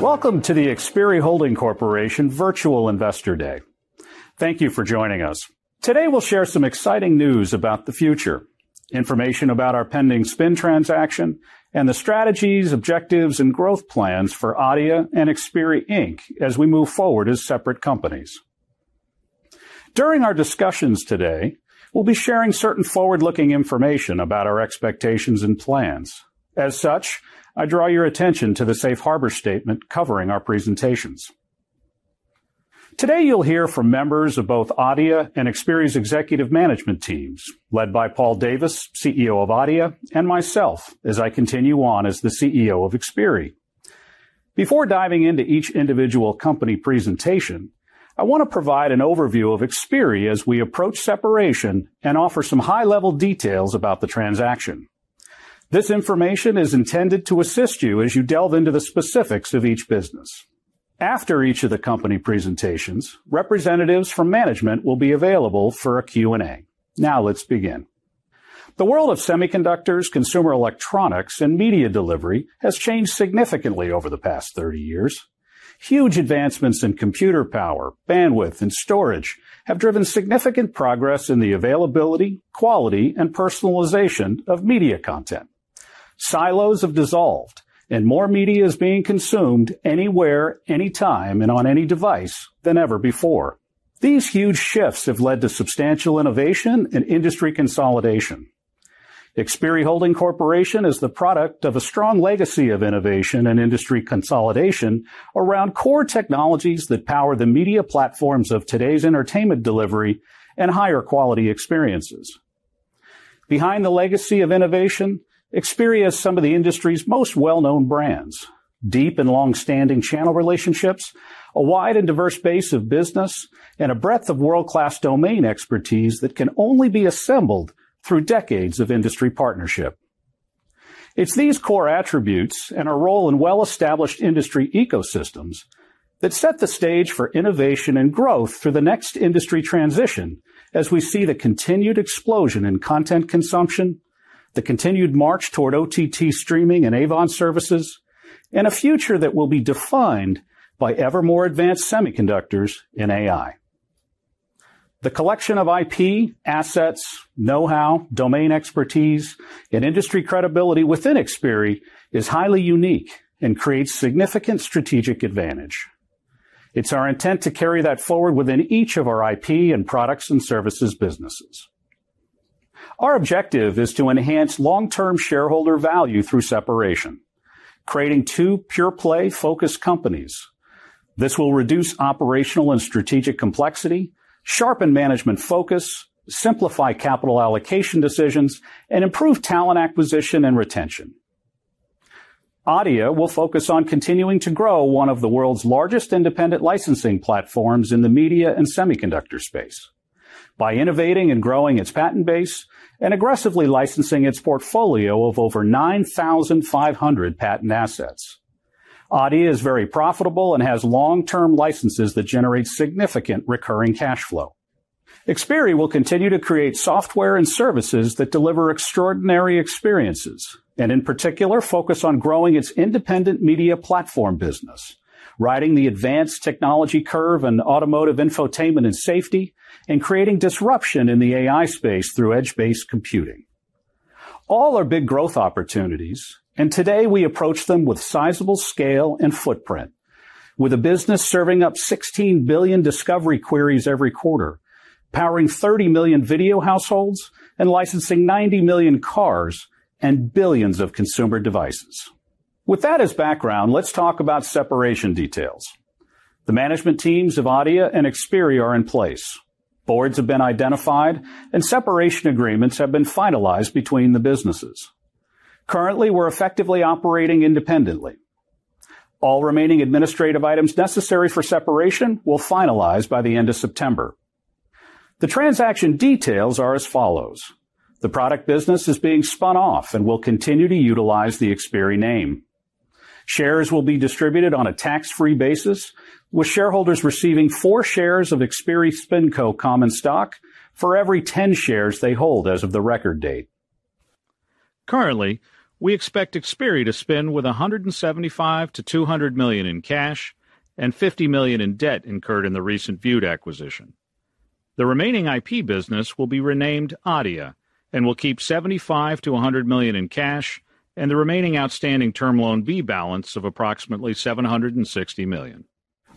Welcome to the Xperi Holding Corporation Virtual Investor Day. Thank you for joining us. Today, we'll share some exciting news about the future, information about our pending spin transaction, and the strategies, objectives, and growth plans for Adeia and Xperi Inc. as we move forward as separate companies. During our discussions today, we'll be sharing certain forward-looking information about our expectations and plans. As such, I draw your attention to the safe harbor statement covering our presentations. Today, you'll hear from members of both Adeia and Xperi's executive management teams led by Paul Davis, CEO of Adeia, and myself as I continue on as the CEO of Xperi. Before diving into each individual company presentation, I wanna provide an overview of Xperi as we approach separation and offer some high-level details about the transaction. This information is intended to assist you as you delve into the specifics of each business. After each of the company presentations, representatives from management will be available for a Q&A. Now, let's begin. The world of semiconductors, consumer electronics, and media delivery has changed significantly over the past 30 years. Huge advancements in computer power, bandwidth, and storage have driven significant progress in the availability, quality, and personalization of media content. Silos have dissolved, and more media is being consumed anywhere, anytime, and on any device than ever before. These huge shifts have led to substantial innovation and industry consolidation. Xperi Holding Corporation is the product of a strong legacy of innovation and industry consolidation around core technologies that power the media platforms of today's entertainment delivery and higher quality experiences. Behind the legacy of innovation, Xperi has some of the industry's most well-known brands, deep and long-standing channel relationships, a wide and diverse base of business, and a breadth of world-class domain expertise that can only be assembled through decades of industry partnership. It's these core attributes and our role in well-established industry ecosystems that set the stage for innovation and growth through the next industry transition as we see the continued explosion in content consumption, the continued march toward OTT streaming and AVOD services, and a future that will be defined by ever more advanced semiconductors and AI. The collection of IP, assets, know-how, domain expertise, and industry credibility within Xperi is highly unique and creates significant strategic advantage. It's our intent to carry that forward within each of our IP and products and services businesses. Our objective is to enhance long-term shareholder value through separation, creating two pure-play focused companies. This will reduce operational and strategic complexity, sharpen management focus, simplify capital allocation decisions, and improve talent acquisition and retention. Adeia will focus on continuing to grow one of the world's largest independent licensing platforms in the media and semiconductor space by innovating and growing its patent base and aggressively licensing its portfolio of over 9,500 patent assets. Adeia is very profitable and has long-term licenses that generate significant recurring cash flow. Xperi will continue to create software and services that deliver extraordinary experiences and, in particular, focus on growing its independent media platform business, riding the advanced technology curve in automotive infotainment and safety, and creating disruption in the AI space through edge-based computing. All are big growth opportunities, and today, we approach them with sizable scale and footprint. With a business serving up 16 billion discovery queries every quarter, powering 30 million video households, and licensing 90 million cars and billions of consumer devices. With that as background, let's talk about separation details. The management teams of Adeia and Xperi are in place. Boards have been identified, and separation agreements have been finalized between the businesses. Currently, we're effectively operating independently. All remaining administrative items necessary for separation will finalize by the end of September. The transaction details are as follows: The product business is being spun off and will continue to utilize the Xperi name. Shares will be distributed on a tax-free basis, with shareholders receiving four shares of Xperi SpinCo common stock for every 10 shares they hold as of the record date. Currently, we expect Xperi to spin with $175 million-$200 million in cash and $50 million in debt incurred in the recent Vewd acquisition. The remaining IP business will be renamed Adeia and will keep $75 million-$100 million in cash and the remaining outstanding Term Loan B balance of approximately $760 million.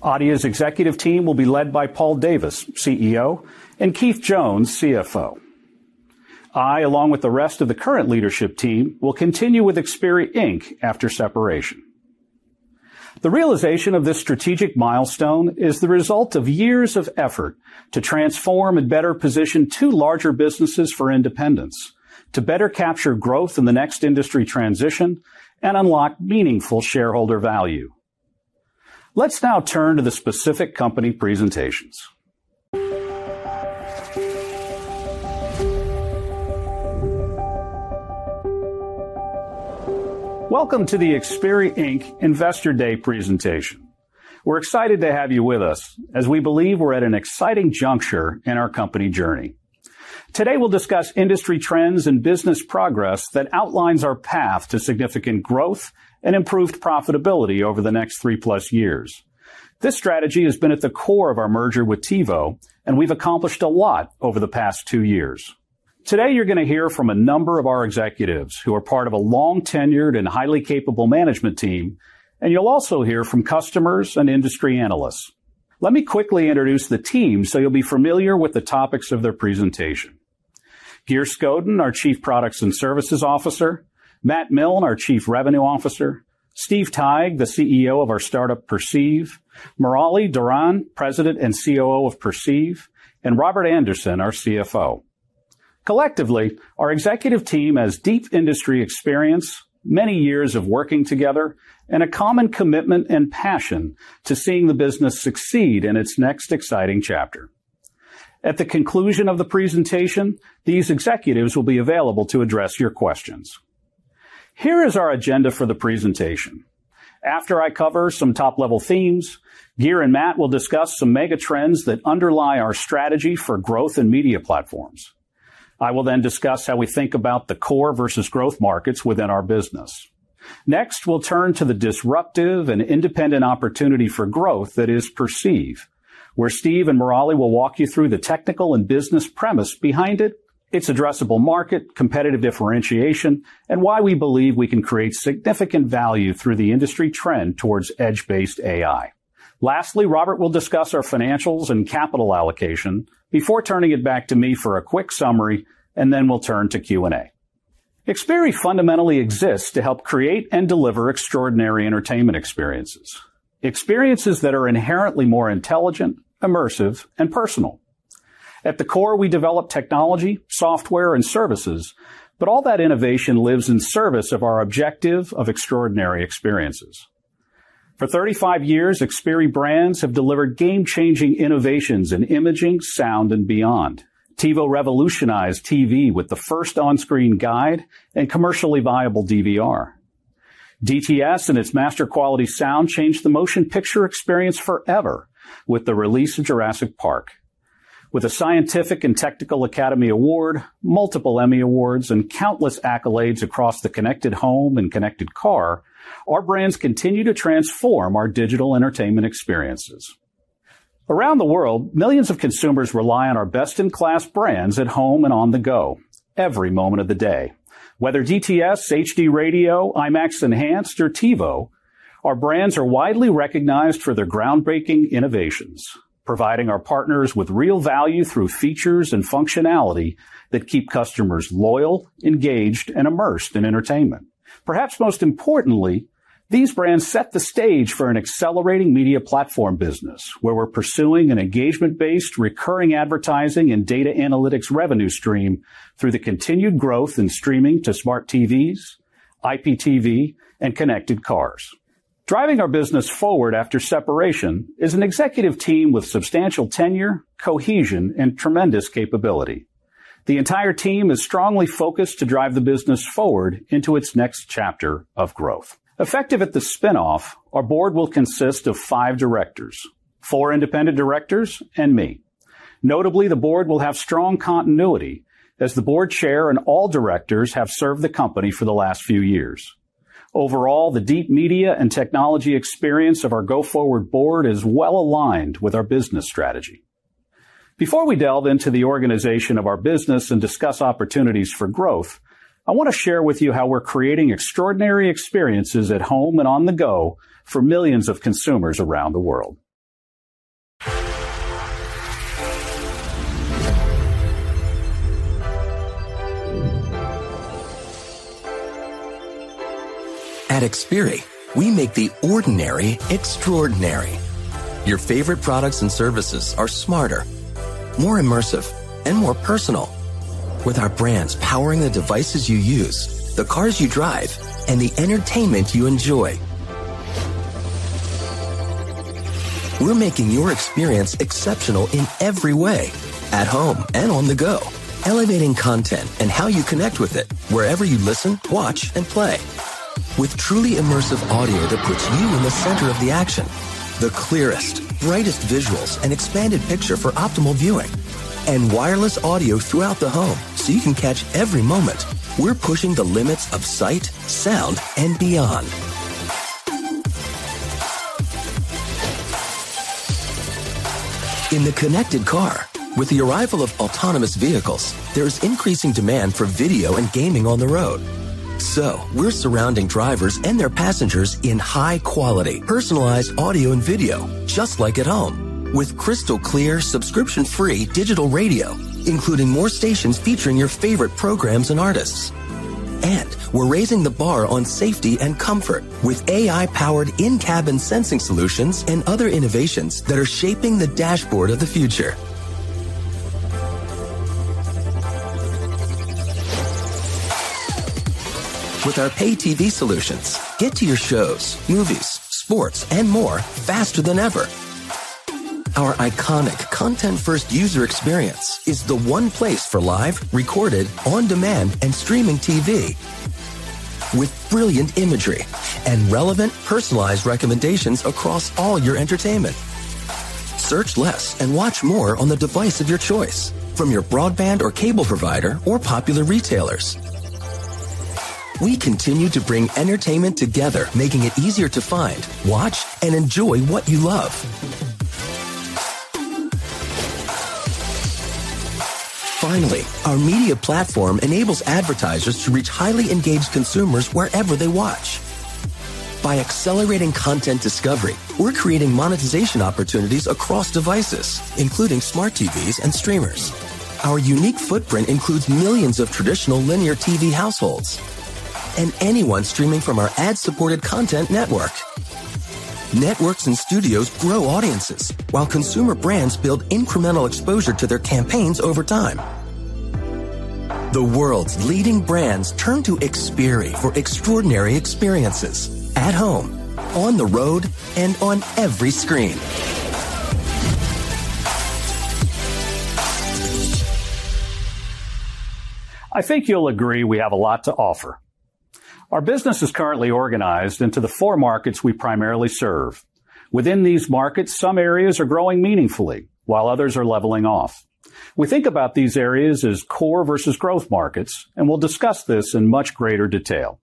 Adeia's executive team will be led by Paul Davis, CEO, and Keith Jones, CFO. I, along with the rest of the current leadership team, will continue with Xperi Inc. after separation. The realization of this strategic milestone is the result of years of effort to transform and better position two larger businesses for independence, to better capture growth in the next industry transition, and unlock meaningful shareholder value. Let's now turn to the specific company presentations. Welcome to the Xperi Inc. Investor Day presentation. We're excited to have you with us as we believe we're at an exciting juncture in our company journey. Today, we'll discuss industry trends and business progress that outlines our path to significant growth and improved profitability over the next three plus years. This strategy has been at the core of our merger with TiVo, and we've accomplished a lot over the past two years. Today, you're gonna hear from a number of our executives who are part of a long-tenured and highly capable management team, and you'll also hear from customers and industry analysts. Let me quickly introduce the team, so you'll be familiar with the topics of their presentation. Geir Skaaden, our Chief Products and Services Officer, Matt Milne, our Chief Revenue Officer, Steve Teig, the CEO of our startup, Perceive, Murali Dharan, President and COO of Perceive, and Robert Andersen, our CFO. Collectively, our executive team has deep industry experience, many years of working together, and a common commitment and passion to seeing the business succeed in its next exciting chapter. At the conclusion of the presentation, these executives will be available to address your questions. Here is our agenda for the presentation. After I cover some top-level themes, Geir and Matt will discuss some mega trends that underlie our strategy for growth in media platforms. I will then discuss how we think about the core versus growth markets within our business. Next, we'll turn to the disruptive and independent opportunity for growth that is Perceive, where Steve and Murali will walk you through the technical and business premise behind it, its addressable market, competitive differentiation, and why we believe we can create significant value through the industry trend towards edge-based AI. Lastly, Robert will discuss our financials and capital allocation before turning it back to me for a quick summary, and then we'll turn to Q&A. Xperi fundamentally exists to help create and deliver extraordinary entertainment experiences that are inherently more intelligent, immersive, and personal. At the core, we develop technology, software, and services, but all that innovation lives in service of our objective of extraordinary experiences. For 35 years, Xperi brands have delivered game-changing innovations in imaging, sound, and beyond. TiVo revolutionized TV with the first on-screen guide and commercially viable DVR. DTS and its master quality sound changed the motion picture experience forever with the release of Jurassic Park. With a Scientific and Technical Academy Award, multiple Emmy Awards, and countless accolades across the connected home and connected car, our brands continue to transform our digital entertainment experiences. Around the world, millions of consumers rely on our best-in-class brands at home and on the go every moment of the day. Whether DTS, HD Radio, IMAX Enhanced, or TiVo, our brands are widely recognized for their groundbreaking innovations, providing our partners with real value through features and functionality that keep customers loyal, engaged, and immersed in entertainment. Perhaps most importantly, these brands set the stage for an accelerating media platform business where we're pursuing an engagement-based recurring advertising and data analytics revenue stream through the continued growth in streaming to smart TVs, IPTV, and connected cars. Driving our business forward after separation is an executive team with substantial tenure, cohesion, and tremendous capability. The entire team is strongly focused to drive the business forward into its next chapter of growth. Effective at the spin-off, our board will consist of five directors, four independent directors and me. Notably, the board will have strong continuity as the board chair and all directors have served the company for the last few years. Overall, the deep media and technology experience of our go-forward board is well-aligned with our business strategy. Before we delve into the organization of our business and discuss opportunities for growth, I wanna share with you how we're creating extraordinary experiences at home and on the go for millions of consumers around the world. At Xperi, we make the ordinary extraordinary. Your favorite products and services are smarter, more immersive, and more personal. With our brands powering the devices you use, the cars you drive, and the entertainment you enjoy. We're making your experience exceptional in every way, at home and on the go, elevating content and how you connect with it wherever you listen, watch, and play. With truly immersive audio that puts you in the center of the action, the clearest, brightest visuals and expanded picture for optimal viewing, and wireless audio throughout the home so you can catch every moment. We're pushing the limits of sight, sound, and beyond. In the connected car, with the arrival of autonomous vehicles, there is increasing demand for video and gaming on the road. We're surrounding drivers and their passengers in high quality, personalized audio and video, just like at home, with crystal clear, subscription-free digital radio, including more stations featuring your favorite programs and artists. We're raising the bar on safety and comfort with AI-powered in-cabin sensing solutions and other innovations that are shaping the dashboard of the future. With our Pay-TV solutions, get to your shows, movies, sports, and more faster than ever. Our iconic content-first user experience is the one place for live, recorded, on-demand, and streaming TV with brilliant imagery and relevant personalized recommendations across all your entertainment. Search less and watch more on the device of your choice from your broadband or cable provider or popular retailers. We continue to bring entertainment together, making it easier to find, watch and enjoy what you love. Finally, our media platform enables advertisers to reach highly engaged consumers wherever they watch. By accelerating content discovery, we're creating monetization opportunities across devices, including smart TVs and streamers. Our unique footprint includes millions of traditional linear TV households and anyone streaming from our ad-supported content network. Networks and studios grow audiences while consumer brands build incremental exposure to their campaigns over time. The world's leading brands turn to Xperi for extraordinary experiences at home, on the road, and on every screen. I think you'll agree we have a lot to offer. Our business is currently organized into the four markets we primarily serve. Within these markets, some areas are growing meaningfully while others are leveling off. We think about these areas as core versus growth markets, and we'll discuss this in much greater detail.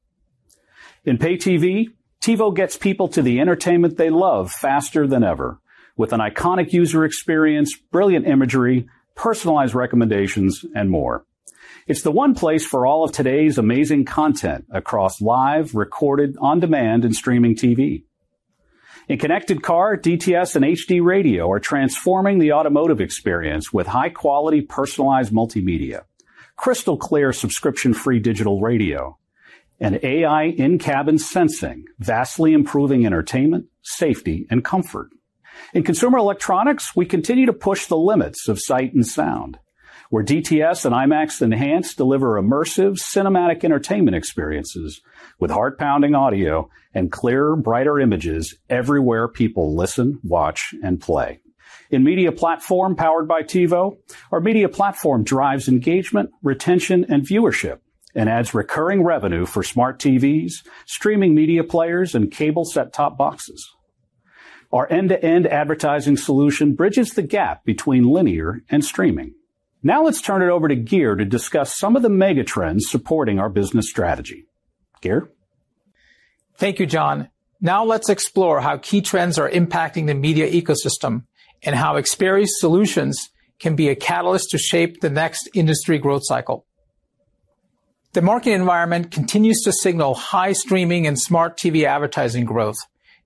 In Pay-TV, TiVo gets people to the entertainment they love faster than ever with an iconic user experience, brilliant imagery, personalized recommendations, and more. It's the one place for all of today's amazing content across live, recorded, on-demand, and streaming TV. In connected car, DTS and HD Radio are transforming the automotive experience with high-quality, personalized multimedia, crystal-clear subscription-free digital radio, and AI in-cabin sensing, vastly improving entertainment, safety, and comfort. In consumer electronics, we continue to push the limits of sight and sound, where DTS and IMAX Enhanced deliver immersive cinematic entertainment experiences with heart-pounding audio and clearer, brighter images everywhere people listen, watch, and play. In Media Platform powered by TiVo, our Media Platform drives engagement, retention, and viewership and adds recurring revenue for smart TVs, streaming media players, and cable set-top boxes. Our end-to-end advertising solution bridges the gap between linear and streaming. Now let's turn it over to Geir to discuss some of the mega trends supporting our business strategy. Geir. Thank you, Jon. Now let's explore how key trends are impacting the media ecosystem and how Xperi's solutions can be a catalyst to shape the next industry growth cycle. The market environment continues to signal high streaming and smart TV advertising growth,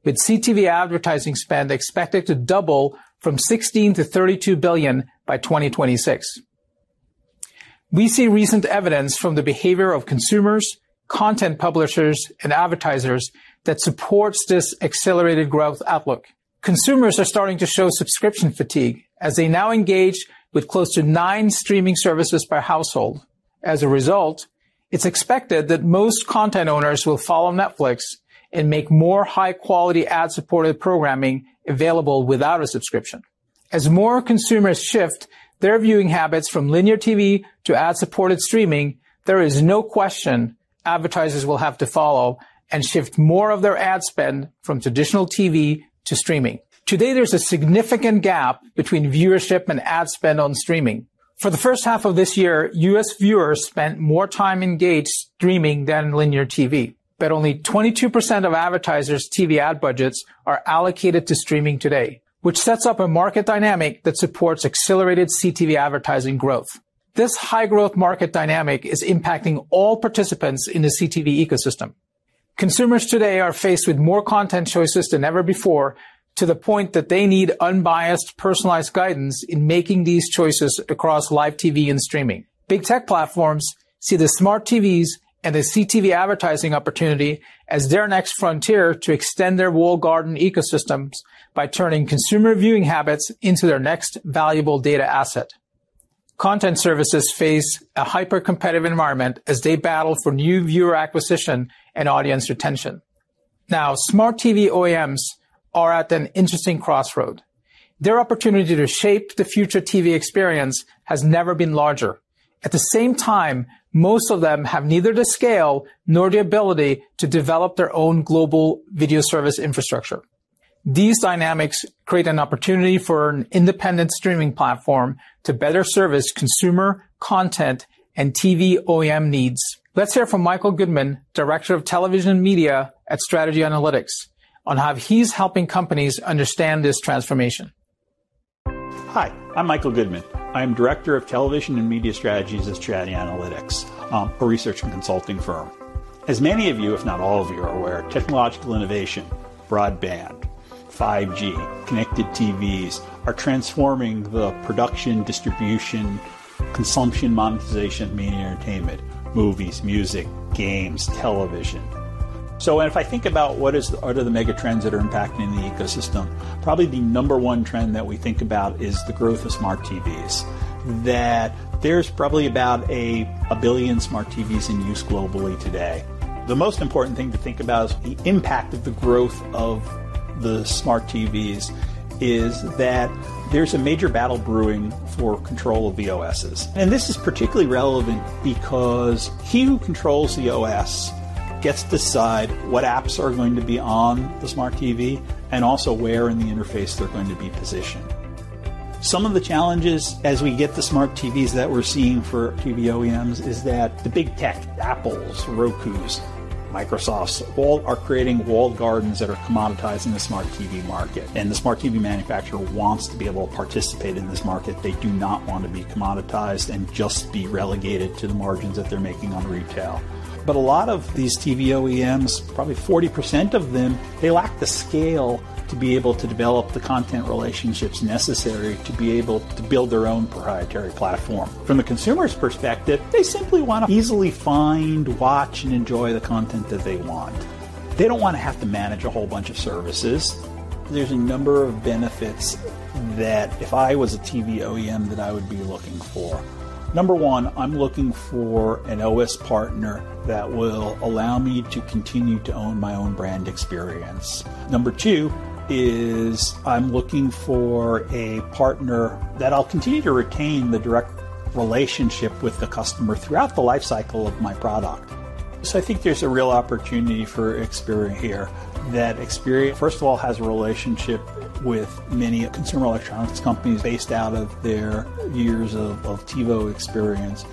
with CTV advertising spend expected to double from $16 billion to $32 billion by 2026. We see recent evidence from the behavior of consumers, content publishers, and advertisers that supports this accelerated growth outlook. Consumers are starting to show subscription fatigue as they now engage with close to nine streaming services per household. As a result, it's expected that most content owners will follow Netflix and make more high-quality ad-supported programming available without a subscription. As more consumers shift their viewing habits from linear TV to ad-supported streaming, there is no question advertisers will have to follow and shift more of their ad spend from traditional TV to streaming. Today, there's a significant gap between viewership and ad spend on streaming. For the first half of this year, U.S. viewers spent more time engaged streaming than linear TV. Only 22% of advertisers' TV ad budgets are allocated to streaming today, which sets up a market dynamic that supports accelerated CTV advertising growth. This high-growth market dynamic is impacting all participants in the CTV ecosystem. Consumers today are faced with more content choices than ever before, to the point that they need unbiased, personalized guidance in making these choices across live TV and streaming. Big tech platforms see the smart TVs and the CTV advertising opportunity as their next frontier to extend their walled garden ecosystems by turning consumer viewing habits into their next valuable data asset. Content services face a hyper-competitive environment as they battle for new viewer acquisition and audience retention. Smart TV OEMs are at an interesting crossroad. Their opportunity to shape the future TV experience has never been larger. At the same time, most of them have neither the scale nor the ability to develop their own global video service infrastructure. These dynamics create an opportunity for an independent streaming platform to better service consumer content and TV OEM needs. Let's hear from Michael Goodman, Director of Television and Media Strategies at Strategy Analytics, on how he's helping companies understand this transformation. Hi, I'm Michael Goodman. I am Director of Television and Media Strategies at Strategy Analytics, a research and consulting firm. As many of you, if not all of you, are aware, technological innovation, broadband, 5G, connected TVs are transforming the production, distribution, consumption, monetization, meaning entertainment, movies, music, games, television. If I think about what are the mega trends that are impacting the ecosystem, probably the number one trend that we think about is the growth of smart TVs. That there's probably about 1 billion smart TVs in use globally today. The most important thing to think about is the impact of the growth of the smart TVs is that there's a major battle brewing for control of the OSs. This is particularly relevant because he who controls the OS gets to decide what apps are going to be on the smart TV and also where in the interface they're going to be positioned. Some of the challenges as we get the smart TVs that we're seeing for TV OEMs is that the big tech, Apple, Roku, Microsoft, all are creating walled gardens that are commoditizing the smart TV market. The smart TV manufacturer wants to be able to participate in this market. They do not want to be commoditized and just be relegated to the margins that they're making on retail. A lot of these TV OEMs, probably 40% of them, they lack the scale to be able to develop the content relationships necessary to be able to build their own proprietary platform. From the consumer's perspective, they simply want to easily find, watch, and enjoy the content that they want. They don't want to have to manage a whole bunch of services. There's a number of benefits that if I was a TV OEM that I would be looking for. Number one, I'm looking for an OS partner that will allow me to continue to own my own brand experience. Number two is I'm looking for a partner that I'll continue to retain the direct relationship with the customer throughout the lifecycle of my product. I think there's a real opportunity for Xperi here. That Xperi, first of all, has a relationship with many consumer electronics companies based out of their years of TiVo experience.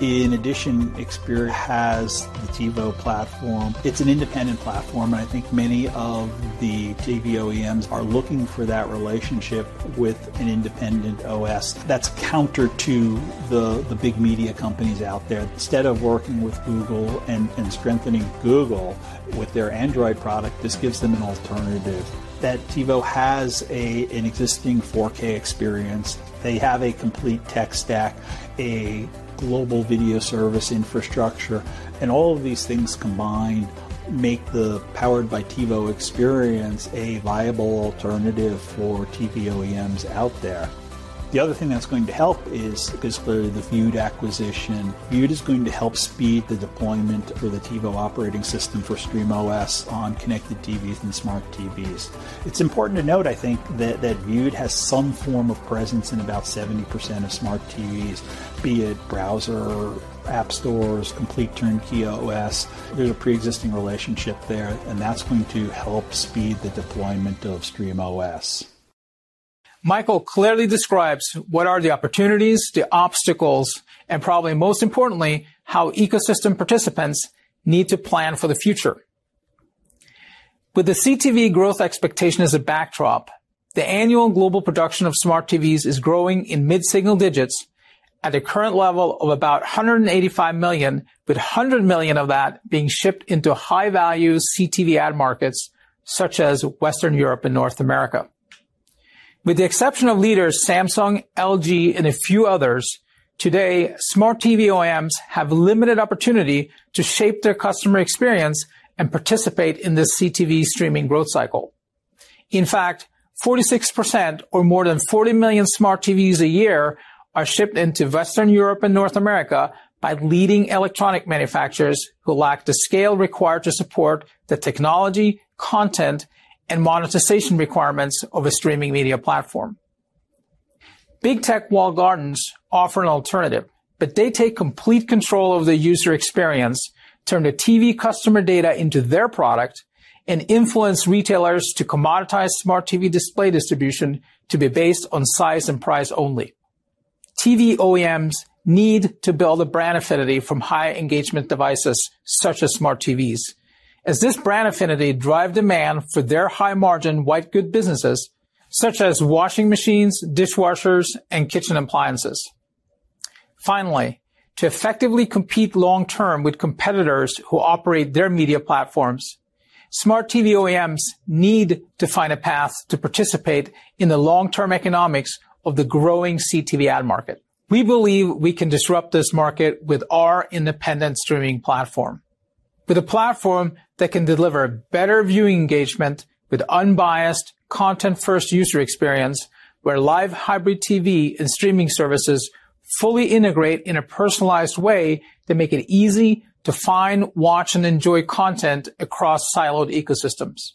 In addition, Xperi has the TiVo platform. It's an independent platform, and I think many of the TV OEMs are looking for that relationship with an independent OS that's counter to the big media companies out there. Instead of working with Google and strengthening Google with their Android product, this gives them an alternative. That TiVo has an existing 4K experience. They have a complete tech stack, a global video service infrastructure, and all of these things combined make the Powered by TiVo experience a viable alternative for TV OEMs out there. The other thing that's going to help is clearly the Vewd acquisition. Vewd is going to help speed the deployment for the TiVo operating system for Stream OS on connected TVs and smart TVs. It's important to note, I think, that Vewd has some form of presence in about 70% of smart TVs, be it browser, app stores, complete turnkey OS. There's a preexisting relationship there, and that's going to help speed the deployment of Stream OS. Michael clearly describes what are the opportunities, the obstacles, and probably most importantly, how ecosystem participants need to plan for the future. With the CTV growth expectation as a backdrop, the annual global production of smart TVs is growing in mid-single digits at a current level of about 185 million, with 100 million of that being shipped into high-value CTV ad markets such as Western Europe and North America. With the exception of leaders Samsung, LG, and a few others, today, smart TV OEMs have limited opportunity to shape their customer experience and participate in this CTV streaming growth cycle. In fact, 46% or more than 40 million smart TVs a year are shipped into Western Europe and North America by leading electronics manufacturers who lack the scale required to support the technology, content, and monetization requirements of a streaming media platform. Big tech walled gardens offer an alternative, but they take complete control of the user experience, turn the TV customer data into their product, and influence retailers to commoditize smart TV display distribution to be based on size and price only. TV OEMs need to build a brand affinity from high-engagement devices such as smart TVs, as this brand affinity drive demand for their high-margin white goods businesses such as washing machines, dishwashers, and kitchen appliances. Finally, to effectively compete long term with competitors who operate their media platforms, smart TV OEMs need to find a path to participate in the long-term economics of the growing CTV ad market. We believe we can disrupt this market with our independent streaming platform. With a platform that can deliver better viewing engagement with unbiased content-first user experience, where live hybrid TV and streaming services fully integrate in a personalized way that make it easy to find, watch, and enjoy content across siloed ecosystems.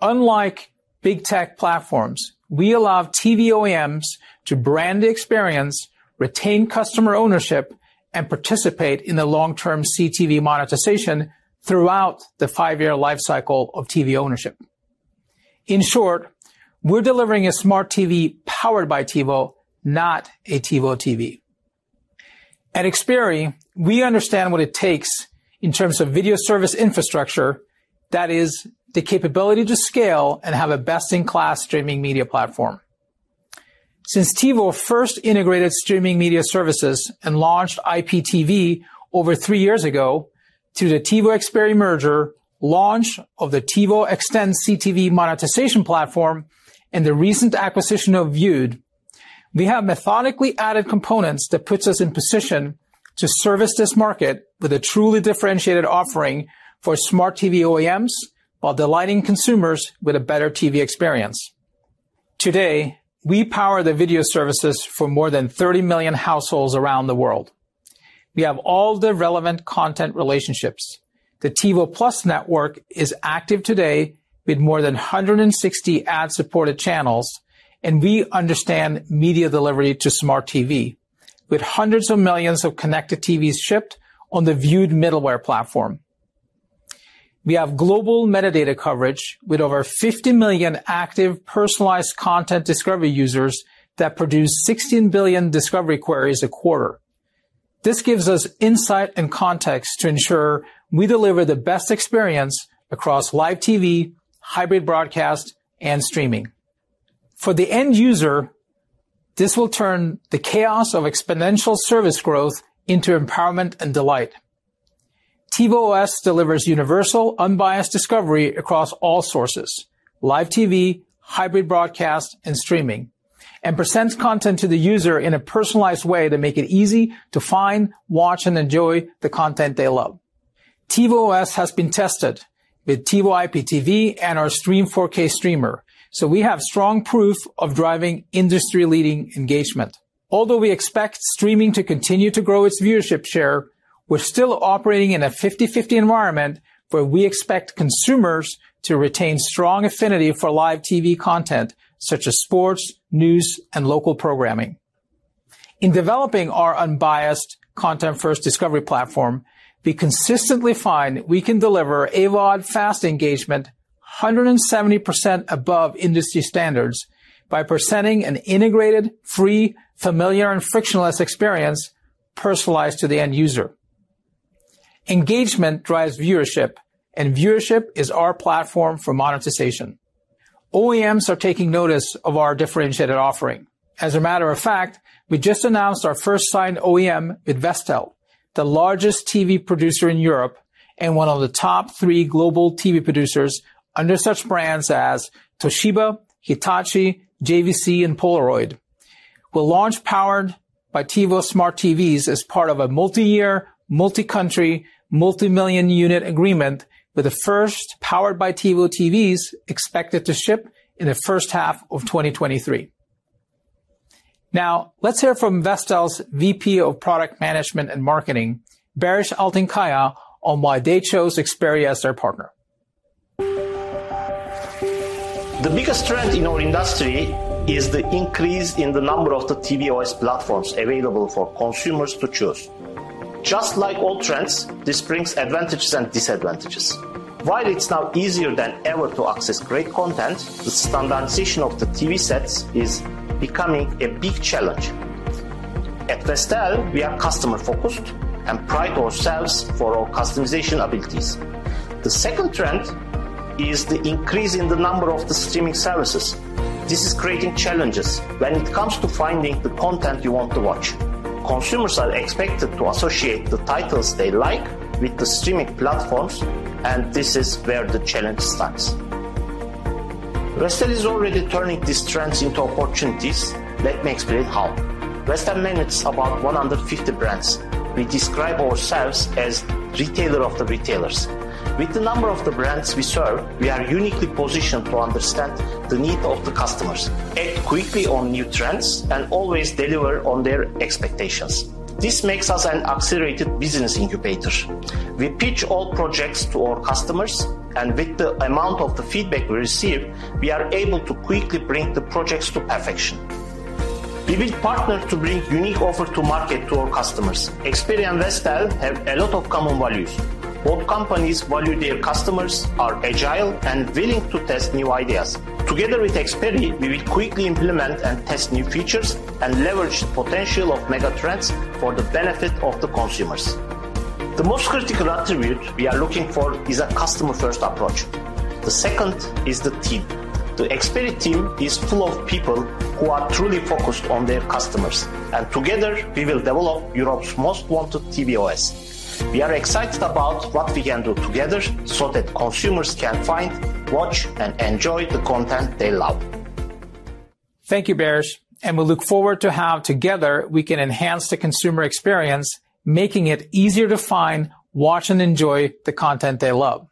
Unlike big tech platforms, we allow TV OEMs to brand the experience, retain customer ownership, and participate in the long-term CTV monetization throughout the five-year life cycle of TV ownership. In short, we're delivering a smart TV powered by TiVo, not a TiVo TV. At Xperi, we understand what it takes in terms of video service infrastructure, that is the capability to scale and have a best-in-class streaming media platform. Since TiVo first integrated streaming media services and launched IPTV over three years ago to the TiVo Xperi merger, launch of the TiVo Xtend CTV monetization platform, and the recent acquisition of Vewd, we have methodically added components that puts us in position to service this market with a truly differentiated offering for smart TV OEMs while delighting consumers with a better TV experience. Today, we power the video services for more than 30 million households around the world. We have all the relevant content relationships. The TiVo+ network is active today with more than 160 ad-supported channels, and we understand media delivery to smart TV with hundreds of millions of connected TVs shipped on the Vewd middleware platform. We have global metadata coverage with over 50 million active personalized content discovery users that produce 16 billion discovery queries a quarter. This gives us insight and context to ensure we deliver the best experience across live TV, hybrid broadcast, and streaming. For the end user, this will turn the chaos of exponential service growth into empowerment and delight. TiVo OS delivers universal unbiased discovery across all sources, live TV, hybrid broadcast and streaming, and presents content to the user in a personalized way to make it easy to find, watch, and enjoy the content they love. TiVo OS has been tested with TiVo IPTV and our TiVo Stream 4K streamer. We have strong proof of driving industry-leading engagement. Although we expect streaming to continue to grow its viewership share, we're still operating in a 50/50 environment where we expect consumers to retain strong affinity for live TV content such as sports, news, and local programming. In developing our unbiased content-first discovery platform, we consistently find we can deliver AVOD FAST engagement 170% above industry standards by presenting an integrated, free, familiar, and frictionless experience personalized to the end user. Engagement drives viewership, and viewership is our platform for monetization. OEMs are taking notice of our differentiated offering. As a matter of fact, we just announced our first signed OEM with Vestel, the largest TV producer in Europe and one of the top three global TV producers under such brands as Toshiba, Hitachi, JVC, and Polaroid. We'll launch Powered by TiVo smart TVs as part of a multi-year, multi-country, multi-million unit agreement with the first Powered by TiVo TVs expected to ship in the first half of 2023. Now, let's hear from Vestel's VP of Product Management and Marketing, Baris Altinkaya, on why they chose Xperi as their partner. The biggest trend in our industry is the increase in the number of the TV OS platforms available for consumers to choose. Just like all trends, this brings advantages and disadvantages. While it's now easier than ever to access great content, the standardization of the TV sets is becoming a big challenge. At Vestel, we are customer-focused and pride ourselves for our customization abilities. The second trend is the increase in the number of the streaming services. This is creating challenges when it comes to finding the content you want to watch. Consumers are expected to associate the titles they like with the streaming platforms, and this is where the challenge starts. Vestel is already turning these trends into opportunities. Let me explain how. Vestel manages about 150 brands. We describe ourselves as retailer of the retailers. With the number of the brands we serve, we are uniquely positioned to understand the need of the customers, act quickly on new trends, and always deliver on their expectations. This makes us an accelerated business incubator. We pitch all projects to our customers, and with the amount of the feedback we receive, we are able to quickly bring the projects to perfection. We will partner to bring unique offer to market to our customers. Xperi and Vestel have a lot of common values. Both companies value their customers, are agile and willing to test new ideas. Together with Xperi, we will quickly implement and test new features and leverage potential of mega trends for the benefit of the consumers. The most critical attribute we are looking for is a customer-first approach. The second is the team. The Xperi team is full of people who are truly focused on their customers, and together we will develop Europe's most wanted TV OS. We are excited about what we can do together so that consumers can find, watch, and enjoy the content they love. Thank you, Baris, and we look forward to how together we can enhance the consumer experience, making it easier to find, watch, and enjoy the content they love.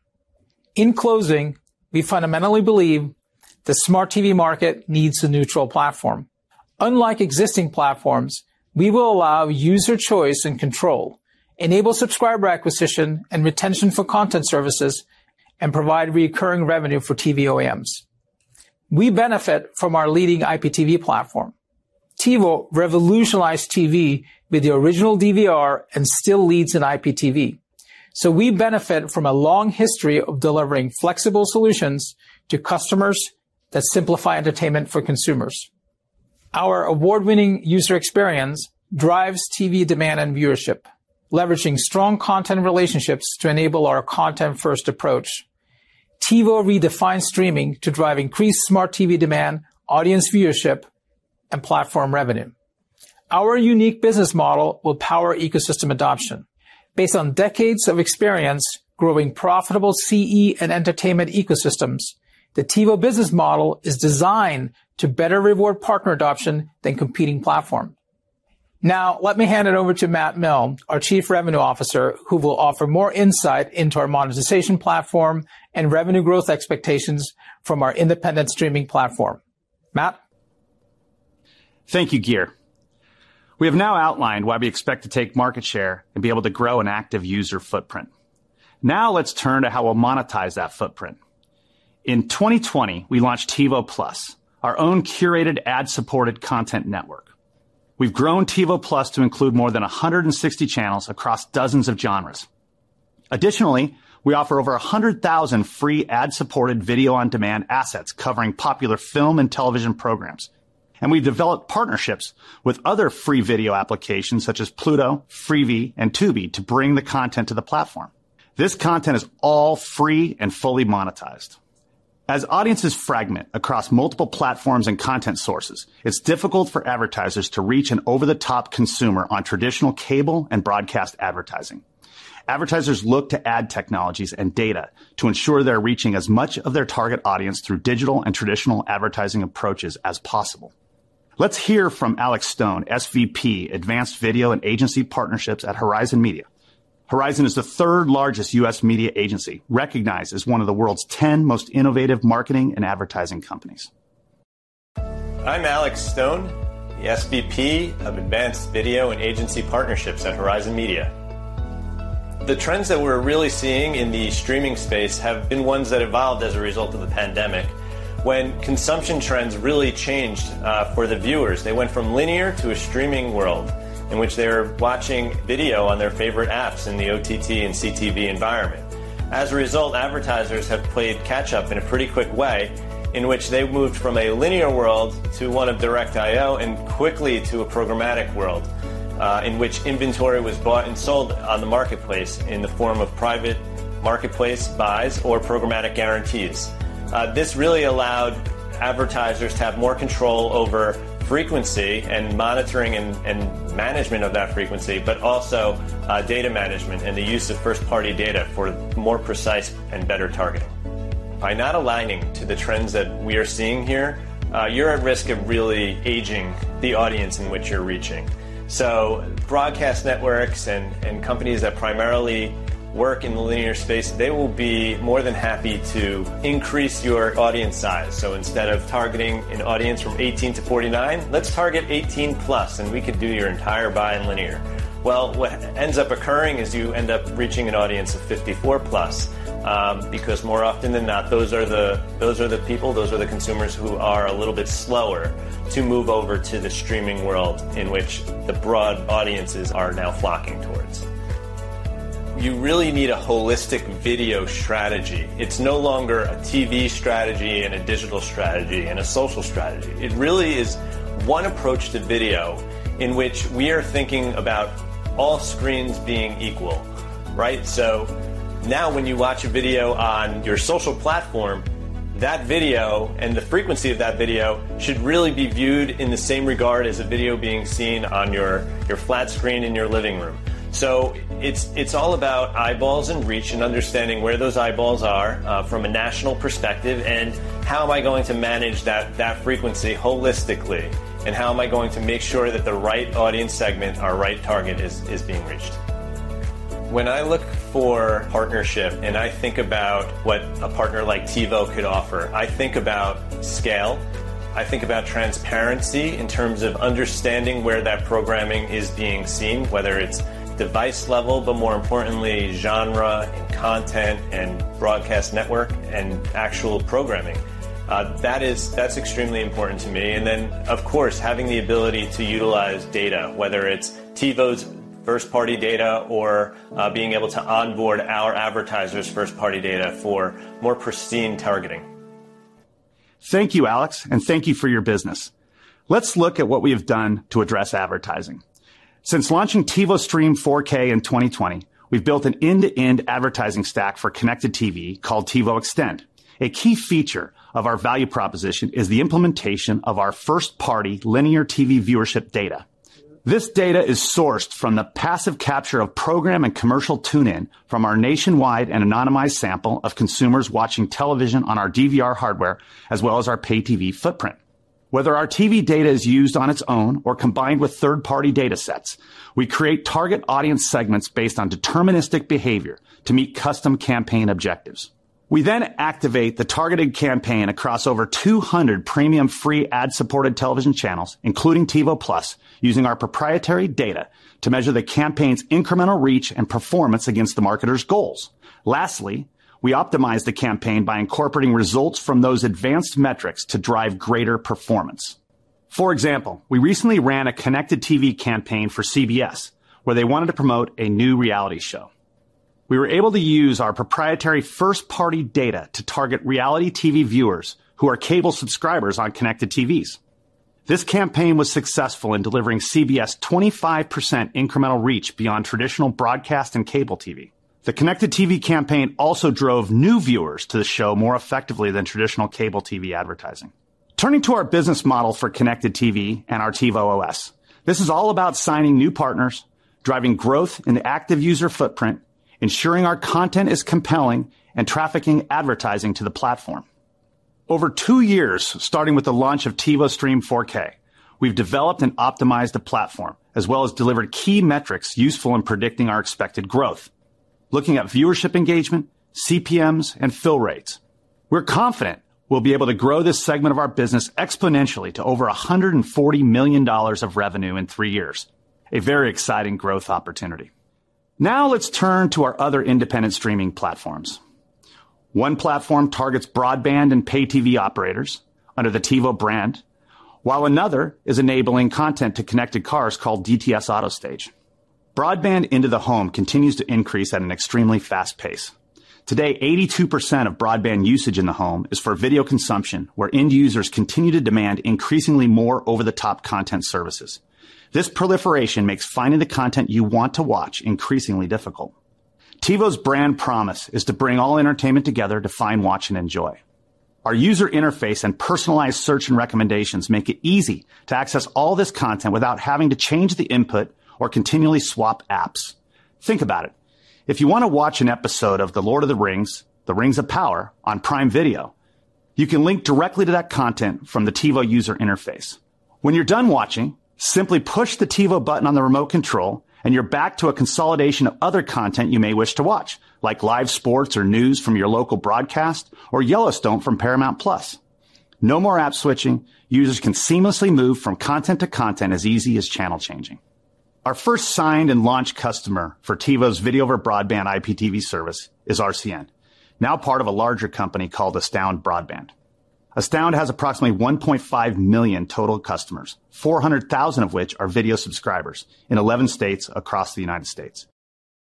In closing, we fundamentally believe the smart TV market needs a neutral platform. Unlike existing platforms, we will allow user choice and control, enable subscriber acquisition and retention for content services, and provide recurring revenue for TV OEMs. We benefit from our leading IPTV platform. TiVo revolutionized TV with the original DVR and still leads in IPTV. We benefit from a long history of delivering flexible solutions to customers that simplify entertainment for consumers. Our award-winning user experience drives TV demand and viewership, leveraging strong content relationships to enable our content-first approach. TiVo redefines streaming to drive increased smart TV demand, audience viewership, and platform revenue. Our unique business model will power ecosystem adoption. Based on decades of experience growing profitable CE and entertainment ecosystems, the TiVo business model is designed to better reward partner adoption than competing platform. Now let me hand it over to Matt Milne, our Chief Revenue Officer, who will offer more insight into our monetization platform and revenue growth expectations from our independent streaming platform. Matt? Thank you, Geir. We have now outlined why we expect to take market share and be able to grow an active user footprint. Now let's turn to how we'll monetize that footprint. In 2020, we launched TiVo+, our own curated ad-supported content network. We've grown TiVo+ to include more than 160 channels across dozens of genres. Additionally, we offer over 100,000 free ad-supported video-on-demand assets covering popular film and television programs. We've developed partnerships with other free video applications such as Pluto, Freevee, and Tubi to bring the content to the platform. This content is all free and fully monetized. As audiences fragment across multiple platforms and content sources, it's difficult for advertisers to reach an over-the-top consumer on traditional cable and broadcast advertising. Advertisers look to ad technologies and data to ensure they're reaching as much of their target audience through digital and traditional advertising approaches as possible. Let's hear from Alex Stone, SVP, Advanced Video & Agency Partnerships at Horizon Media. Horizon is the third-largest U.S. media agency, recognized as one of the world's 10 most innovative marketing and advertising companies. I'm Alex Stone, the SVP of Advanced Video and Agency Partnerships at Horizon Media. The trends that we're really seeing in the streaming space have been ones that evolved as a result of the pandemic when consumption trends really changed for the viewers. They went from linear to a streaming world in which they're watching video on their favorite apps in the OTT and CTV environment. As a result, advertisers have played catch up in a pretty quick way in which they moved from a linear world to one of direct IO and quickly to a programmatic world in which inventory was bought and sold on the marketplace in the form of private marketplace buys or programmatic guarantees. This really allowed advertisers to have more control over frequency and monitoring and management of that frequency, but also data management and the use of first-party data for more precise and better targeting. By not aligning to the trends that we are seeing here, you're at risk of really aging the audience in which you're reaching. Broadcast networks and companies that primarily work in the linear space, they will be more than happy to increase your audience size. Instead of targeting an audience from 18 to 49, "Let's target 18+, and we could do your entire buy in linear." Well, what ends up occurring is you end up reaching an audience of 54+, because more often than not, those are the people, the consumers who are a little bit slower to move over to the streaming world in which the broad audiences are now flocking towards. You really need a holistic video strategy. It's no longer a TV strategy and a digital strategy and a social strategy. It really is one approach to video in which we are thinking about all screens being equal, right? Now when you watch a video on your social platform, that video and the frequency of that video should really be viewed in the same regard as a video being seen on your flat screen in your living room. It's all about eyeballs and reach and understanding where those eyeballs are from a national perspective, and how am I going to manage that frequency holistically, and how am I going to make sure that the right audience segment or right target is being reached? When I look for partnership and I think about what a partner like TiVo could offer, I think about scale. I think about transparency in terms of understanding where that programming is being seen, whether it's device level, but more importantly, genre and content and broadcast network and actual programming. That's extremely important to me. Of course, having the ability to utilize data, whether it's TiVo's first-party data or being able to onboard our advertisers' first-party data for more pristine targeting. Thank you, Alex, and thank you for your business. Let's look at what we have done to address advertising. Since launching TiVo Stream 4K in 2020, we've built an end-to-end advertising stack for connected TV called TiVo Xtend. A key feature of our value proposition is the implementation of our first-party linear TV viewership data. This data is sourced from the passive capture of program and commercial tune-in from our nationwide and anonymized sample of consumers watching television on our DVR hardware, as well as our Pay-TV footprint. Whether our TV data is used on its own or combined with third-party data sets, we create target audience segments based on deterministic behavior to meet custom campaign objectives. We activate the targeted campaign across over 200 premium free ad-supported television channels, including TiVo+, using our proprietary data to measure the campaign's incremental reach and performance against the marketer's goals. We optimize the campaign by incorporating results from those advanced metrics to drive greater performance. For example, we recently ran a connected TV campaign for CBS, where they wanted to promote a new reality show. We were able to use our proprietary first-party data to target reality TV viewers who are cable subscribers on connected TVs. This campaign was successful in delivering CBS 25% incremental reach beyond traditional broadcast and cable TV. The connected TV campaign also drove new viewers to the show more effectively than traditional cable TV advertising. Turning to our business model for connected TV and our TiVo OS, this is all about signing new partners, driving growth in the active user footprint, ensuring our content is compelling, and trafficking advertising to the platform. Over two years, starting with the launch of TiVo Stream 4K, we've developed and optimized the platform, as well as delivered key metrics useful in predicting our expected growth. Looking at viewership engagement, CPMs, and fill rates, we're confident we'll be able to grow this segment of our business exponentially to over $140 million of revenue in three years. A very exciting growth opportunity. Now let's turn to our other independent streaming platforms. One platform targets broadband and Pay-TV operators under the TiVo brand, while another is enabling content to connected cars called DTS AutoStage. Broadband into the home continues to increase at an extremely fast pace. Today, 82% of broadband usage in the home is for video consumption, where end users continue to demand increasingly more over-the-top content services. This proliferation makes finding the content you want to watch increasingly difficult. TiVo's brand promise is to bring all entertainment together to find, watch, and enjoy. Our user interface and personalized search and recommendations make it easy to access all this content without having to change the input or continually swap apps. Think about it. If you wanna watch an episode of The Lord of the Rings: The Rings of Power on Prime Video, you can link directly to that content from the TiVo user interface. When you're done watching, simply push the TiVo button on the remote control, and you're back to a consolidation of other content you may wish to watch, like live sports or news from your local broadcast or Yellowstone from Paramount+. No more app switching. Users can seamlessly move from content to content as easy as channel changing. Our first signed and launched customer for TiVo's video over broadband IPTV service is RCN, now part of a larger company called Astound Broadband. Astound has approximately 1.5 million total customers, 400,000 of which are video subscribers in 11 states across the United States.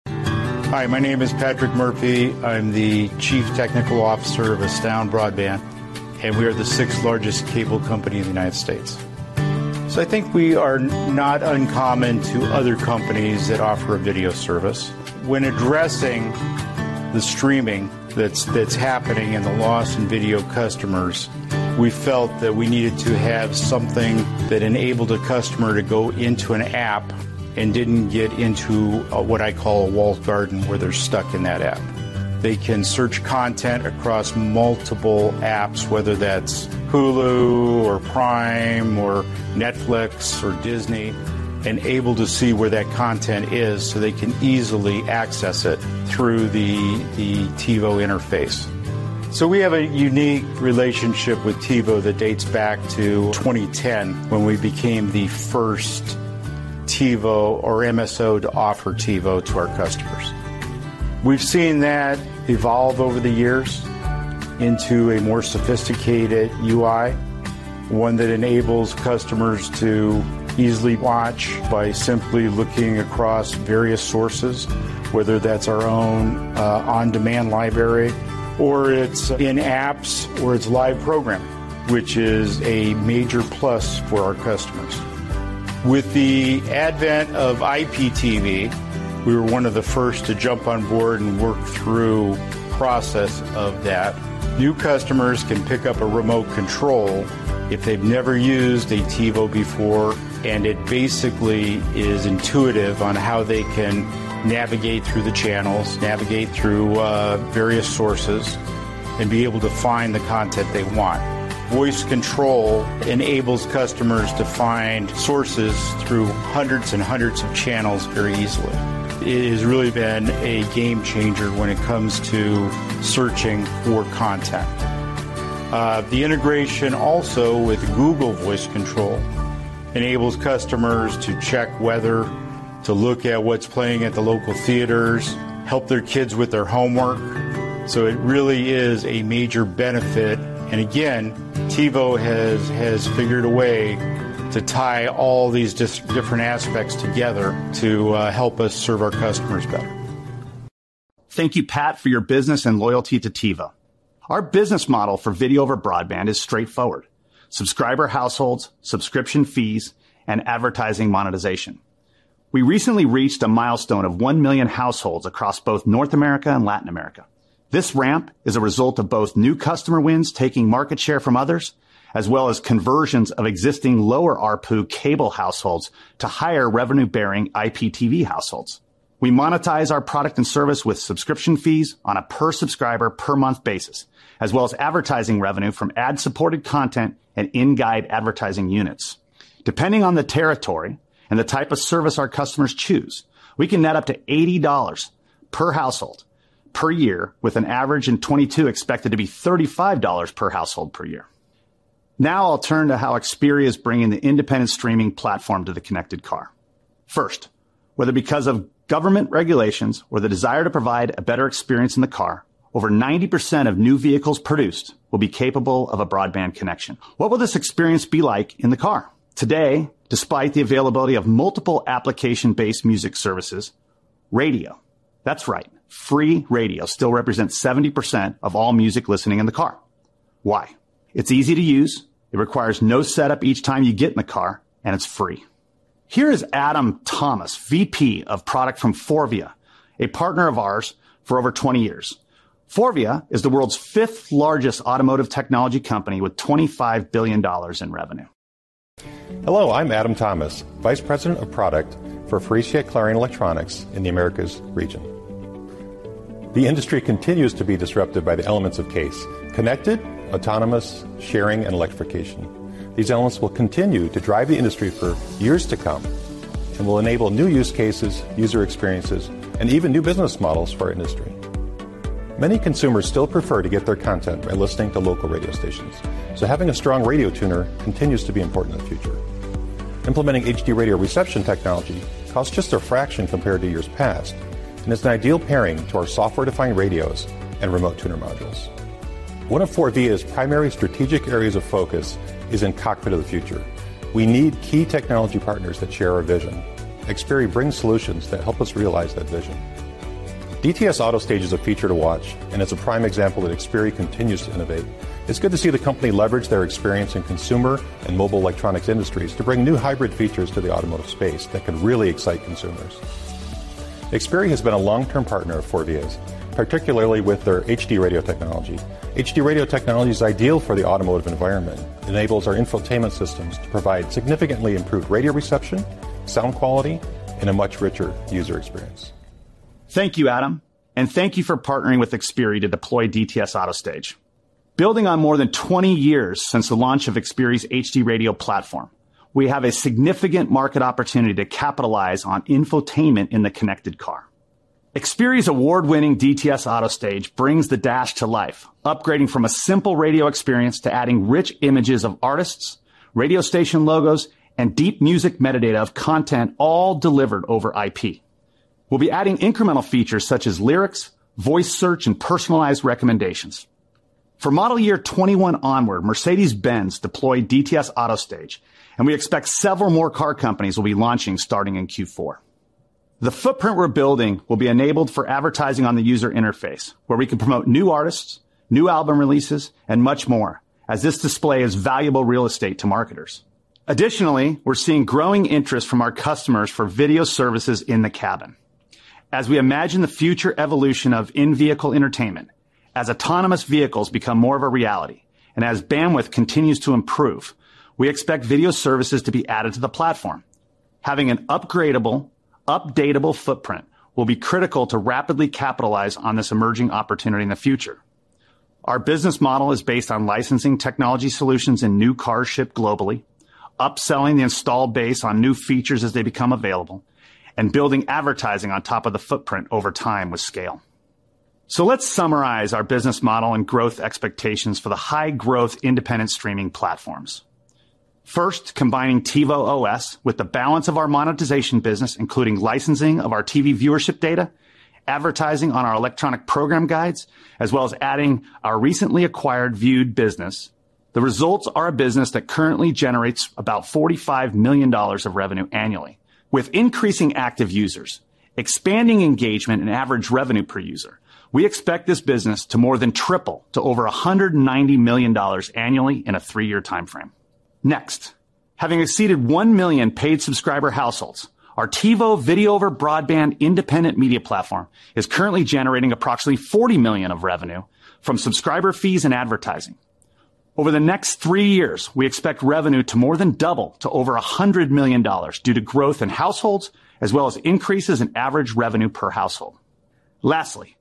Hi, my name is Patrick Murphy. I'm the Chief Technology Officer of Astound Broadband, and we are the sixth-largest cable company in the United States. I think we are not uncommon to other companies that offer a video service. When addressing the streaming that's happening and the loss in video customers, we felt that we needed to have something that enabled a customer to go into an app and didn't get into what I call a walled garden, where they're stuck in that app. They can search content across multiple apps, whether that's Hulu or Prime or Netflix or Disney, and able to see where that content is so they can easily access it through the TiVo interface. We have a unique relationship with TiVo that dates back to 2010 when we became the first TiVo or MSO to offer TiVo to our customers. We've seen that evolve over the years into a more sophisticated UI, one that enables customers to easily watch by simply looking across various sources, whether that's our own on-demand library or it's in apps or it's live programming, which is a major plus for our customers. With the advent of IPTV, we were one of the first to jump on board and work through process of that. New customers can pick up a remote control if they've never used a TiVo before, and it basically is intuitive on how they can navigate through the channels, navigate through various sources and be able to find the content they want. Voice control enables customers to find sources through hundreds and hundreds of channels very easily. It has really been a game changer when it comes to searching for content. The integration also with Google Assistant enables customers to check weather, to look at what's playing at the local theaters, help their kids with their homework. It really is a major benefit. Again, TiVo has figured a way to tie all these different aspects together to help us serve our customers better. Thank you, Pat, for your business and loyalty to TiVo. Our business model for video over broadband is straightforward: subscriber households, subscription fees, and advertising monetization. We recently reached a milestone of 1 million households across both North America and Latin America. This ramp is a result of both new customer wins taking market share from others, as well as conversions of existing lower ARPU cable households to higher revenue-bearing IPTV households. We monetize our product and service with subscription fees on a per subscriber per month basis, as well as advertising revenue from ad-supported content and in-guide advertising units. Depending on the territory and the type of service our customers choose, we can net up to $80 per household per year, with an average in 2022 expected to be $35 per household per year. Now I'll turn to how Xperi is bringing the independent streaming platform to the connected car. First, whether because of government regulations or the desire to provide a better experience in the car, over 90% of new vehicles produced will be capable of a broadband connection. What will this experience be like in the car? Today, despite the availability of multiple application-based music services, radio, that's right, free radio still represents 70% of all music listening in the car. Why? It's easy to use, it requires no setup each time you get in the car, and it's free. Here is Adam Thomas, VP of Product from FORVIA, a partner of ours for over 20 years. FORVIA is the world's fifth-largest automotive technology company with $25 billion in revenue. Hello, I'm Adam Thomas, Vice President of Product for Faurecia Clarion Electronics in the Americas region. The industry continues to be disrupted by the elements of CASE, Connected, Autonomous, Sharing, and Electrification. These elements will continue to drive the industry for years to come and will enable new use cases, user experiences, and even new business models for our industry. Many consumers still prefer to get their content by listening to local radio stations, so having a strong radio tuner continues to be important in the future. Implementing HD Radio reception technology costs just a fraction compared to years past, and it's an ideal pairing to our software-defined radios and remote tuner modules. One of Faurecia's primary strategic areas of focus is in cockpit of the future. We need key technology partners that share our vision. Xperi brings solutions that help us realize that vision. DTS AutoStage is a feature to watch, and it's a prime example that Xperi continues to innovate. It's good to see the company leverage their experience in consumer and mobile electronics industries to bring new hybrid features to the automotive space that can really excite consumers. Xperi has been a long-term partner of FORVIA's, particularly with their HD Radio technology. HD Radio technology is ideal for the automotive environment. It enables our infotainment systems to provide significantly improved radio reception, sound quality, and a much richer user experience. Thank you, Adam, and thank you for partnering with Xperi to deploy DTS AutoStage. Building on more than 20 years since the launch of Xperi's HD Radio platform, we have a significant market opportunity to capitalize on infotainment in the connected car. Xperi's award-winning DTS AutoStage brings the dash to life, upgrading from a simple radio experience to adding rich images of artists, radio station logos, and deep music metadata of content all delivered over IP. We'll be adding incremental features such as lyrics, voice search, and personalized recommendations. For model year 2021 onward, Mercedes-Benz deployed DTS AutoStage, and we expect several more car companies will be launching starting in Q4. The footprint we're building will be enabled for advertising on the user interface, where we can promote new artists, new album releases, and much more, as this display is valuable real estate to marketers. Additionally, we're seeing growing interest from our customers for video services in the cabin. As we imagine the future evolution of in-vehicle entertainment, as autonomous vehicles become more of a reality, and as bandwidth continues to improve, we expect video services to be added to the platform. Having an upgradable, updatable footprint will be critical to rapidly capitalize on this emerging opportunity in the future. Our business model is based on licensing technology solutions in new cars shipped globally, upselling the install base on new features as they become available, and building advertising on top of the footprint over time with scale. Let's summarize our business model and growth expectations for the high-growth independent streaming platforms. First, combining TiVo OS with the balance of our monetization business, including licensing of our TV viewership data, advertising on our electronic program guides, as well as adding our recently acquired Vewd business. The results are a business that currently generates about $45 million of revenue annually. With increasing active users, expanding engagement, and average revenue per user, we expect this business to more than triple to over $190 million annually in a three-year timeframe. Next, having exceeded 1 million paid subscriber households, our TiVo Video over Broadband independent media platform is currently generating approximately $40 million of revenue from subscriber fees and advertising. Over the next three years, we expect revenue to more than double to over $100 million due to growth in households as well as increases in average revenue per household. Lastly,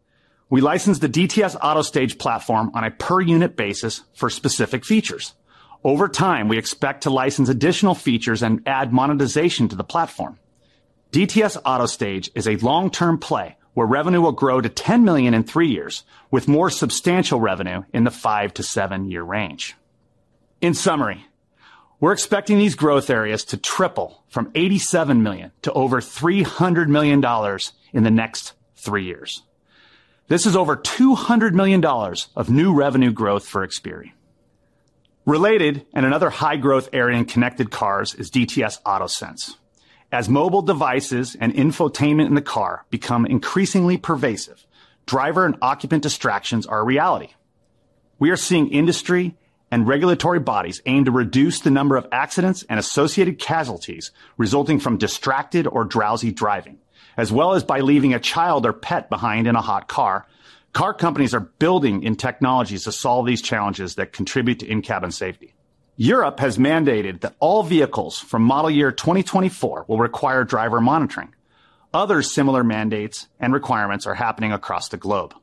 we licensed the DTS AutoStage platform on a per-unit basis for specific features. Over time, we expect to license additional features and add monetization to the platform. DTS AutoStage is a long-term play where revenue will grow to $10 million in three years with more substantial revenue in the five to seven-year range. In summary, we're expecting these growth areas to triple from $87 million to over $300 million in the next three years. This is over $200 million of new revenue growth for Xperi. Related and another high-growth area in connected cars is DTS AutoSense. As mobile devices and infotainment in the car become increasingly pervasive, driver and occupant distractions are a reality. We are seeing industry and regulatory bodies aim to reduce the number of accidents and associated casualties resulting from distracted or drowsy driving. As well as by leaving a child or pet behind in a hot car companies are building in technologies to solve these challenges that contribute to in-cabin safety. Europe has mandated that all vehicles from model year 2024 will require driver monitoring. Other similar mandates and requirements are happening across the globe.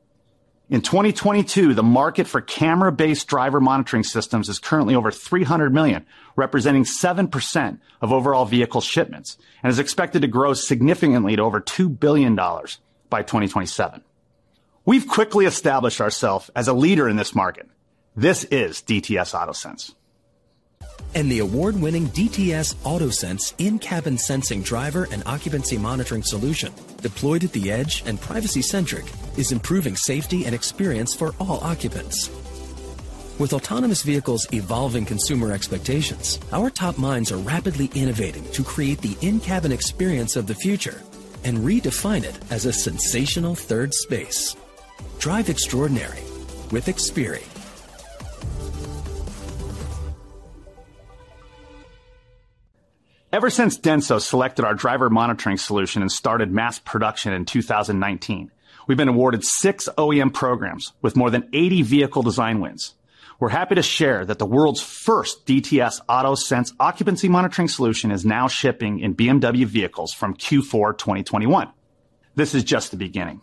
In 2022, the market for camera-based driver monitoring systems is currently over $300 million, representing 7% of overall vehicle shipments, and is expected to grow significantly to over $2 billion by 2027. We've quickly established ourselves as a leader in this market. This is DTS AutoSense. The award-winning DTS AutoSense in-cabin sensing driver and occupancy monitoring solution, deployed at the edge and privacy-centric, is improving safety and experience for all occupants. With autonomous vehicles evolving consumer expectations, our top minds are rapidly innovating to create the in-cabin experience of the future and redefine it as a sensational third space. Drive extraordinary with Xperi. Ever since Denso selected our driver monitoring solution and started mass production in 2019, we've been awarded six OEM programs with more than 80 vehicle design wins. We're happy to share that the world's first DTS AutoSense occupancy monitoring solution is now shipping in BMW vehicles from Q4 2021. This is just the beginning.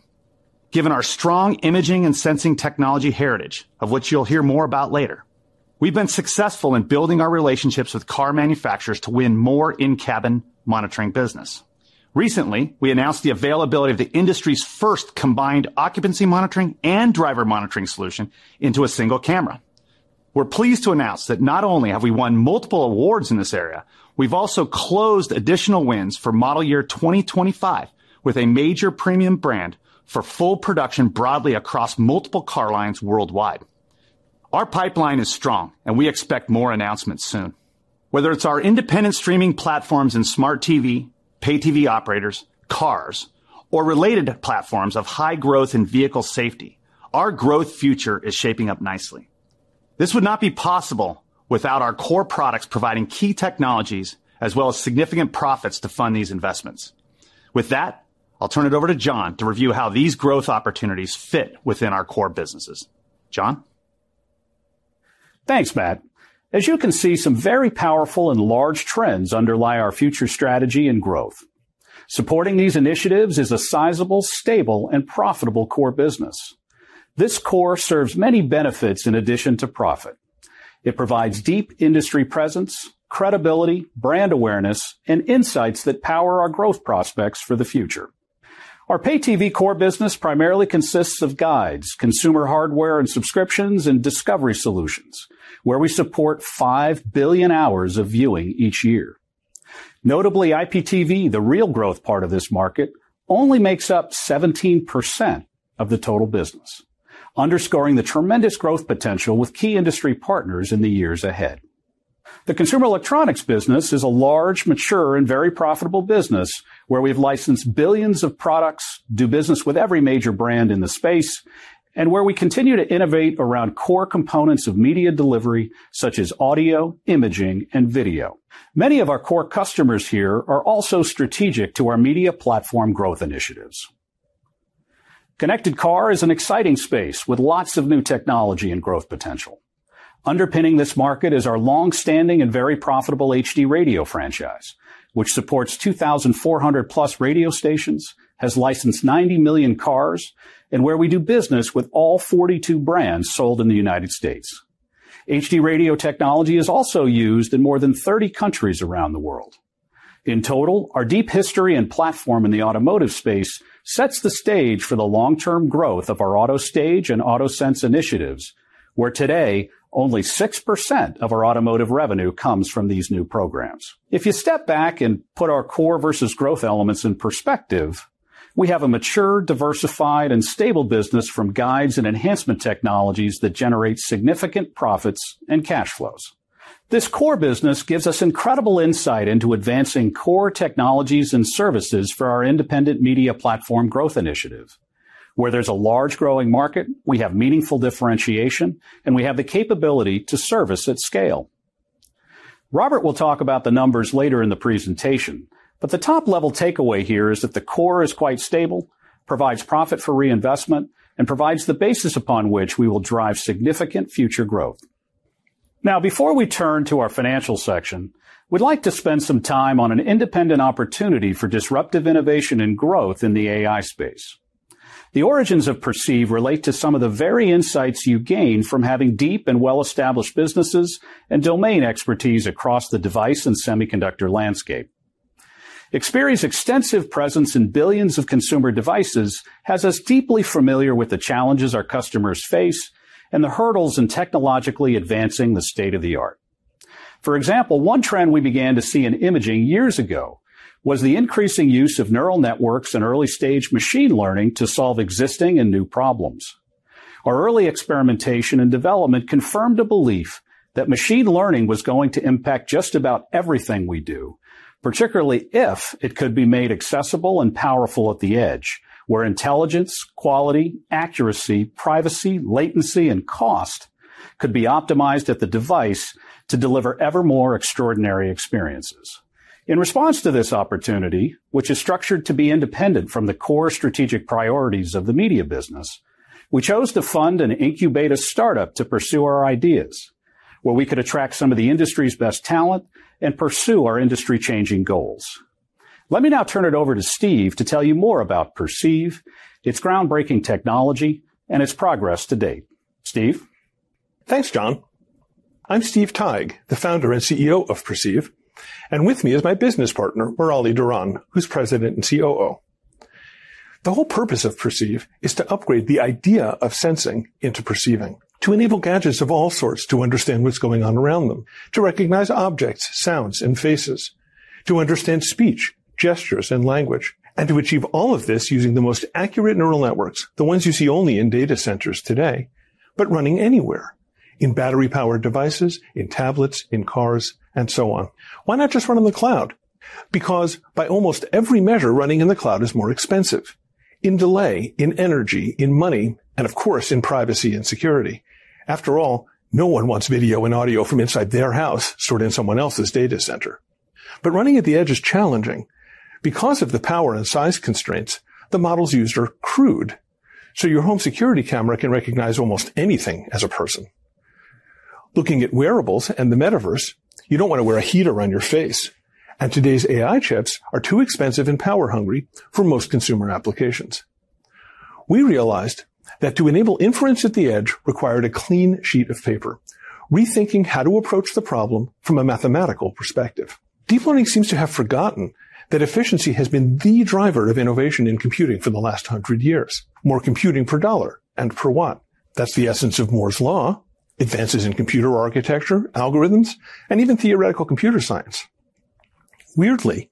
Given our strong imaging and sensing technology heritage, of which you'll hear more about later, we've been successful in building our relationships with car manufacturers to win more in-cabin monitoring business. Recently, we announced the availability of the industry's first combined occupancy monitoring and driver monitoring solution into a single camera. We're pleased to announce that not only have we won multiple awards in this area, we've also closed additional wins for model year 2025 with a major premium brand for full production broadly across multiple car lines worldwide. Our pipeline is strong, and we expect more announcements soon. Whether it's our independent streaming platforms in smart TV, Pay-TV operators, cars, or related platforms of high growth in vehicle safety, our growth future is shaping up nicely. This would not be possible without our core products providing key technologies as well as significant profits to fund these investments. With that, I'll turn it over to Jon to review how these growth opportunities fit within our core businesses. Jon? Thanks, Matt. As you can see, some very powerful and large trends underlie our future strategy and growth. Supporting these initiatives is a sizable, stable, and profitable core business. This core serves many benefits in addition to profit. It provides deep industry presence, credibility, brand awareness, and insights that power our growth prospects for the future. Our Pay-TV core business primarily consists of guides, consumer hardware and subscriptions, and discovery solutions, where we support 5 billion hours of viewing each year. Notably, IPTV, the real growth part of this market, only makes up 17% of the total business, underscoring the tremendous growth potential with key industry partners in the years ahead. The consumer electronics business is a large, mature, and very profitable business where we've licensed billions of products, do business with every major brand in the space, and where we continue to innovate around core components of media delivery such as audio, imaging, and video. Many of our core customers here are also strategic to our media platform growth initiatives. Connected car is an exciting space with lots of new technology and growth potential. Underpinning this market is our long-standing and very profitable HD Radio franchise, which supports 2,400+ radio stations, has licensed 90 million cars, and where we do business with all 42 brands sold in the United States. HD Radio technology is also used in more than 30 countries around the world. In total, our deep history and platform in the automotive space sets the stage for the long-term growth of our AutoStage and AutoSense initiatives, where today only 6% of our automotive revenue comes from these new programs. If you step back and put our core versus growth elements in perspective, we have a mature, diversified, and stable business from guides and enhancement technologies that generate significant profits and cash flows. This core business gives us incredible insight into advancing core technologies and services for our independent media platform growth initiative, where there's a large growing market, we have meaningful differentiation, and we have the capability to service at scale. Robert will talk about the numbers later in the presentation, but the top-level takeaway here is that the core is quite stable, provides profit for reinvestment, and provides the basis upon which we will drive significant future growth. Now before we turn to our financial section, we'd like to spend some time on an independent opportunity for disruptive innovation and growth in the AI space. The origins of Perceive relate to some of the very insights you gain from having deep and well-established businesses and domain expertise across the device and semiconductor landscape. Xperi's extensive presence in billions of consumer devices has us deeply familiar with the challenges our customers face and the hurdles in technologically advancing the state-of-the-art. For example, one trend we began to see in imaging years ago was the increasing use of neural networks and early-stage machine learning to solve existing and new problems. Our early experimentation and development confirmed a belief that machine learning was going to impact just about everything we do, particularly if it could be made accessible and powerful at the edge, where intelligence, quality, accuracy, privacy, latency, and cost could be optimized at the device to deliver ever more extraordinary experiences. In response to this opportunity, which is structured to be independent from the core strategic priorities of the media business, we chose to fund and incubate a startup to pursue our ideas where we could attract some of the industry's best talent and pursue our industry-changing goals. Let me now turn it over to Steve to tell you more about Perceive, its groundbreaking technology, and its progress to date. Steve? Thanks, Jon. I'm Steve Teig, the Founder and CEO of Perceive, and with me is my business partner, Murali Dharan, who's President and COO. The whole purpose of Perceive is to upgrade the idea of sensing into perceiving, to enable gadgets of all sorts to understand what's going on around them, to recognize objects, sounds, and faces, to understand speech, gestures, and language, and to achieve all of this using the most accurate neural networks, the ones you see only in data centers today, but running anywhere, in battery-powered devices, in tablets, in cars, and so on. Why not just run on the cloud? Because by almost every measure, running in the cloud is more expensive, in delay, in energy, in money, and of course, in privacy and security. After all, no one wants video and audio from inside their house stored in someone else's data center. Running at the edge is challenging. Because of the power and size constraints, the models used are crude, so your home security camera can recognize almost anything as a person. Looking at wearables and the metaverse, you don't wanna wear a heater on your face, and today's AI chips are too expensive and power-hungry for most consumer applications. We realized that to enable inference at the edge required a clean sheet of paper, rethinking how to approach the problem from a mathematical perspective. Deep learning seems to have forgotten that efficiency has been the driver of innovation in computing for the last hundred years, more computing per dollar and per watt. That's the essence of Moore's Law, advances in computer architecture, algorithms, and even theoretical computer science. Weirdly,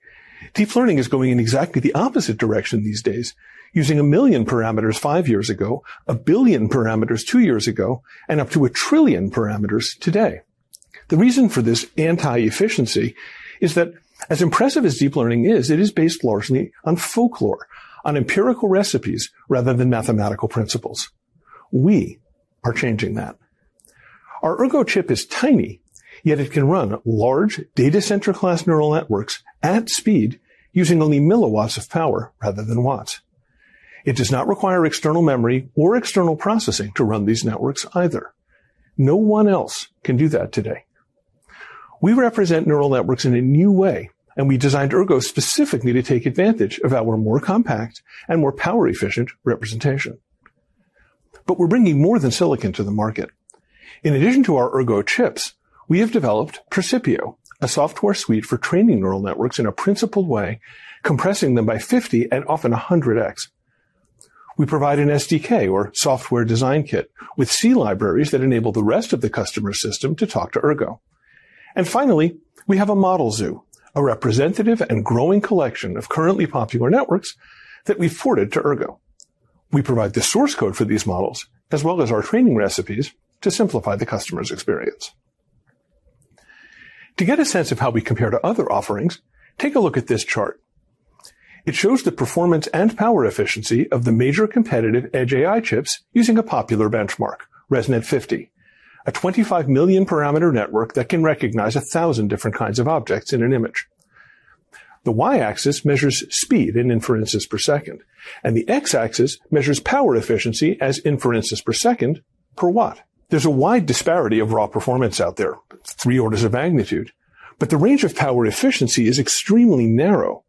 deep learning is going in exactly the opposite direction these days, using 1 million parameters five years ago, 1 billion parameters two years ago, and up to 1 trillion parameters today. The reason for this anti-efficiency is that as impressive as deep learning is, it is based largely on folklore, on empirical recipes rather than mathematical principles. We are changing that. Our Ergo chip is tiny, yet it can run large data center class neural networks at speed using only milliwatts of power rather than watts. It does not require external memory or external processing to run these networks either. No one else can do that today. We represent neural networks in a new way, and we designed Ergo specifically to take advantage of our more compact and more power-efficient representation. We're bringing more than silicon to the market. In addition to our Ergo chips, we have developed Precipio, a software suite for training neural networks in a principled way, compressing them by 50x and often a 100x. We provide an SDK or software design kit with C-libraries that enable the rest of the customer system to talk to Ergo. Finally, we have a model zoo, a representative and growing collection of currently popular networks that we've ported to Ergo. We provide the source code for these models as well as our training recipes to simplify the customer's experience. To get a sense of how we compare to other offerings, take a look at this chart. It shows the performance and power efficiency of the major competitive edge AI chips using a popular benchmark, ResNet-50, a 25 million parameter network that can recognize 1,000 different kinds of objects in an image. The y-axis measures speed in inferences per second, and the x-axis measures power efficiency as inferences per second per watt. There's a wide disparity of raw performance out there, three orders of magnitude, but the range of power efficiency is extremely narrow.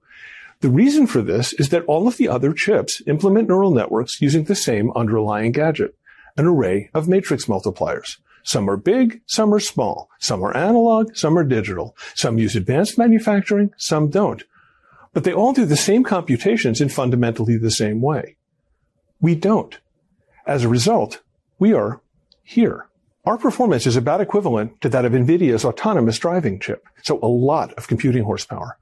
The reason for this is that all of the other chips implement neural networks using the same underlying gadget, an array of matrix multipliers. Some are big, some are small. Some are analog, some are digital. Some use advanced manufacturing, some don't. They all do the same computations in fundamentally the same way. We don't. As a result, we are here. Our performance is about equivalent to that of NVIDIA's autonomous driving chip, so a lot of computing horsepower.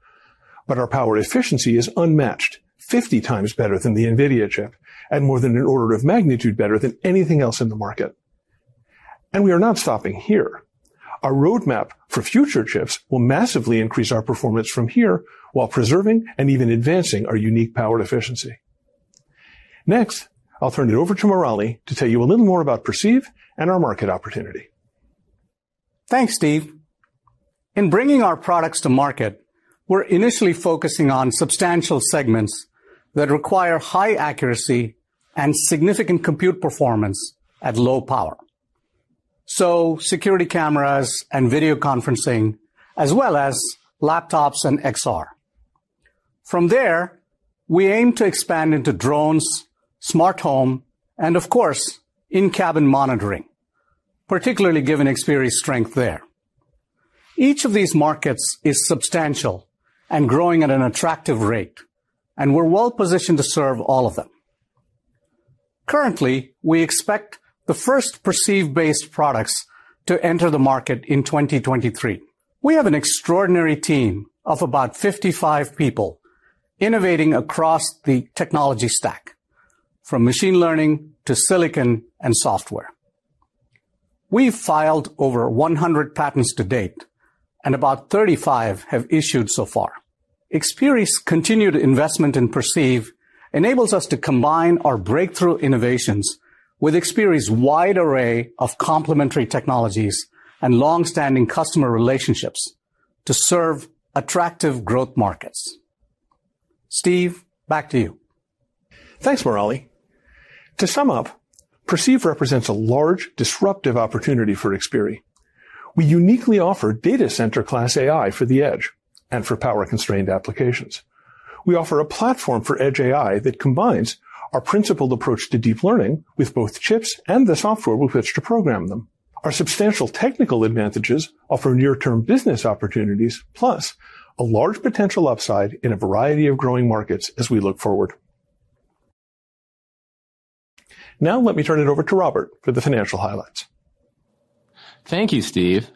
Our power efficiency is unmatched, 50x better than the NVIDIA chip and more than an order of magnitude better than anything else in the market. We are not stopping here. Our roadmap for future chips will massively increase our performance from here while preserving and even advancing our unique power efficiency. Next, I'll turn it over to Murali to tell you a little more about Perceive and our market opportunity. Thanks, Steve. In bringing our products to market, we're initially focusing on substantial segments that require high accuracy and significant compute performance at low power, so security cameras and video conferencing as well as laptops and XR. From there, we aim to expand into drones, smart home, and of course, in-cabin monitoring, particularly given Xperi's strength there. Each of these markets is substantial and growing at an attractive rate, and we're well-positioned to serve all of them. Currently, we expect the first Perceive-based products to enter the market in 2023. We have an extraordinary team of about 55 people innovating across the technology stack from machine learning to silicon and software. We've filed over 100 patents to date and about 35 have issued so far. Xperi's continued investment in Perceive enables us to combine our breakthrough innovations with Xperi's wide array of complementary technologies and long-standing customer relationships to serve attractive growth markets. Steve, back to you. Thanks, Murali. To sum up, Perceive represents a large disruptive opportunity for Xperi. We uniquely offer data center class AI for the edge and for power-constrained applications. We offer a platform for edge AI that combines our principled approach to deep learning with both chips and the software with which to program them. Our substantial technical advantages offer near-term business opportunities plus a large potential upside in a variety of growing markets as we look forward. Now let me turn it over to Robert for the financial highlights. Thank you, Steve.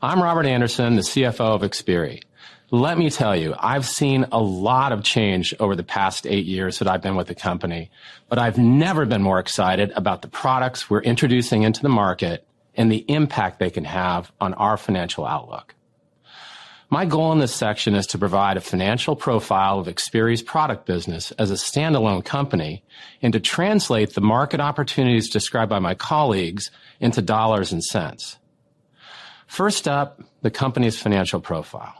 I'm Robert Andersen, the CFO of Xperi. Let me tell you, I've seen a lot of change over the past eight years that I've been with the company, but I've never been more excited about the products we're introducing into the market. The impact they can have on our financial outlook. My goal in this section is to provide a financial profile of Xperi's product business as a standalone company, and to translate the market opportunities described by my colleagues into dollars and cents. First up, the company's financial profile.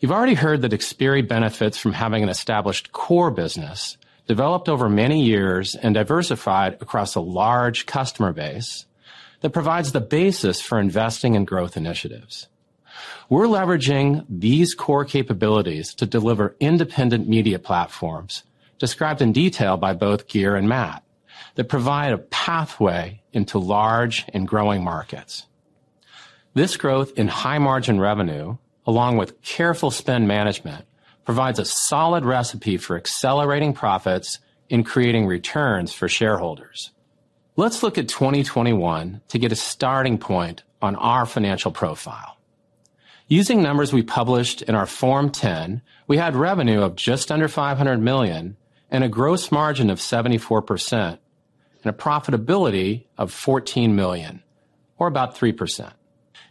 You've already heard that Xperi benefits from having an established core business developed over many years and diversified across a large customer base that provides the basis for investing in growth initiatives. We're leveraging these core capabilities to deliver independent media platforms described in detail by both Geir and Matt that provide a pathway into large and growing markets. This growth in high-margin revenue, along with careful spend management, provides a solid recipe for accelerating profits and creating returns for shareholders. Let's look at 2021 to get a starting point on our financial profile. Using numbers we published in our Form-10, we had revenue of just under $500 million and a gross margin of 74% and a profitability of $14 million, or about 3%.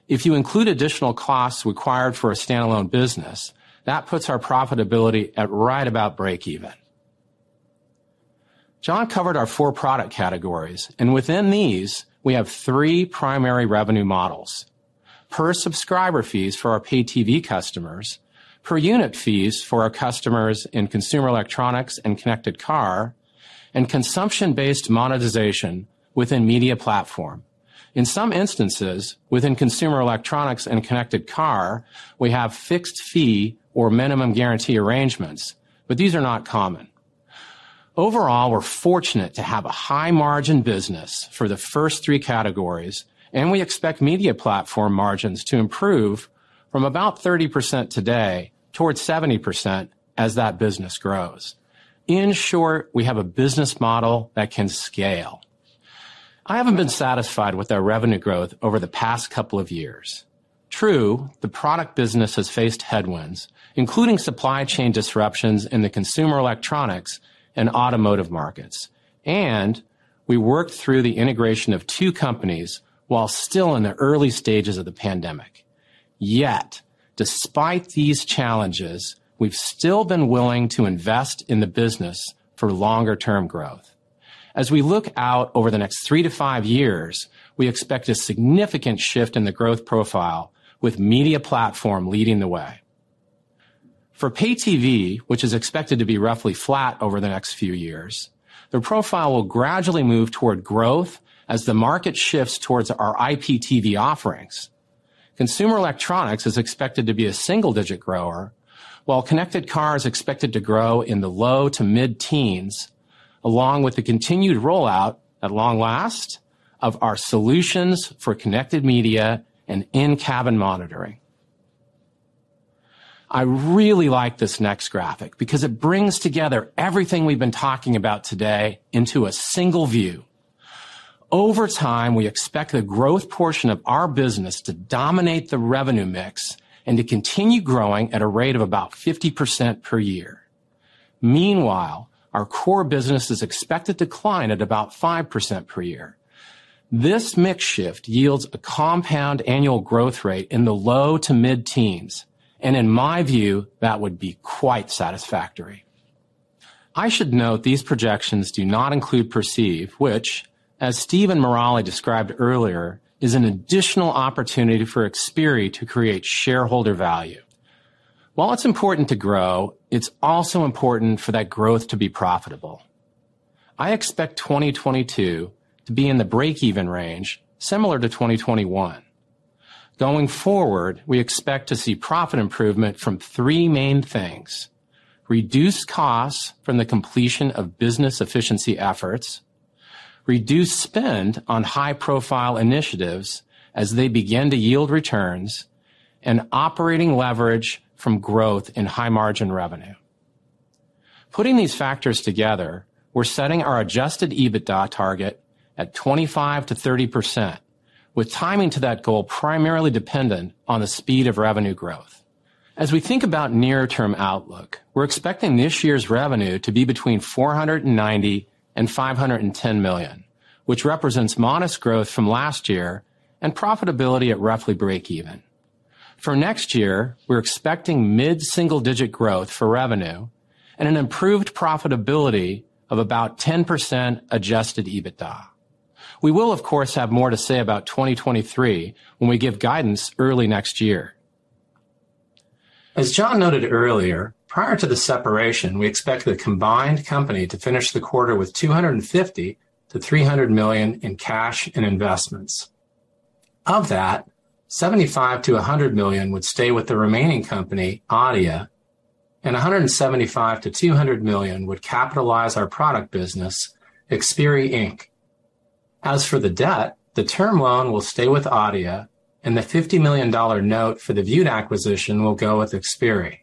If you include additional costs required for a standalone business, that puts our profitability at right about break even. Jon covered our four product categories, and within these, we have three primary revenue models, per subscriber fees for our Pay-TV customers, per unit fees for our customers in consumer electronics and connected car, and consumption-based monetization within media platform. In some instances, within consumer electronics and connected car, we have fixed fee or minimum guarantee arrangements, but these are not common. Overall, we're fortunate to have a high-margin business for the first three categories, and we expect media platform margins to improve from about 30% today towards 70% as that business grows. In short, we have a business model that can scale. I haven't been satisfied with our revenue growth over the past couple of years. True, the product business has faced headwinds, including supply chain disruptions in the consumer electronics and automotive markets. We worked through the integration of two companies while still in the early stages of the pandemic. Yet, despite these challenges, we've still been willing to invest in the business for longer-term growth. As we look out over the next three to five years, we expect a significant shift in the growth profile with media platform leading the way. For Pay-TV, which is expected to be roughly flat over the next few years, the profile will gradually move toward growth as the market shifts towards our IPTV offerings. Consumer electronics is expected to be a single-digit grower, while connected car is expected to grow in the low to mid-teens, along with the continued rollout at long last of our solutions for connected media and in-cabin monitoring. I really like this next graphic because it brings together everything we've been talking about today into a single view. Over time, we expect the growth portion of our business to dominate the revenue mix and to continue growing at a rate of about 50% per year. Meanwhile, our core business is expected to decline at about 5% per year. This mix shift yields a compound annual growth rate in the low- to mid-teens%, and in my view, that would be quite satisfactory. I should note these projections do not include Perceive, which, as Steve and Murali described earlier, is an additional opportunity for Xperi to create shareholder value. While it's important to grow, it's also important for that growth to be profitable. I expect 2022 to be in the break-even range similar to 2021. Going forward, we expect to see profit improvement from three main things, reduced costs from the completion of business efficiency efforts, reduced spend on high-profile initiatives as they begin to yield returns, and operating leverage from growth in high-margin revenue. Putting these factors together, we're setting our Adjusted EBITDA target at 25%-30%, with timing to that goal primarily dependent on the speed of revenue growth. As we think about near-term outlook, we're expecting this year's revenue to be between $490 million and $510 million, which represents modest growth from last year and profitability at roughly break even. For next year, we're expecting mid-single-digit growth for revenue and an improved profitability of about 10% Adjusted EBITDA. We will, of course, have more to say about 2023 when we give guidance early next year. As Jon noted earlier, prior to the separation, we expect the combined company to finish the quarter with $250 million-$300 million in cash and investments. Of that, $75 million-$100 million would stay with the remaining company, Adeia, and $175 million-$200 million would capitalize our product business, Xperi Inc. As for the debt, the term loan will stay with Adeia and the $50 million note for the Vewd acquisition will go with Xperi.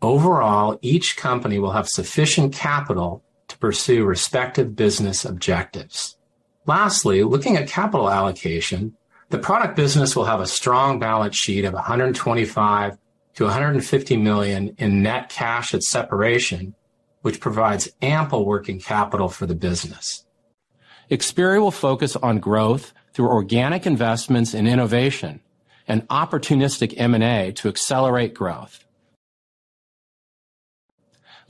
Overall, each company will have sufficient capital to pursue respective business objectives. Lastly, looking at capital allocation, the product business will have a strong balance sheet of $125 million-$150 million in net cash at separation, which provides ample working capital for the business. Xperi will focus on growth through organic investments in innovation and opportunistic M&A to accelerate growth.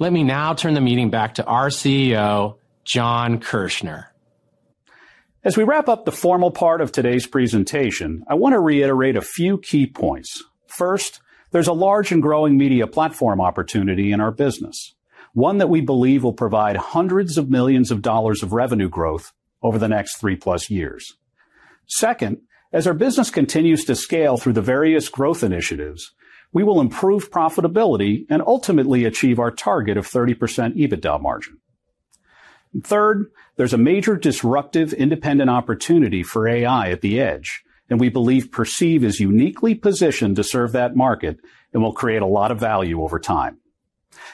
Let me now turn the meeting back to our CEO, Jon Kirchner. As we wrap up the formal part of today's presentation, I wanna reiterate a few key points. First, there's a large and growing media platform opportunity in our business, one that we believe will provide $ hundreds of millions of revenue growth over the next three-plus years. Second, as our business continues to scale through the various growth initiatives, we will improve profitability and ultimately achieve our target of 30% EBITDA margin. Third, there's a major disruptive independent opportunity for AI at the edge, and we believe Perceive is uniquely positioned to serve that market and will create a lot of value over time.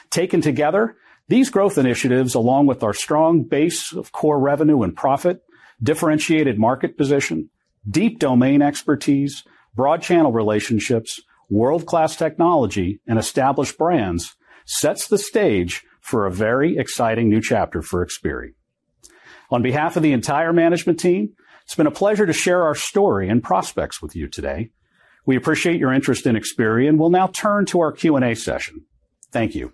Taken together, these growth initiatives, along with our strong base of core revenue and profit, differentiated market position, deep domain expertise, broad channel relationships, world-class technology, and established brands, sets the stage for a very exciting new chapter for Xperi. On behalf of the entire management team, it's been a pleasure to share our story and prospects with you today. We appreciate your interest in Xperi. We'll now turn to our Q&A session. Thank you.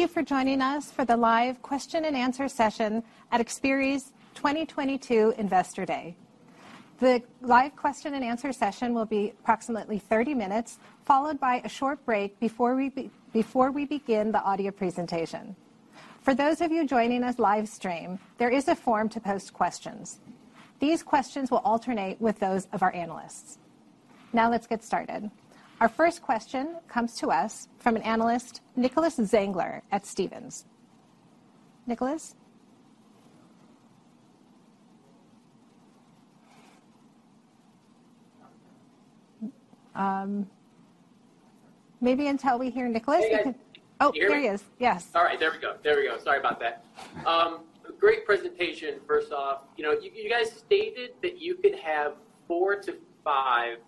Thank you for joining us for the live question and answer session at Xperi's 2022 Investor Day. The live question and answer session will be approximately 30 minutes, followed by a short break before we begin the audio presentation. For those of you joining us live stream, there is a form to post questions. These questions will alternate with those of our analysts. Now let's get started. Our first question comes to us from an analyst, Nicholas Zangler at Stephens. Nicholas? Maybe until we hear Nicholas. Hey, guys. Oh, there he is. Yes. All right. There we go. Sorry about that. Great presentation, first off. You know, you guys stated that you could have four to five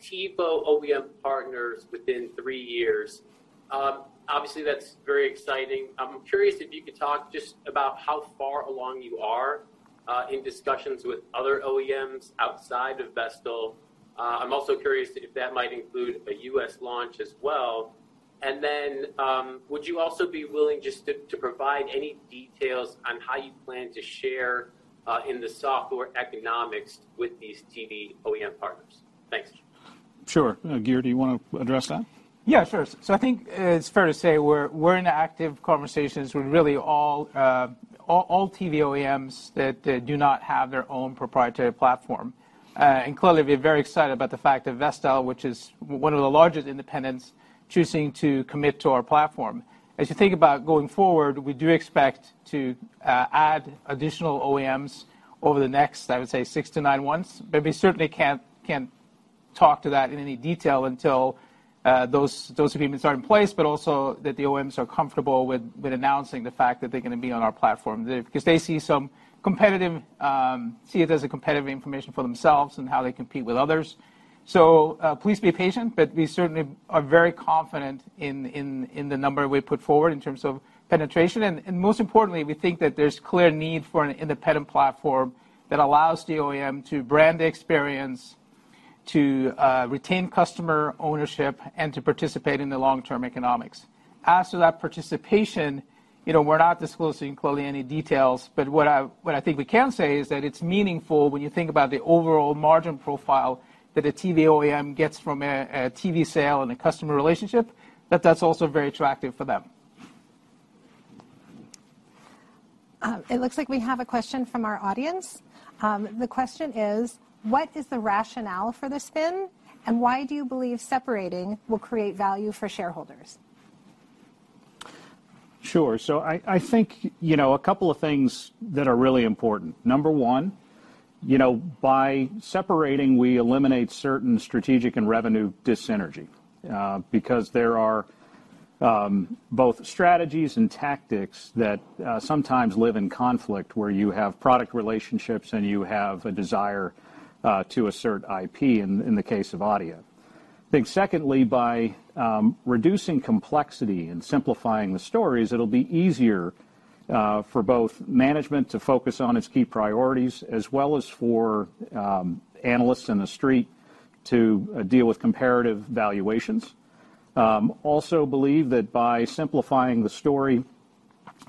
TV OEM partners within three years. Obviously, that's very exciting. I'm curious if you could talk just about how far along you are in discussions with other OEMs outside of Vestel. I'm also curious if that might include a U.S. launch as well. Would you also be willing just to provide any details on how you plan to share in the software economics with these TV OEM partners? Thanks. Sure. Geir, do you wanna address that? Yeah, sure. I think it's fair to say we're in active conversations with really all TV OEMs that do not have their own proprietary platform. Clearly we're very excited about the fact that Vestel, which is one of the largest independents, choosing to commit to our platform. As you think about going forward, we do expect to add additional OEMs over the next, I would say, 6-9 months. We certainly can't talk to that in any detail until those agreements are in place, but also that the OEMs are comfortable with announcing the fact that they're gonna be on our platform. Because they see it as a competitive information for themselves and how they compete with others. Please be patient, but we certainly are very confident in the number we put forward in terms of penetration. Most importantly, we think that there's clear need for an independent platform that allows the OEM to brand the experience to retain customer ownership and to participate in the long-term economics. As to that participation, you know, we're not disclosing clearly any details, but what I think we can say is that it's meaningful when you think about the overall margin profile that a TV OEM gets from a TV sale and a customer relationship, that that's also very attractive for them. It looks like we have a question from our audience. The question is: What is the rationale for the spin, and why do you believe separating will create value for shareholders? I think you know, a couple of things that are really important. Number one, you know, by separating, we eliminate certain strategic and revenue dyssynergy because there are both strategies and tactics that sometimes live in conflict where you have product relationships and you have a desire to assert IP in the case of audio. I think secondly, by reducing complexity and simplifying the stories, it'll be easier for both management to focus on its key priorities, as well as for analysts in the street to deal with comparative valuations. Also believe that by simplifying the story,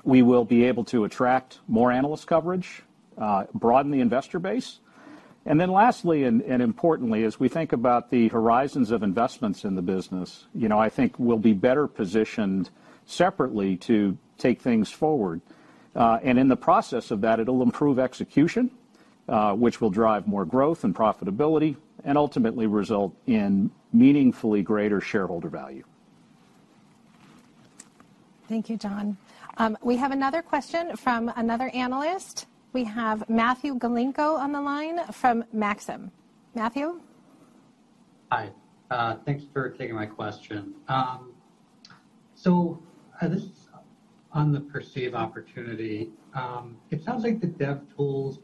we will be able to attract more analyst coverage, broaden the investor base. Lastly and importantly, as we think about the horizons of investments in the business, you know, I think we'll be better positioned separately to take things forward. In the process of that, it'll improve execution, which will drive more growth and profitability and ultimately result in meaningfully greater shareholder value. Thank you, Jon. We have another question from another analyst. We have Matthew Galinko on the line from Maxim. Matthew? Hi. Thank you for taking my question. This is on the Perceive opportunity. It sounds like the dev tools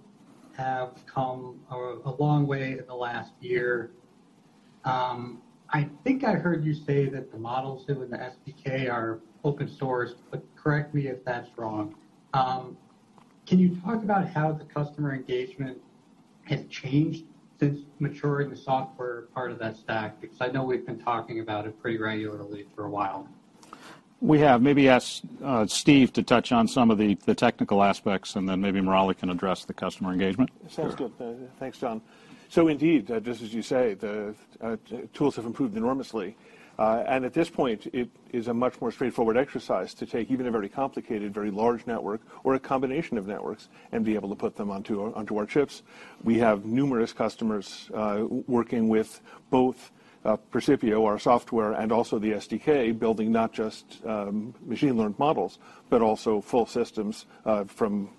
have come a long way in the last year. I think I heard you say that the models that were in the SDK are open source, but correct me if that's wrong. Can you talk about how the customer engagement has changed since maturing the software part of that stack? Because I know we've been talking about it pretty regularly for a while. We have. Maybe ask Steve to touch on some of the technical aspects, and then maybe Murali can address the customer engagement. Sure. Sounds good. Thanks, Jon. Indeed, just as you say, the tools have improved enormously. At this point, it is a much more straightforward exercise to take even a very complicated, very large network or a combination of networks and be able to put them onto our chips. We have numerous customers working with both Perceive, our software, and also the SDK, building not just machine learned models, but also full systems from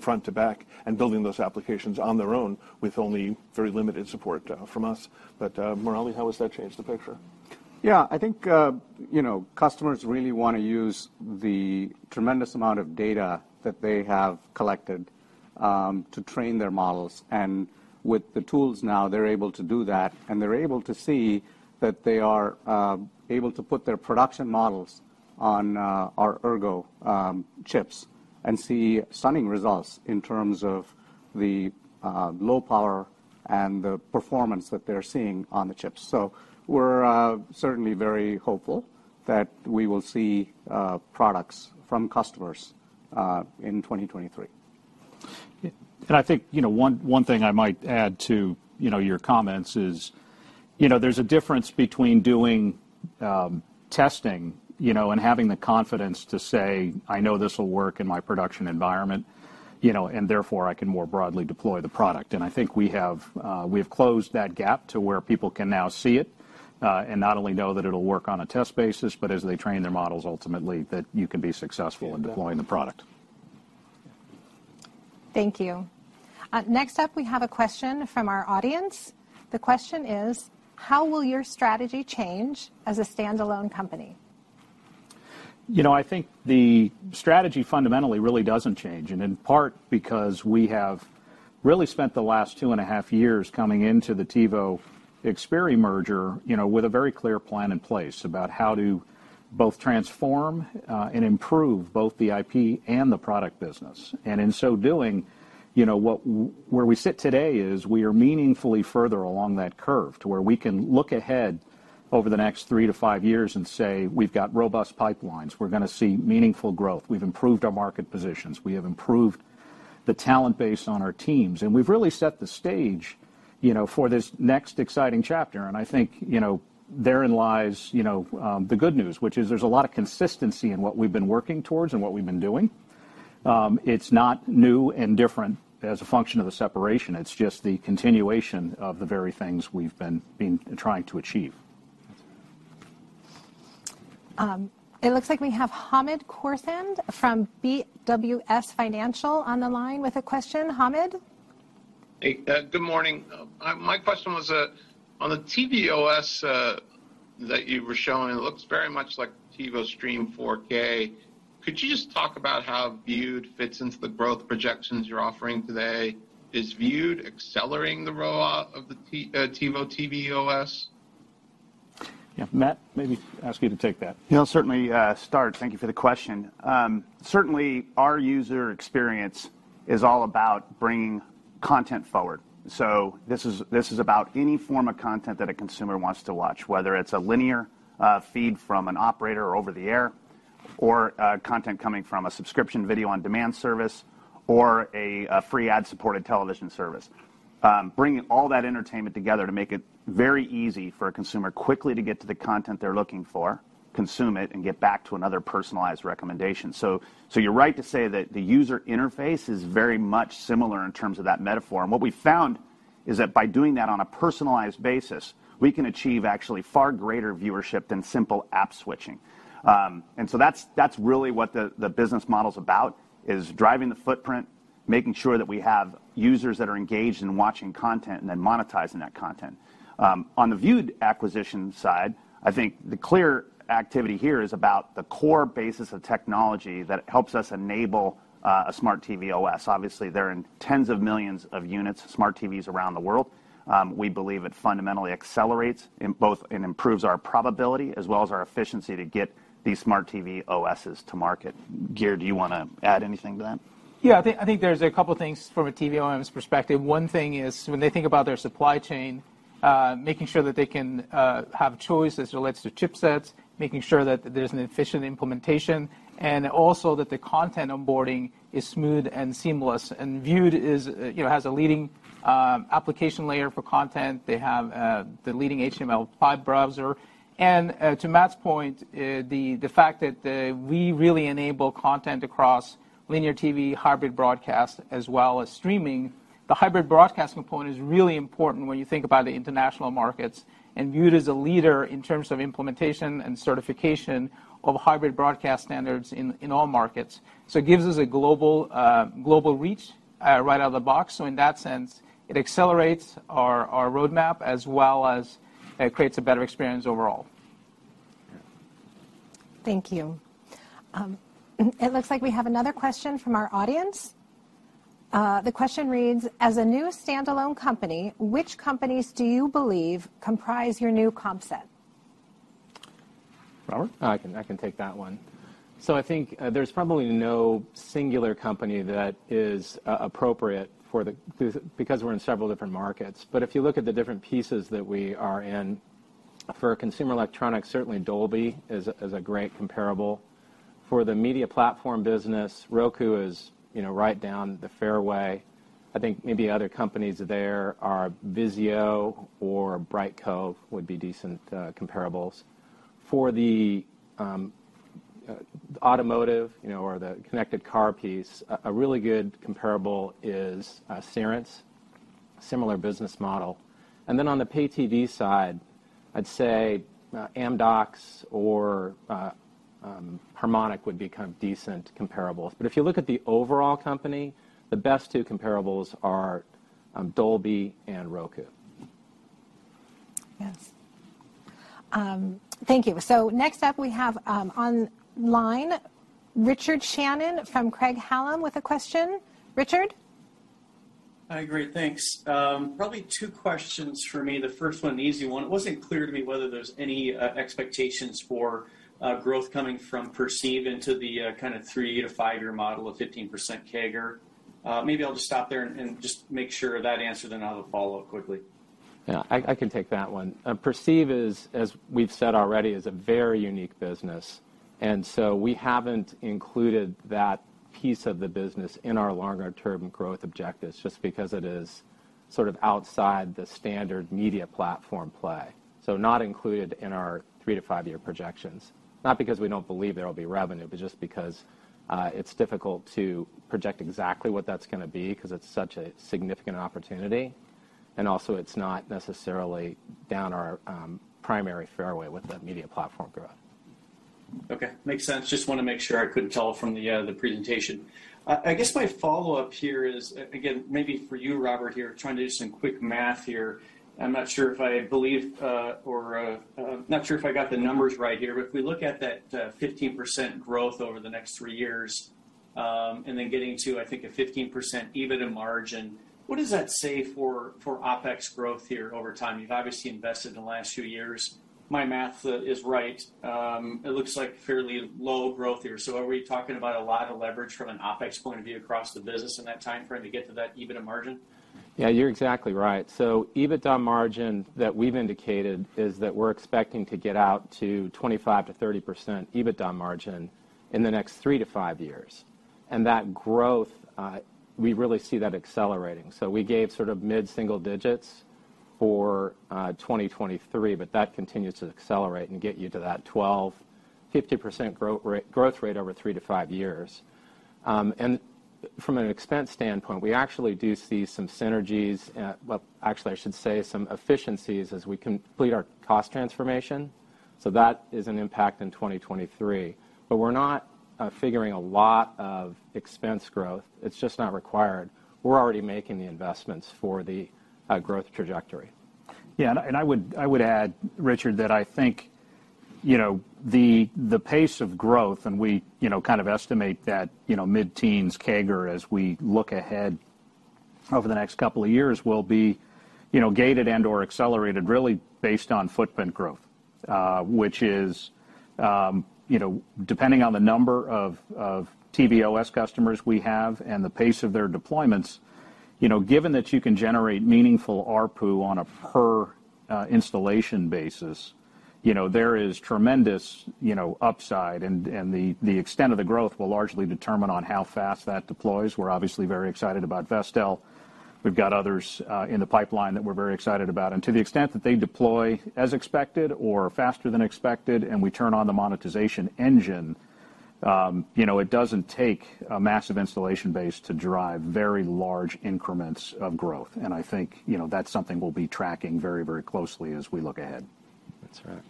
front to back, and building those applications on their own with only very limited support from us. Murali, how has that changed the picture? Yeah, I think, you know, customers really wanna use the tremendous amount of data that they have collected, to train their models. With the tools now, they're able to do that, and they're able to see that they are able to put their production models on, our Ergo chips and see stunning results in terms of the low power and the performance that they're seeing on the chips. We're certainly very hopeful that we will see products from customers in 2023. I think, you know, one thing I might add to, you know, your comments is, you know, there's a difference between doing testing, you know, and having the confidence to say, "I know this will work in my production environment, you know, and therefore I can more broadly deploy the product." I think we have closed that gap to where people can now see it, and not only know that it'll work on a test basis, but as they train their models ultimately, that you can be successful in deploying the product. Thank you. Next up, we have a question from our audience. The question is, how will your strategy change as a standalone company? You know, I think the strategy fundamentally really doesn't change. In part, because we have really spent the last two and a half years coming into the TiVo-Xperi merger, you know, with a very clear plan in place about how to both transform and improve both the IP and the product business. In so doing, you know, where we sit today is we are meaningfully further along that curve to where we can look ahead over the next three to five years and say, "We've got robust pipelines. We're gonna see meaningful growth. We've improved our market positions. We have improved the talent base on our teams." We've really set the stage, you know, for this next exciting chapter. I think, you know, therein lies, you know, the good news, which is there's a lot of consistency in what we've been working towards and what we've been doing. It's not new and different as a function of the separation. It's just the continuation of the very things we've been trying to achieve. It looks like we have Hamed Khorsand from BWS Financial on the line with a question. Hamed? Hey, good morning. My question was on the TiVo OS that you were showing. It looks very much like TiVo Stream 4K. Could you just talk about how Vewd fits into the growth projections you're offering today? Is Vewd accelerating the rollout of the TiVo OS? Yeah. Matt, maybe ask you to take that. Yeah, I'll certainly start. Thank you for the question. Certainly our user experience is all about bringing content forward. This is about any form of content that a consumer wants to watch, whether it's a linear feed from an operator or over the air or content coming from a subscription video on demand service or a free ad-supported television service. Bringing all that entertainment together to make it very easy for a consumer quickly to get to the content they're looking for, consume it, and get back to another personalized recommendation. You're right to say that the user interface is very much similar in terms of that metaphor. What we found is that by doing that on a personalized basis, we can achieve actually far greater viewership than simple app switching. That's really what the business model's about, is driving the footprint, making sure that we have users that are engaged in watching content and then monetizing that content. On the Vewd acquisition side, I think the clear activity here is about the core basis of technology that helps us enable a smart TV OS. Obviously, they're in tens of millions of units, smart TVs around the world. We believe it fundamentally accelerates and improves our probability as well as our efficiency to get these smart TV OSes to market. Geir, do you wanna add anything to that? Yeah. I think there's a couple things from a TV OEM's perspective. One thing is when they think about their supply chain, making sure that they can have choice as it relates to chipsets, making sure that there's an efficient implementation, and also that the content onboarding is smooth and seamless. Vewd is, you know, has a leading application layer for content. They have the leading HTML5 browser. To Matt's point, the fact that we really enable content across linear TV, hybrid broadcast, as well as streaming. The hybrid broadcasting point is really important when you think about the international markets, and Vewd is a leader in terms of implementation and certification of hybrid broadcast standards in all markets. It gives us a global reach right out of the box. In that sense, it accelerates our roadmap as well as creates a better experience overall. Yeah. Thank you. It looks like we have another question from our audience. The question reads, "As a new standalone company, which companies do you believe comprise your new comp set? Robert? I can take that one. I think there's probably no singular company that is appropriate. Because we're in several different markets. If you look at the different pieces that we are in, for consumer electronics, certainly Dolby is a great comparable. For the media platform business, Roku is, you know, right down the fairway. I think maybe other companies there are VIZIO or Brightcove would be decent comparables. For the automotive, you know, or the connected car piece, a really good comparable is Cerence, similar business model. Then on the Pay-TV side, I'd say Amdocs or Harmonic would be kind of decent comparables. If you look at the overall company, the best two comparables are Dolby and Roku. Yes. Thank you. Next up we have, on the line, Richard Shannon from Craig-Hallum with a question. Richard. Hi, great. Thanks. Probably two questions from me. The first one, the easy one. It wasn't clear to me whether there's any expectations for growth coming from Perceive into the kind of three to five-year model of 15% CAGR. Maybe I'll just stop there and just make sure that answered, and then I have a follow-up quickly. Yeah, I can take that one. Perceive is, as we've said already, a very unique business. We haven't included that piece of the business in our longer-term growth objectives just because it is sort of outside the standard media platform play. Not included in our three to five year projections. Not because we don't believe there will be revenue, but just because it's difficult to project exactly what that's gonna be because it's such a significant opportunity, and also it's not necessarily down our primary fairway with the media platform growth. Okay. Makes sense. Just wanna make sure. I couldn't tell from the presentation. I guess my follow-up here is, maybe for you, Robert, here. Trying to do some quick math here. I'm not sure if I got the numbers right here. If we look at that 15% growth over the next three years, and then getting to, I think, a 15% EBITDA margin, what does that say for OpEx growth here over time? You've obviously invested in the last few years. My math is right. It looks like fairly low growth here. Are we talking about a lot of leverage from an OpEx point of view across the business in that timeframe to get to that EBITDA margin? Yeah, you're exactly right. EBITDA margin that we've indicated is that we're expecting to get out to 25%-30% EBITDA margin in the next three to five years. That growth, we really see that accelerating. We gave sort of mid-single digits for 2023, but that continues to accelerate and get you to that 12%-15% growth rate over three to five years. From an expense standpoint, we actually do see some synergies. Well, actually, I should say some efficiencies as we complete our cost transformation, so that is an impact in 2023. We're not figuring a lot of expense growth. It's just not required. We're already making the investments for the growth trajectory. Yeah. I would add, Richard, that I think, you know, the pace of growth, and we, you know, kind of estimate that, you know, mid-teens CAGR as we look ahead over the next couple of years will be, you know, gated and/or accelerated really based on footprint growth. Which is, you know, depending on the number of TV OS customers we have and the pace of their deployments, you know, given that you can generate meaningful ARPU on a per installation basis, you know, there is tremendous, you know, upside and the extent of the growth will largely depend on how fast that deploys. We're obviously very excited about Vestel. We've got others in the pipeline that we're very excited about. To the extent that they deploy as expected or faster than expected and we turn on the monetization engine, you know, it doesn't take a massive installation base to drive very large increments of growth. I think, you know, that's something we'll be tracking very, very closely as we look ahead. That's right.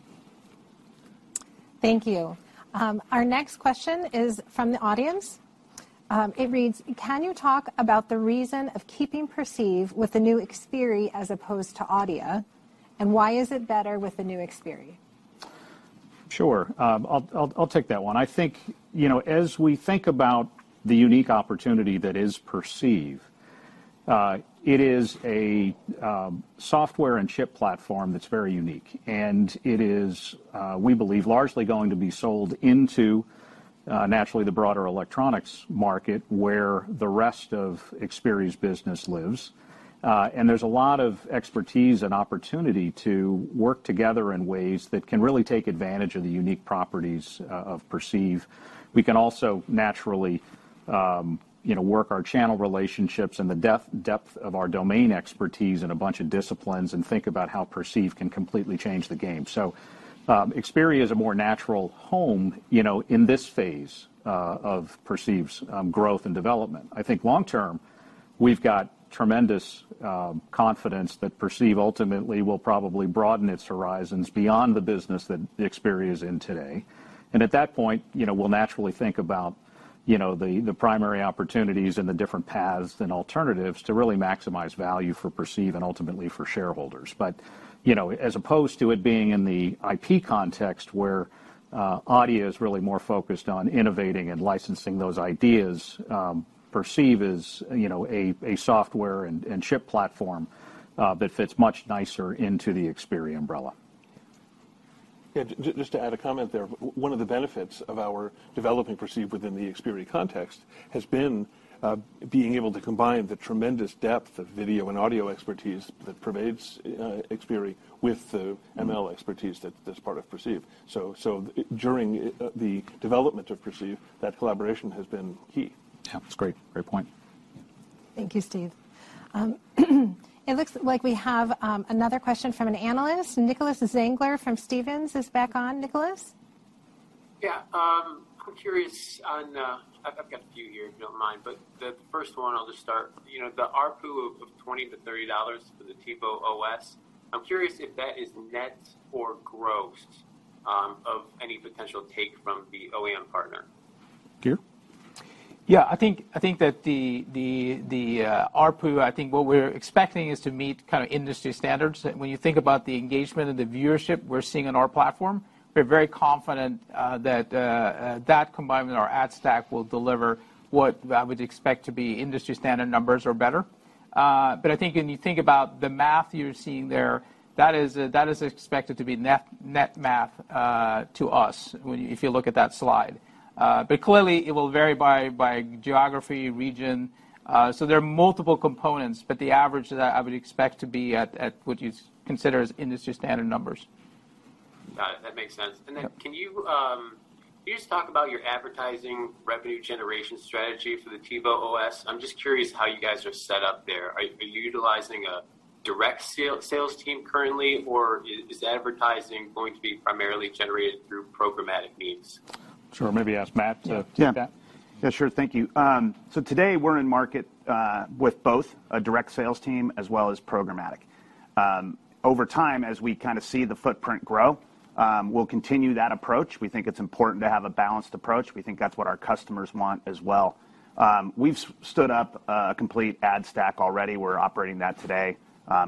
Thank you. Our next question is from the audience. It reads: Can you talk about the reason of keeping Perceive with the new Xperi as opposed to Adeia, and why is it better with the new Xperi? Sure. I'll take that one. I think, you know, as we think about the unique opportunity that is Perceive, it is a software and chip platform that's very unique, and it is, we believe, largely going to be sold into, naturally the broader electronics market where the rest of Xperi's business lives. And there's a lot of expertise and opportunity to work together in ways that can really take advantage of the unique properties of Perceive. We can also naturally, you know, work our channel relationships and the depth of our domain expertise in a bunch of disciplines and think about how Perceive can completely change the game. Xperi is a more natural home, you know, in this phase of Perceive's growth and development. I think long term, we've got tremendous confidence that Perceive ultimately will probably broaden its horizons beyond the business that Xperi is in today. At that point, you know, we'll naturally think about, you know, the primary opportunities and the different paths and alternatives to really maximize value for Perceive and ultimately for shareholders. You know, as opposed to it being in the IP context where Adeia is really more focused on innovating and licensing those ideas, Perceive is, you know, a software and chip platform that fits much nicer into the Xperi umbrella. Just to add a comment there. One of the benefits of our developing Perceive within the Xperi context has been being able to combine the tremendous depth of video and audio expertise that pervades Xperi with the ML expertise that is part of Perceive. During the development of Perceive, that collaboration has been key. Yeah. That's great. Great point. Yeah. Thank you, Steve. It looks like we have another question from an analyst. Nicholas Zangler from Stephens is back on. Nicholas? Yeah. I'm curious on, I've got a few here, if you don't mind, but the first one I'll just start. You know, the ARPU of $20-$30 for the TiVo OS, I'm curious if that is net or gross, of any potential take from the OEM partner. Geir? Yeah. I think that the ARPU, I think what we're expecting is to meet kinda industry standards. When you think about the engagement and the viewership we're seeing in our platform, we're very confident that combined with our ad stack will deliver what I would expect to be industry standard numbers or better. I think when you think about the math you're seeing there, that is expected to be net math to us if you look at that slide. Clearly it will vary by geography, region, so there are multiple components, but the average that I would expect to be at what you'd consider as industry standard numbers. Got it. That makes sense. Yeah. Can you just talk about your advertising revenue generation strategy for the TiVo OS? I'm just curious how you guys are set up there. Are you utilizing a direct sales team currently, or is advertising going to be primarily generated through programmatic means? Sure. Yeah. Take that. Yeah. Sure. Thank you. So today we're in market with both a direct sales team as well as programmatic. Over time, as we kinda see the footprint grow, we'll continue that approach. We think it's important to have a balanced approach. We think that's what our customers want as well. We've stood up a complete ad stack already. We're operating that today.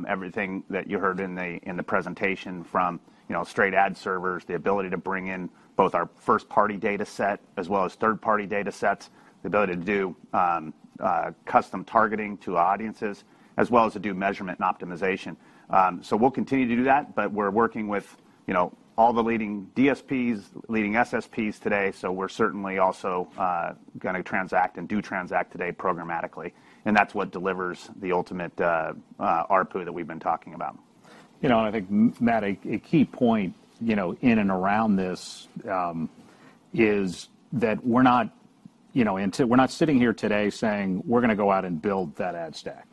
Everything that you heard in the presentation from, you know, straight ad servers, the ability to bring in both our first party data set as well as third party data sets, the ability to do custom targeting to audiences, as well as to do measurement and optimization. We'll continue to do that, but we're working with, you know, all the leading DSPs, leading SSPs today, so we're certainly also gonna transact and do transact today programmatically, and that's what delivers the ultimate ARPU that we've been talking about. You know, I think, Matt, a key point, you know, in and around this, is that we're not sitting here today saying we're gonna go out and build that ad stack.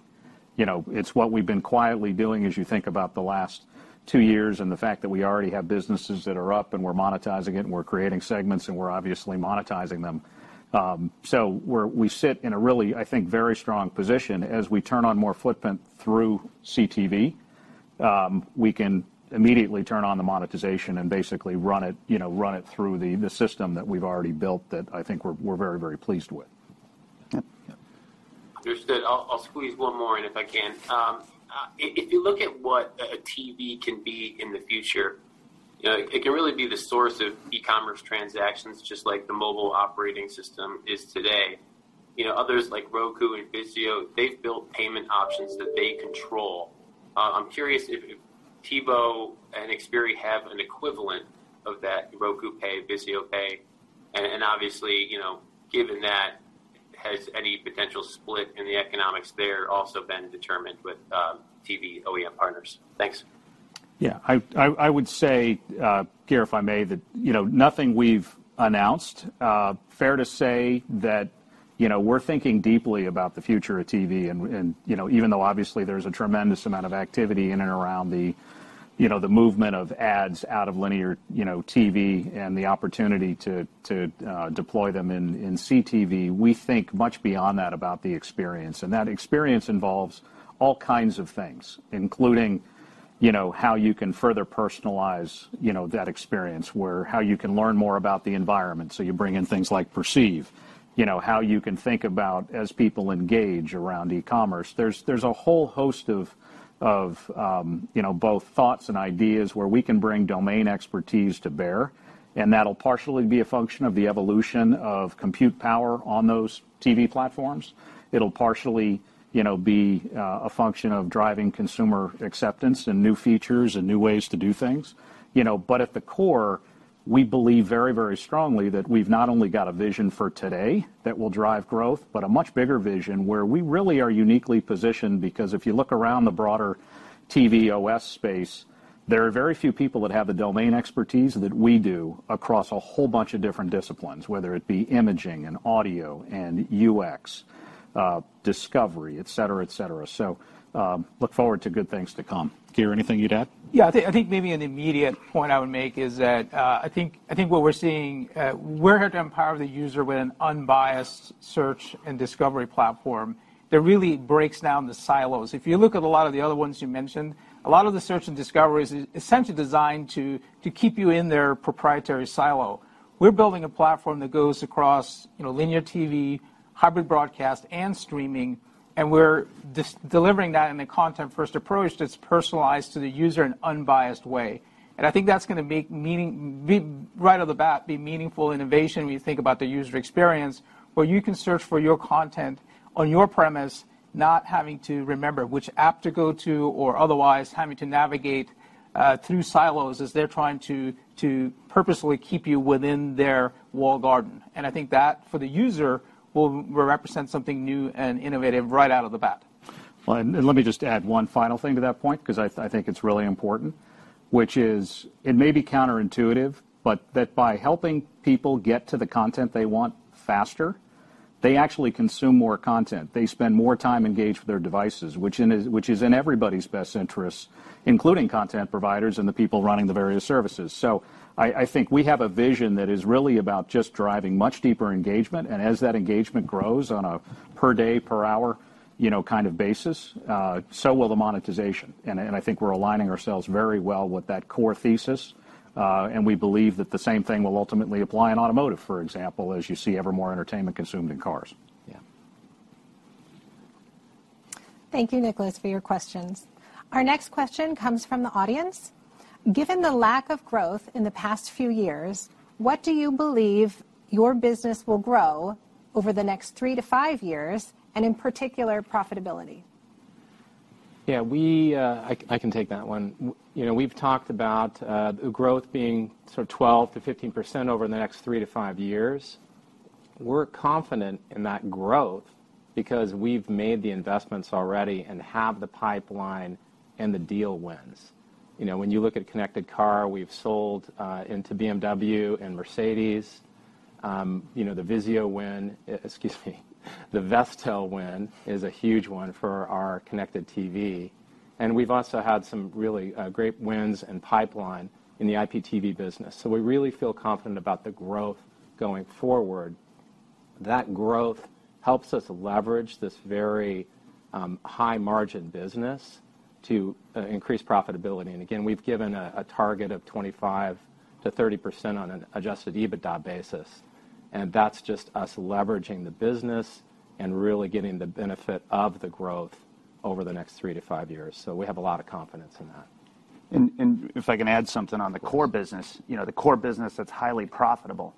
You know, it's what we've been quietly doing as you think about the last two years and the fact that we already have businesses that are up, and we're monetizing it, and we're creating segments, and we're obviously monetizing them. We sit in a really, I think, very strong position. As we turn on more footprint through CTV, we can immediately turn on the monetization and basically run it, you know, run it through the system that we've already built that I think we're very, very pleased with. Yep. Yep. Understood. I'll squeeze one more in, if I can. If you look at what a TV can be in the future, you know, it can really be the source of e-commerce transactions, just like the mobile operating system is today. You know, others like Roku and VIZIO, they've built payment options that they control. I'm curious if TiVo and Xperi have an equivalent of that Roku Pay, VIZIO Pay, and obviously, you know, given that, has any potential split in the economics there also been determined with TV OEM partners? Thanks. Yeah. I would say, Geir, if I may, that, you know, nothing we've announced. Fair to say that, you know, we're thinking deeply about the future of TV and, you know, even though obviously there's a tremendous amount of activity in and around the, you know, the movement of ads out of linear, you know, TV and the opportunity to deploy them in CTV, we think much beyond that about the experience. That experience involves all kinds of things, including, you know, how you can further personalize, you know, that experience, where how you can learn more about the environment, so you bring in things like Perceive. You know, how you can think about as people engage around e-commerce. There's a whole host of, you know, both thoughts and ideas where we can bring domain expertise to bear, and that'll partially be a function of the evolution of compute power on those TV platforms. It'll partially, you know, be a function of driving consumer acceptance and new features and new ways to do things. You know, but at the core, we believe very, very strongly that we've not only got a vision for today that will drive growth, but a much bigger vision where we really are uniquely positioned because if you look around the broader TV OS space, there are very few people that have the domain expertise that we do across a whole bunch of different disciplines, whether it be imaging and audio and UX, discovery, et cetera, et cetera. Look forward to good things to come. Geir, anything you'd add? Yeah. I think maybe an immediate point I would make is that, I think what we're seeing, we're here to empower the user with an unbiased search and discovery platform that really breaks down the silos. If you look at a lot of the other ones you mentioned, a lot of the search and discovery is essentially designed to keep you in their proprietary silo. We're building a platform that goes across, you know, linear TV, hybrid broadcast, and streaming, and we're delivering that in a content-first approach that's personalized to the user in an unbiased way. I think that's gonna make meaning. Right off the bat, be meaningful innovation when you think about the user experience, where you can search for your content on your premise, not having to remember which app to go to or otherwise having to navigate through silos as they're trying to purposefully keep you within their walled garden. I think that, for the user, will represent something new and innovative right off the bat. Let me just add one final thing to that point 'cause I think it's really important, which is it may be counterintuitive, but that by helping people get to the content they want faster. They actually consume more content. They spend more time engaged with their devices, which is in everybody's best interests, including content providers and the people running the various services. I think we have a vision that is really about just driving much deeper engagement, and as that engagement grows on a per day, per hour, you know, kind of basis, so will the monetization. I think we're aligning ourselves very well with that core thesis, and we believe that the same thing will ultimately apply in automotive, for example, as you see ever more entertainment consumed in cars. Yeah. Thank you, Nicholas, for your questions. Our next question comes from the audience. Given the lack of growth in the past few years, what do you believe your business will grow over the next three to five years, and in particular, profitability? Yeah. We, I can take that one. You know, we've talked about growth being sort of 12%-15% over the next three to five years. We're confident in that growth because we've made the investments already and have the pipeline and the deal wins. You know, when you look at connected car, we've sold into BMW and Mercedes. You know, the VIZIO win, excuse me, the Vestel win is a huge one for our connected TV. We've also had some really great wins and pipeline in the IPTV business. We really feel confident about the growth going forward. That growth helps us leverage this very high-margin business to increase profitability. We've given a target of 25%-30% on an Adjusted EBITDA basis, and that's just us leveraging the business and really getting the benefit of the growth over the next three to five years. We have a lot of confidence in that. If I can add something on the core business. You know, the core business that's highly profitable.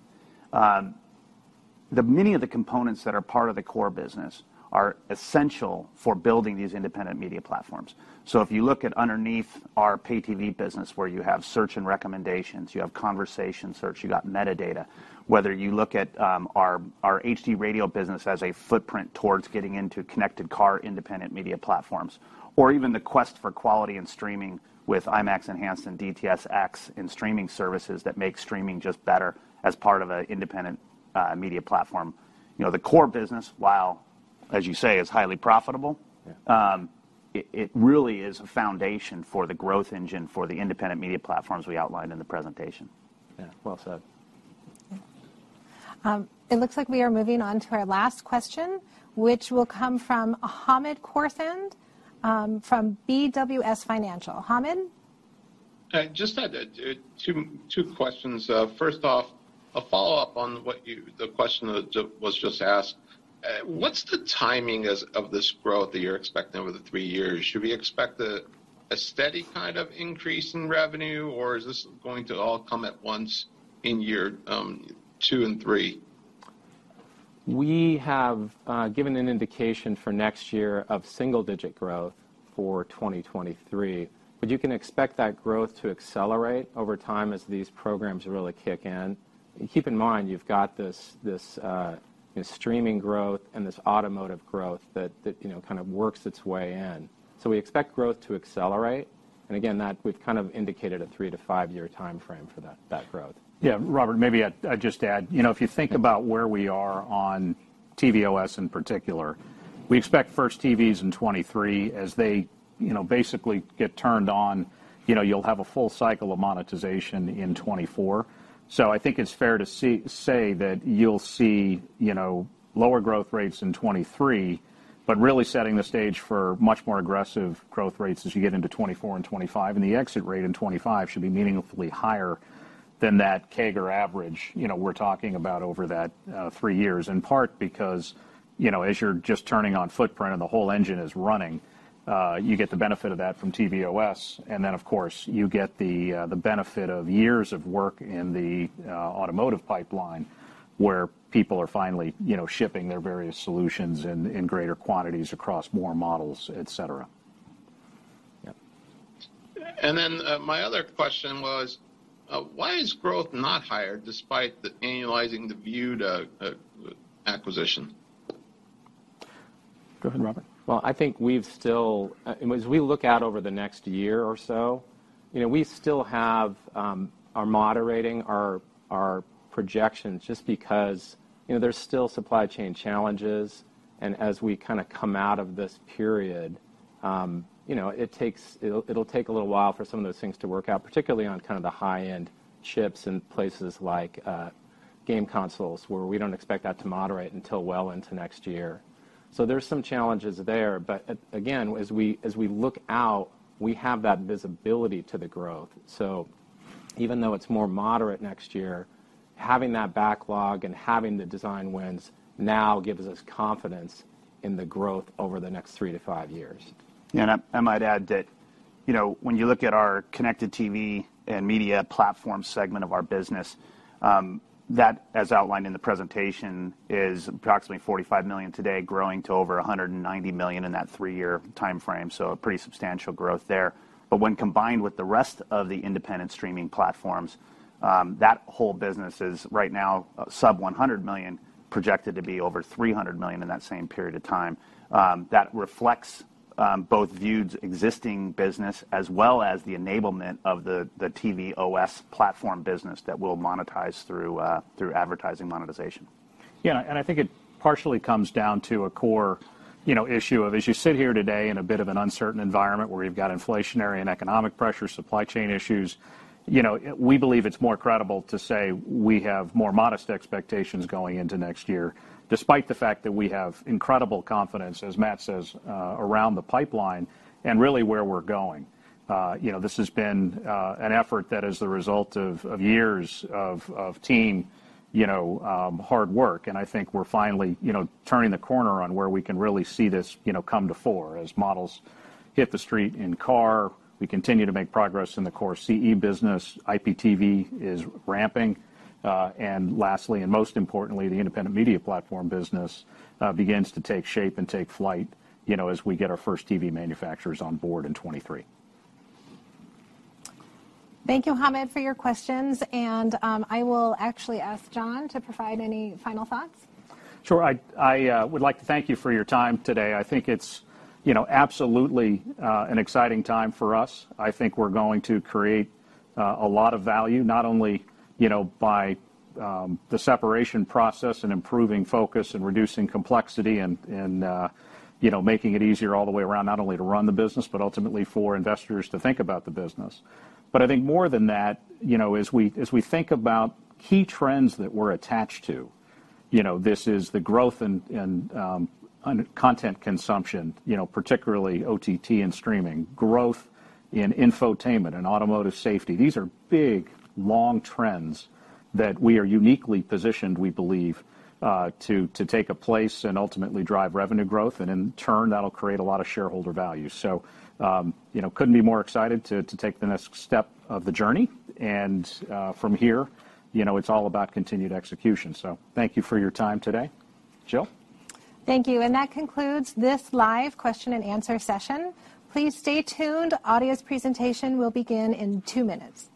Many of the components that are part of the core business are essential for building these independent media platforms. If you look at underneath our Pay-TV business where you have search and recommendations, you have conversation search, you got metadata. Whether you look at our HD Radio business as a footprint towards getting into connected car independent media platforms or even the quest for quality and streaming with IMAX Enhanced and DTS:X in streaming services that make streaming just better as part of a independent media platform. You know, the core business, while as you say, is highly profitable. Yeah. It really is a foundation for the growth engine for the independent media platforms we outlined in the presentation. Yeah. Well said. Yeah. It looks like we are moving on to our last question, which will come from Hamed Khorsand from BWS Financial. Hamed? I just had two questions. First off, a follow-up on the question that was just asked. What's the timing as of this growth that you're expecting over the three years? Should we expect a steady kind of increase in revenue, or is this going to all come at once in year two and three? We have given an indication for next year of single-digit growth for 2023, but you can expect that growth to accelerate over time as these programs really kick in. Keep in mind, you've got this you know, streaming growth and this automotive growth that you know, kind of works its way in. We expect growth to accelerate, and again, that we've kind of indicated a three to five year timeframe for that growth. Yeah. Robert, maybe I'd just add. You know, if you think about where we are on TiVo OS in particular, we expect first TVs in 2023 as they, you know, basically get turned on. You know, you'll have a full cycle of monetization in 2024. So I think it's fair to say that you'll see, you know, lower growth rates in 2023, but really setting the stage for much more aggressive growth rates as you get into 2024 and 2025. The exit rate in 2025 should be meaningfully higher than that CAGR average, you know, we're talking about over that three years, in part because, you know, as you're just turning on footprint and the whole engine is running, you get the benefit of that from TiVo OS. Of course, you get the benefit of years of work in the automotive pipeline where people are finally, you know, shipping their various solutions in greater quantities across more models, et cetera. Yeah. My other question was, why is growth not higher despite annualizing the Vewd acquisition? Go ahead, Robert. Well, I think we've still as we look out over the next year or so, you know, we are moderating our projections just because, you know, there's still supply chain challenges. As we kinda come out of this period, you know, it will take a little while for some of those things to work out, particularly on kind of the high-end chips in places like game consoles where we don't expect that to moderate until well into next year. There's some challenges there. Again, as we look out, we have that visibility to the growth. Even though it's more moderate next year, having that backlog and having the design wins now gives us confidence in the growth over the next three to five years. I might add that, you know, when you look at our connected TV and media platform segment of our business, that, as outlined in the presentation, is approximately $45 million today growing to over $190 million in that three-year timeframe, so a pretty substantial growth there. When combined with the rest of the independent streaming platforms, that whole business is right now under $100 million, projected to be over $300 million in that same period of time. That reflects both Vewd's existing business as well as the enablement of the TiVo OS platform business that we'll monetize through advertising monetization. I think it partially comes down to a core, you know, issue of as you sit here today in a bit of an uncertain environment where we've got inflationary and economic pressure, supply chain issues. You know, we believe it's more credible to say we have more modest expectations going into next year, despite the fact that we have incredible confidence, as Matt says, around the pipeline and really where we're going. You know, this has been an effort that is the result of years of team, you know, hard work. I think we're finally, you know, turning the corner on where we can really see this, you know, come to fore as models hit the street in car. We continue to make progress in the core CE business. IPTV is ramping. Lastly, and most importantly, the independent media platform business begins to take shape and take flight, you know, as we get our first TV manufacturers on board in 2023. Thank you, Hamed, for your questions. I will actually ask Jon to provide any final thoughts. Sure. I would like to thank you for your time today. I think it's, you know, absolutely, an exciting time for us. I think we're going to create a lot of value, not only, you know, by the separation process and improving focus and reducing complexity and, you know, making it easier all the way around not only to run the business, but ultimately for investors to think about the business. I think more than that, you know, as we think about key trends that we're attached to, you know, this is the growth in content consumption, you know, particularly OTT and streaming. Growth in infotainment and automotive safety. These are big, long trends that we are uniquely positioned, we believe, to take a place and ultimately drive revenue growth. In turn, that'll create a lot of shareholder value. You know, couldn't be more excited to take the next step of the journey. From here, you know, it's all about continued execution. Thank you for your time today. Jill. Thank you. That concludes this live question and answer session. Please stay tuned. Adeia's presentation will begin in two minutes.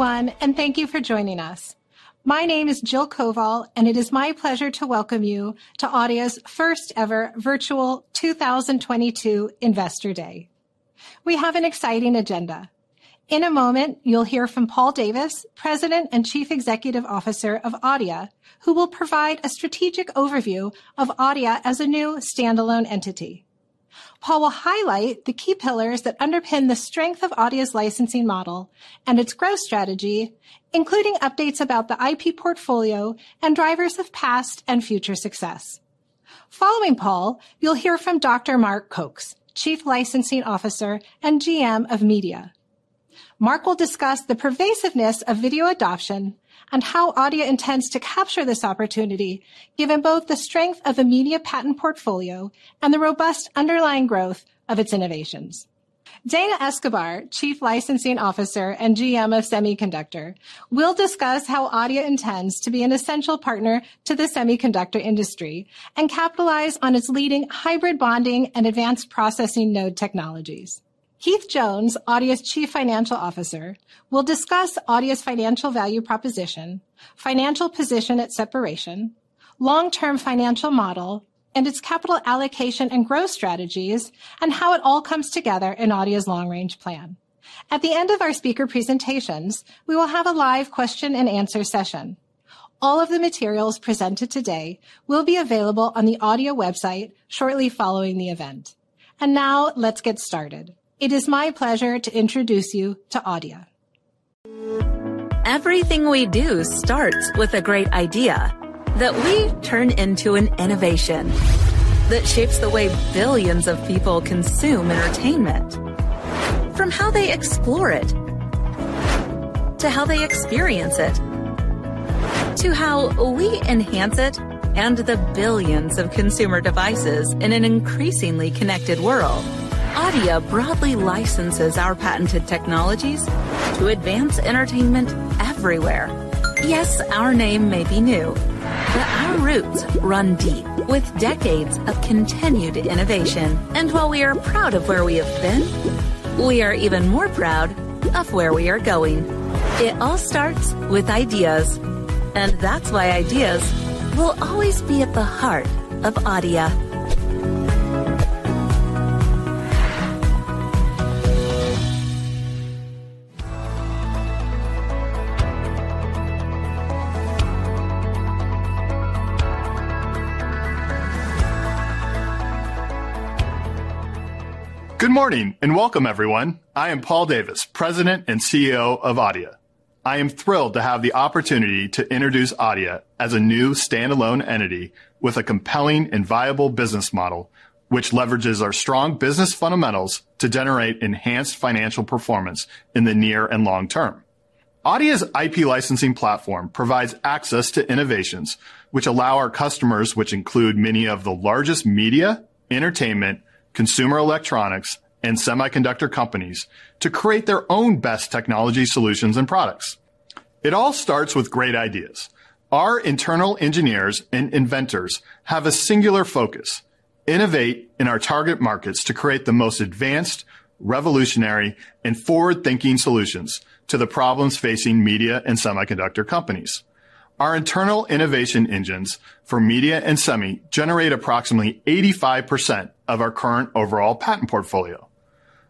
Hello, everyone, and thank you for joining us. My name is Jill Koval, and it is my pleasure to welcome you to Adeia's first ever Virtual 2022 Investor Day. We have an exciting agenda. In a moment, you'll hear from Paul Davis, President and Chief Executive Officer of Adeia, who will provide a strategic overview of Adeia as a new standalone entity. Paul will highlight the key pillars that underpin the strength of Adeia's licensing model and its growth strategy, including updates about the IP portfolio and drivers of past and future success. Following Paul, you'll hear from Dr. Mark Kokes, Chief Licensing Officer and GM of Media. Mark will discuss the pervasiveness of video adoption and how Adeia intends to capture this opportunity, given both the strength of the media patent portfolio and the robust underlying growth of its innovations. Dana Escobar, Chief Licensing Officer and GM of Semiconductor, will discuss how Adeia intends to be an essential partner to the semiconductor industry and capitalize on its leading hybrid bonding and advanced process node technologies. Keith Jones, Adeia's Chief Financial Officer, will discuss Adeia's financial value proposition, financial position at separation, long-term financial model, and its capital allocation and growth strategies, and how it all comes together in Adeia's long range plan. At the end of our speaker presentations, we will have a live question and answer session. All of the materials presented today will be available on the Adeia website shortly following the event. Now let's get started. It is my pleasure to introduce you to Adeia. Everything we do starts with a great idea that we turn into an innovation that shapes the way billions of people consume entertainment from how they explore it, to how they experience it, to how we enhance it, and the billions of consumer devices in an increasingly connected world. Adeia broadly licenses our patented technologies to advance entertainment everywhere. Yes, our name may be new, but our roots run deep with decades of continued innovation. While we are proud of where we have been, we are even more proud of where we are going. It all starts with ideas, and that's why ideas will always be at the heart of Adeia. Good morning, and welcome everyone. I am Paul Davis, President and CEO of Adeia. I am thrilled to have the opportunity to introduce Adeia as a new standalone entity with a compelling and viable business model which leverages our strong business fundamentals to generate enhanced financial performance in the near and long term. Adeia's IP licensing platform provides access to innovations which allow our customers, which include many of the largest media, entertainment, consumer electronics, and semiconductor companies, to create their own best technology solutions and products. It all starts with great ideas. Our internal engineers and inventors have a singular focus, innovate in our target markets to create the most advanced, revolutionary, and forward-thinking solutions to the problems facing media and semiconductor companies. Our internal innovation engines for media and semi generate approximately 85% of our current overall patent portfolio.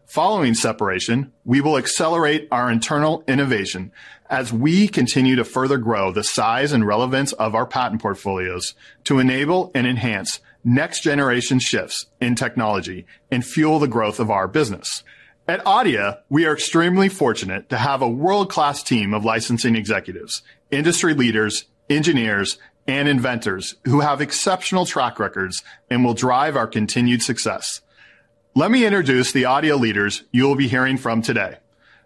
Following separation, we will accelerate our internal innovation as we continue to further grow the size and relevance of our patent portfolios to enable and enhance next-generation shifts in technology and fuel the growth of our business. At Adeia, we are extremely fortunate to have a world-class team of licensing executives, industry leaders, engineers, and inventors who have exceptional track records and will drive our continued success. Let me introduce the Adeia leaders you'll be hearing from today.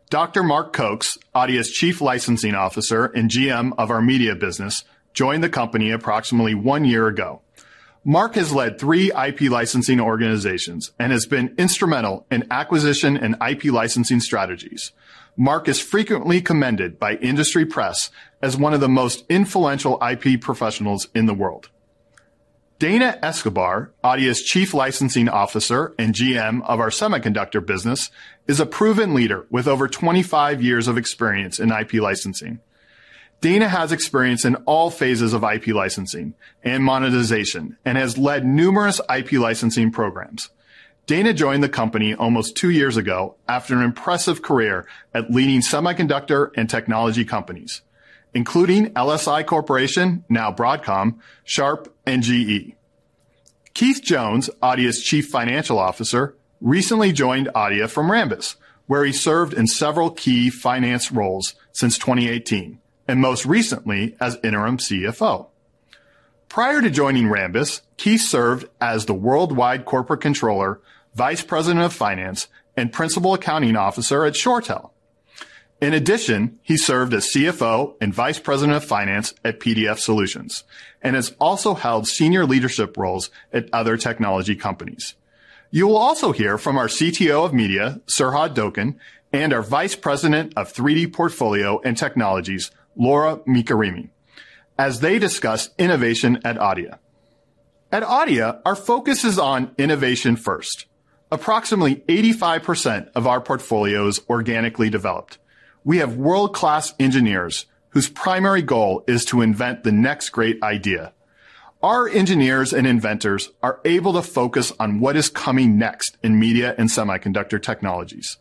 Dr. Mark Kokes, Adeia's Chief Licensing Officer and GM of our Media business, joined the company approximately one year ago. Mark has led three IP licensing organizations and has been instrumental in acquisition and IP licensing strategies. Mark is frequently commended by industry press as one of the most influential IP professionals in the world. Dana Escobar, Adeia's Chief Licensing Officer and GM of our Semiconductor business, is a proven leader with over 25 years of experience in IP licensing. Dana has experience in all phases of IP licensing and monetization and has led numerous IP licensing programs. Dana joined the company almost two years ago after an impressive career at leading semiconductor and technology companies, including LSI Corporation, now Broadcom, Sharp, and GE. Keith Jones, Adeia's Chief Financial Officer, recently joined Adeia from Rambus, where he served in several key finance roles since 2018, and most recently as interim CFO. Prior to joining Rambus, Keith served as the worldwide Corporate Controller Vice President of Finance, and Principal Accounting Officer at ShoreTel. In addition, he served as CFO and Vice President of Finance at PDF Solutions and has also held senior leadership roles at other technology companies. You will also hear from our CTO of Media, Serhad Doken, and our Vice President of 3D Portfolio and Technologies, Laura Mirkarimi, as they discuss innovation at Adeia. At Adeia, our focus is on innovation first. Approximately 85% of our portfolio is organically developed. We have world-class engineers whose primary goal is to invent the next great idea. Our engineers and inventors are able to focus on what is coming next in media and semiconductor technologies.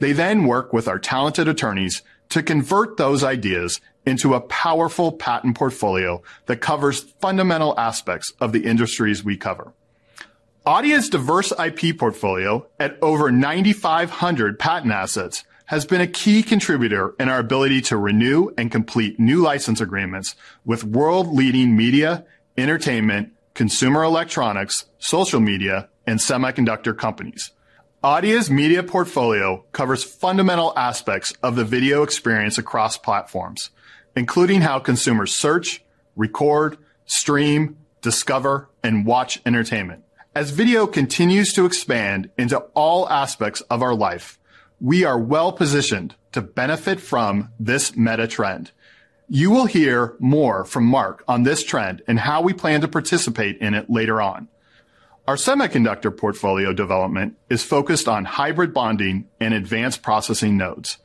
They then work with our talented attorneys to convert those ideas into a powerful patent portfolio that covers fundamental aspects of the industries we cover. Adeia's diverse IP portfolio, at over 9,500 patent assets, has been a key contributor in our ability to renew and complete new license agreements with world-leading media, entertainment, consumer electronics, social media, and semiconductor companies. Adeia's media portfolio covers fundamental aspects of the video experience across platforms, including how consumers search, record, stream, discover, and watch entertainment. As video continues to expand into all aspects of our life, we are well-positioned to benefit from this meta trend. You will hear more from Mark on this trend and how we plan to participate in it later on. Our semiconductor portfolio development is focused on hybrid bonding and advanced process nodes.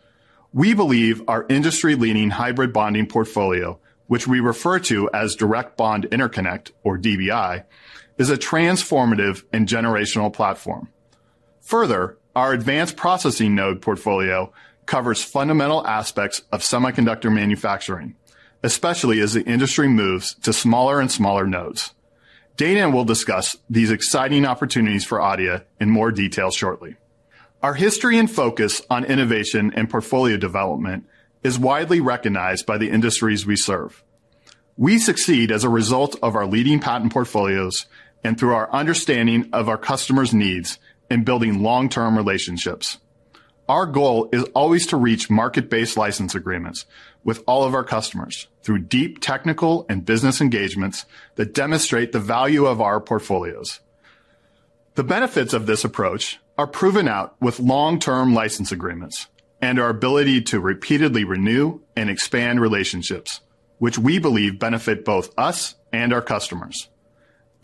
We believe our industry-leading hybrid bonding portfolio, which we refer to as Direct Bond Interconnect or DBI, is a transformative and generational platform. Further, our advanced processing node portfolio covers fundamental aspects of semiconductor manufacturing, especially as the industry moves to smaller and smaller nodes. Dana will discuss these exciting opportunities for Adeia in more detail shortly. Our history and focus on innovation and portfolio development is widely recognized by the industries we serve. We succeed as a result of our leading patent portfolios and through our understanding of our customers' needs in building long-term relationships. Our goal is always to reach market-based license agreements with all of our customers through deep technical and business engagements that demonstrate the value of our portfolios. The benefits of this approach are proven out with long-term license agreements and our ability to repeatedly renew and expand relationships which we believe benefit both us and our customers.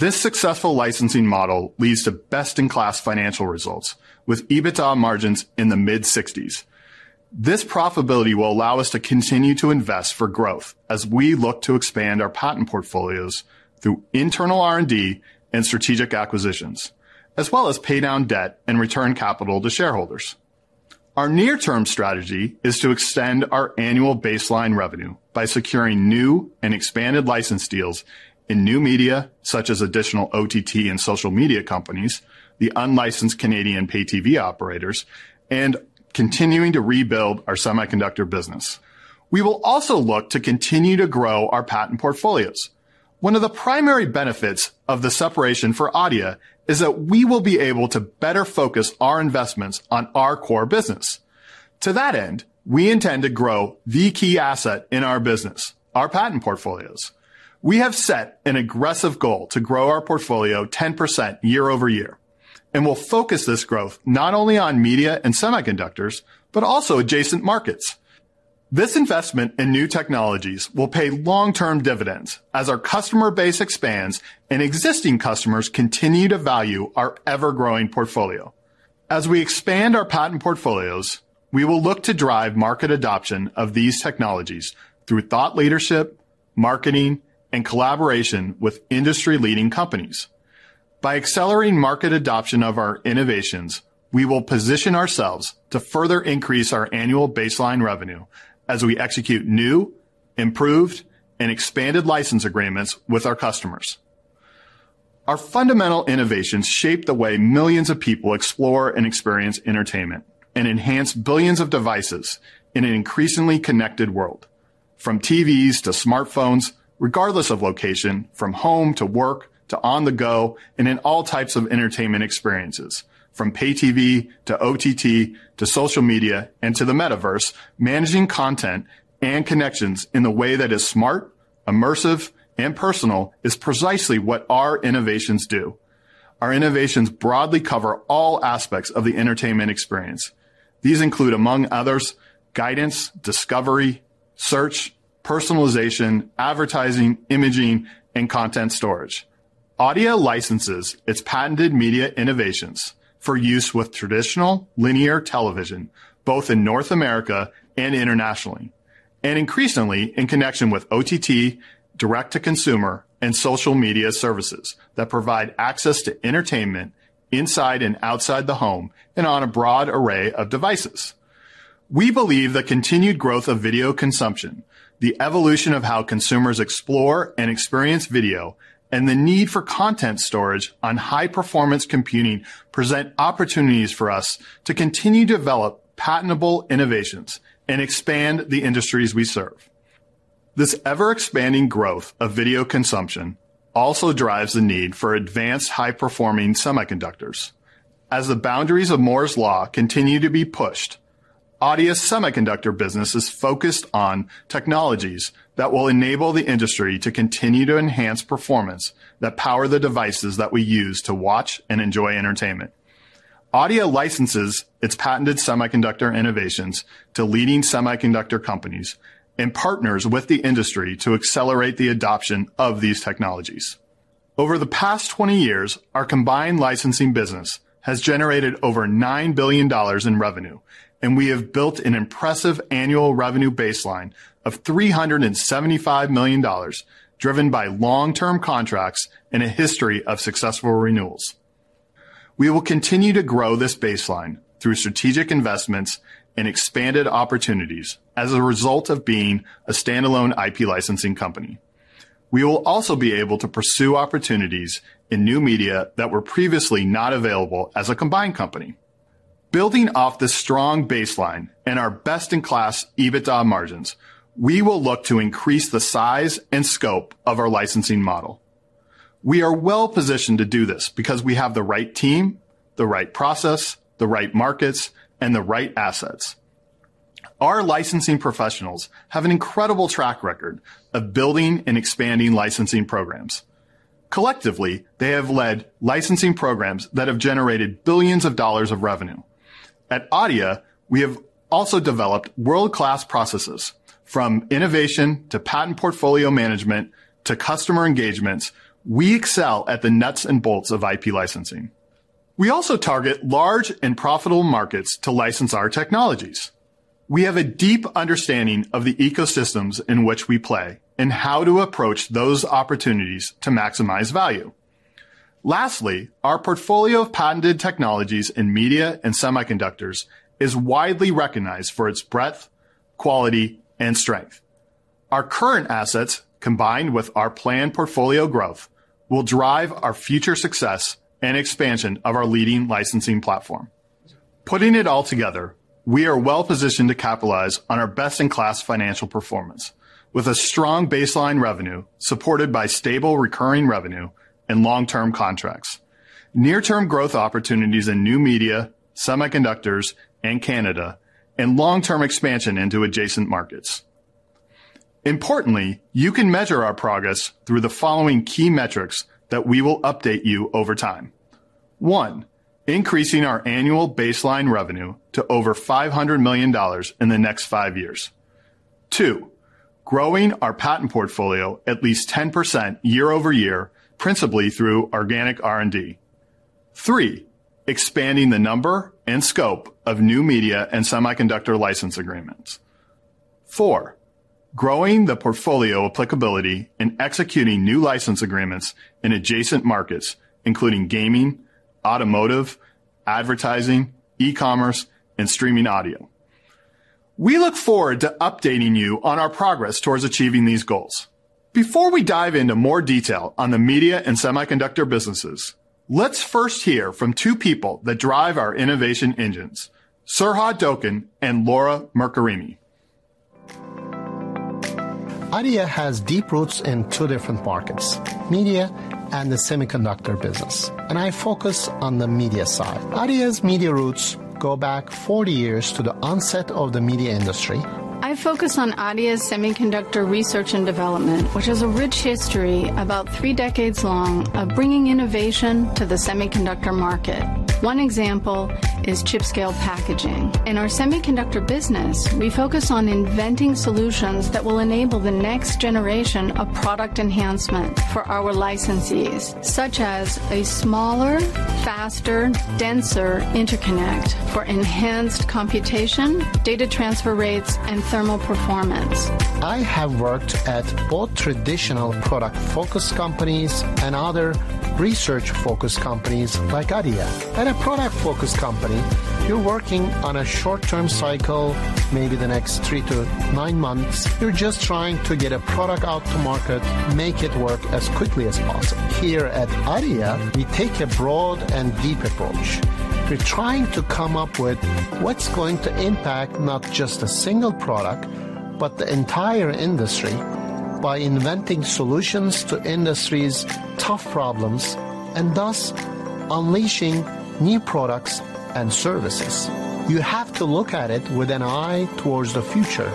This successful licensing model leads to best-in-class financial results with EBITDA margins in the mid-60s%. This profitability will allow us to continue to invest for growth as we look to expand our patent portfolios through internal R&D and strategic acquisitions, as well as pay down debt and return capital to shareholders. Our near-term strategy is to extend our annual baseline revenue by securing new and expanded license deals in new media, such as additional OTT and social media companies, the unlicensed Canadian Pay-TV operators, and continuing to rebuild our semiconductor business. We will also look to continue to grow our patent portfolios. One of the primary benefits of the separation for Adeia is that we will be able to better focus our investments on our core business. To that end, we intend to grow the key asset in our business, our patent portfolios. We have set an aggressive goal to grow our portfolio 10% year-over-year, and we'll focus this growth not only on media and semiconductors, but also adjacent markets. This investment in new technologies will pay long-term dividends as our customer base expands and existing customers continue to value our ever-growing portfolio. As we expand our patent portfolios, we will look to drive market adoption of these technologies through thought leadership, marketing, and collaboration with industry-leading companies. By accelerating market adoption of our innovations, we will position ourselves to further increase our annual baseline revenue as we execute new, improved, and expanded license agreements with our customers. Our fundamental innovations shape the way millions of people explore and experience entertainment and enhance billions of devices in an increasingly connected world, from TVs to smartphones, regardless of location, from home to work to on-the-go, and in all types of entertainment experiences. From Pay-TV to OTT to social media and to the metaverse, managing content and connections in a way that is smart, immersive, and personal is precisely what our innovations do. Our innovations broadly cover all aspects of the entertainment experience. These include, among others, guidance, discovery, search, personalization, advertising, imaging, and content storage. Adeia licenses its patented media innovations for use with traditional linear television, both in North America and internationally, and increasingly in connection with OTT, Direct-To-Consumer, and social media services that provide access to entertainment inside and outside the home and on a broad array of devices. We believe the continued growth of video consumption, the evolution of how consumers explore and experience video, and the need for content storage on high-performance computing present opportunities for us to continue to develop patentable innovations and expand the industries we serve. This ever-expanding growth of video consumption also drives the need for advanced high-performing semiconductors. As the boundaries of Moore's law continue to be pushed, Adeia's semiconductor business is focused on technologies that will enable the industry to continue to enhance performance that power the devices that we use to watch and enjoy entertainment. Adeia licenses its patented semiconductor innovations to leading semiconductor companies and partners with the industry to accelerate the adoption of these technologies. Over the past 20 years, our combined licensing business has generated over $9 billion in revenue, and we have built an impressive annual revenue baseline of $375 million, driven by long-term contracts and a history of successful renewals. We will continue to grow this baseline through strategic investments and expanded opportunities as a result of being a standalone IP licensing company. We will also be able to pursue opportunities in new media that were previously not available as a combined company. Building off the strong baseline and our best-in-class EBITDA margins, we will look to increase the size and scope of our licensing model. We are well-positioned to do this because we have the right team, the right process, the right markets, and the right assets. Our licensing professionals have an incredible track record of building and expanding licensing programs. Collectively, they have led licensing programs that have generated billions of dollars of revenue. At Adeia, we have also developed world-class processes from innovation to patent portfolio management to customer engagements. We excel at the nuts and bolts of IP licensing. We also target large and profitable markets to license our technologies. We have a deep understanding of the ecosystems in which we play and how to approach those opportunities to maximize value. Lastly, our portfolio of patented technologies in media and semiconductors is widely recognized for its breadth, quality, and strength. Our current assets, combined with our planned portfolio growth, will drive our future success and expansion of our leading licensing platform. Putting it all together, we are well-positioned to capitalize on our best-in-class financial performance with a strong baseline revenue supported by stable recurring revenue and long-term contracts, near-term growth opportunities in new media, semiconductors, and Canada, and long-term expansion into adjacent markets. Importantly, you can measure our progress through the following key metrics that we will update you over time. One, increasing our annual baseline revenue to over $500 million in the next five years. Two, growing our patent portfolio at least 10% year-over-year, principally through organic R&D. Three, expanding the number and scope of new media and semiconductor license agreements. Four, growing the portfolio applicability and executing new license agreements in adjacent markets, including gaming, automotive, advertising, e-commerce, and streaming audio. We look forward to updating you on our progress towards achieving these goals. Before we dive into more detail on the media and semiconductor businesses, let's first hear from two people that drive our innovation engines, Serhad Doken and Laura Mirkarimi. Adeia has deep roots in two different markets, media and the semiconductor business. I focus on the media side. Adeia's media roots go back 40 years to the onset of the media industry. I focus on Adeia's semiconductor research and development, which has a rich history about three decades long of bringing innovation to the semiconductor market. One example is chip-scale packaging. In our semiconductor business, we focus on inventing solutions that will enable the next generation of product enhancement for our licensees, such as a smaller, faster, denser interconnect for enhanced computation, data transfer rates, and thermal performance. I have worked at both traditional product-focused companies and other research-focused companies like Adeia. At a product-focused company, you're working on a short-term cycle, maybe the next three to nine months. You're just trying to get a product out to market, make it work as quickly as possible. Here at Adeia, we take a broad and deep approach. We're trying to come up with what's going to impact not just a single product, but the entire industry by inventing solutions to industry's tough problems and thus unleashing new products and services. You have to look at it with an eye towards the future,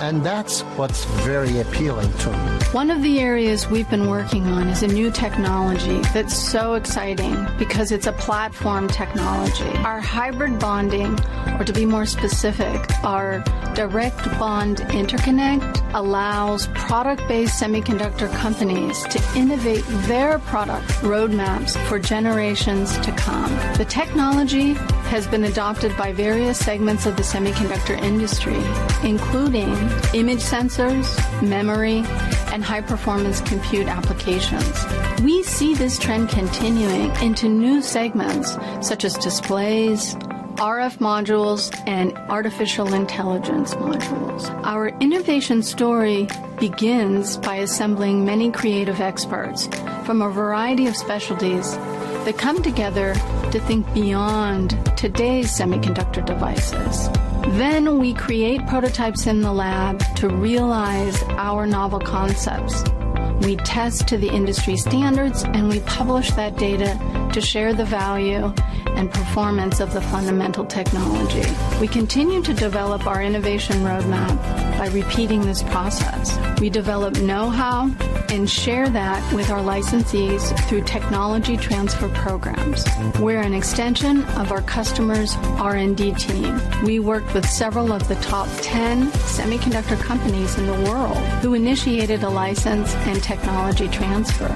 and that's what's very appealing to me. One of the areas we've been working on is a new technology that's so exciting because it's a platform technology. Our hybrid bonding, or to be more specific, our Direct Bond Interconnect, allows product-based semiconductor companies to innovate their product roadmaps for generations to come. The technology has been adopted by various segments of the semiconductor industry, including image sensors, memory, and high-performance compute applications. We see this trend continuing into new segments such as displays, RF modules, and artificial intelligence modules. Our innovation story begins by assembling many creative experts from a variety of specialties that come together to think beyond today's semiconductor devices. We create prototypes in the lab to realize our novel concepts. We test to the industry standards, and we publish that data to share the value and performance of the fundamental technology. We continue to develop our innovation roadmap by repeating this process. We develop know-how and share that with our licensees through technology transfer programs. We're an extension of our customer's R&D team. We work with several of the top 10 semiconductor companies in the world who initiated a license and technology transfer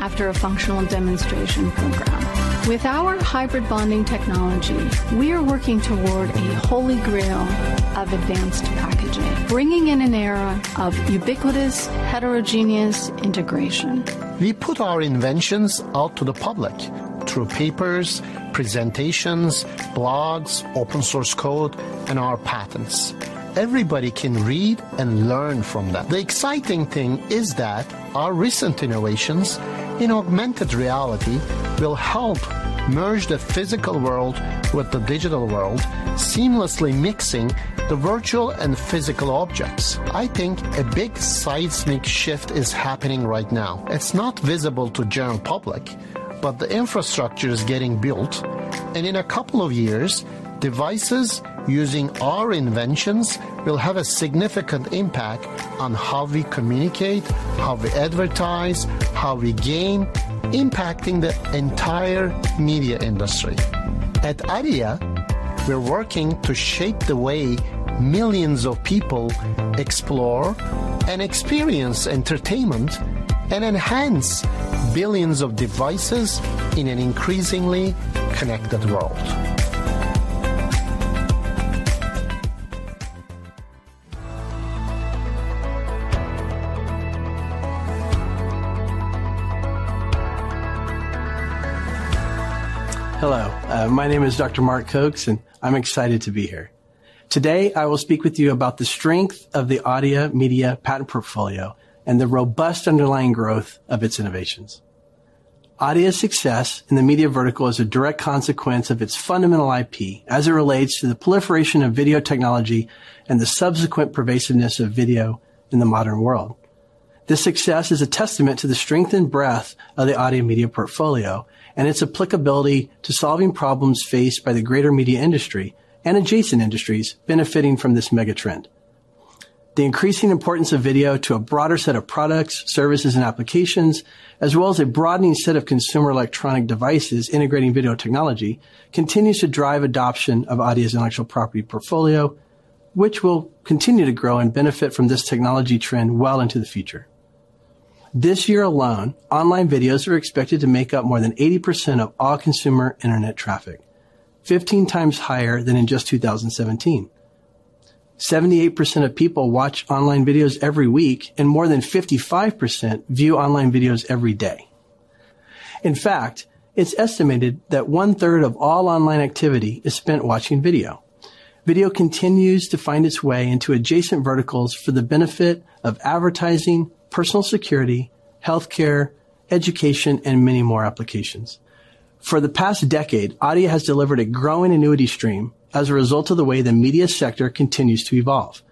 after a functional demonstration program. With our hybrid bonding technology, we are working toward a holy grail of advanced packaging, bringing in an era of ubiquitous heterogeneous integration. We put our inventions out to the public through papers, presentations, blogs, open source code, and our patents. Everybody can read and learn from that. The exciting thing is that our recent innovations in augmented reality will help merge the physical world with the digital world, seamlessly mixing the virtual and physical objects. I think a big seismic shift is happening right now. It's not visible to general public, but the infrastructure is getting built. In a couple of years, devices using our inventions will have a significant impact on how we communicate, how we advertise, how we engage, impacting the entire media industry. At Adeia, we're working to shape the way millions of people explore and experience entertainment and enhance billions of devices in an increasingly connected world. Hello. My name is Dr. Mark Kokes, and I'm excited to be here. Today, I will speak with you about the strength of the Adeia Media patent portfolio and the robust underlying growth of its innovations. Adeia's success in the media vertical is a direct consequence of its fundamental IP as it relates to the proliferation of video technology and the subsequent pervasiveness of video in the modern world. This success is a testament to the strength and breadth of the Adeia Media portfolio and its applicability to solving problems faced by the greater media industry and adjacent industries benefiting from this mega trend. The increasing importance of video to a broader set of products, services, and applications, as well as a broadening set of consumer electronic devices integrating video technology, continues to drive adoption of Adeia's intellectual property portfolio, which will continue to grow and benefit from this technology trend well into the future. This year alone, online videos are expected to make up more than 80% of all consumer internet traffic, 15x higher than in just 2017. 78% of people watch online videos every week, and more than 55% view online videos every day. In fact, it's estimated that 1/3 of all online activity is spent watching video. Video continues to find its way into adjacent verticals for the benefit of advertising, personal security, healthcare, education, and many more applications. For the past decade, Adeia has delivered a growing annuity stream as a result of the way the media sector continues to evolve.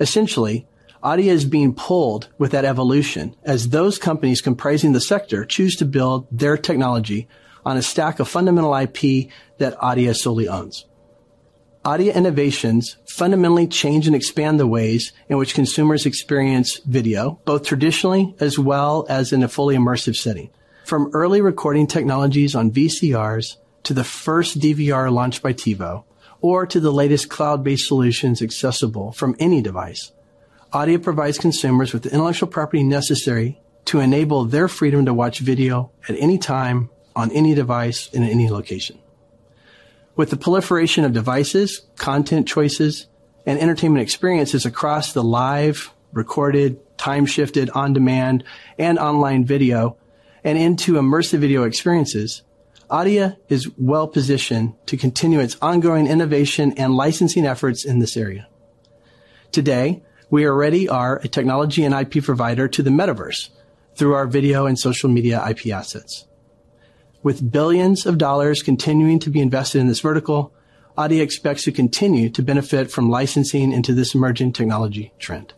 Essentially, Adeia is being pulled with that evolution as those companies comprising the sector choose to build their technology on a stack of fundamental IP that Adeia solely owns. Adeia innovations fundamentally change and expand the ways in which consumers experience video, both traditionally as well as in a fully immersive setting. From early recording technologies on VCRs to the first DVR launched by TiVo, or to the latest cloud-based solutions accessible from any device. Adeia provides consumers with the intellectual property necessary to enable their freedom to watch video at any time, on any device, in any location. With the proliferation of devices, content choices, and entertainment experiences across the live, recorded, time-shifted, on-demand, and online video, and into immersive video experiences, Adeia is well-positioned to continue its ongoing innovation and licensing efforts in this area. Today, we already are a technology and IP provider to the metaverse through our video and social media IP assets. With $ billions continuing to be invested in this vertical, Adeia expects to continue to benefit from licensing into this emerging technology trend.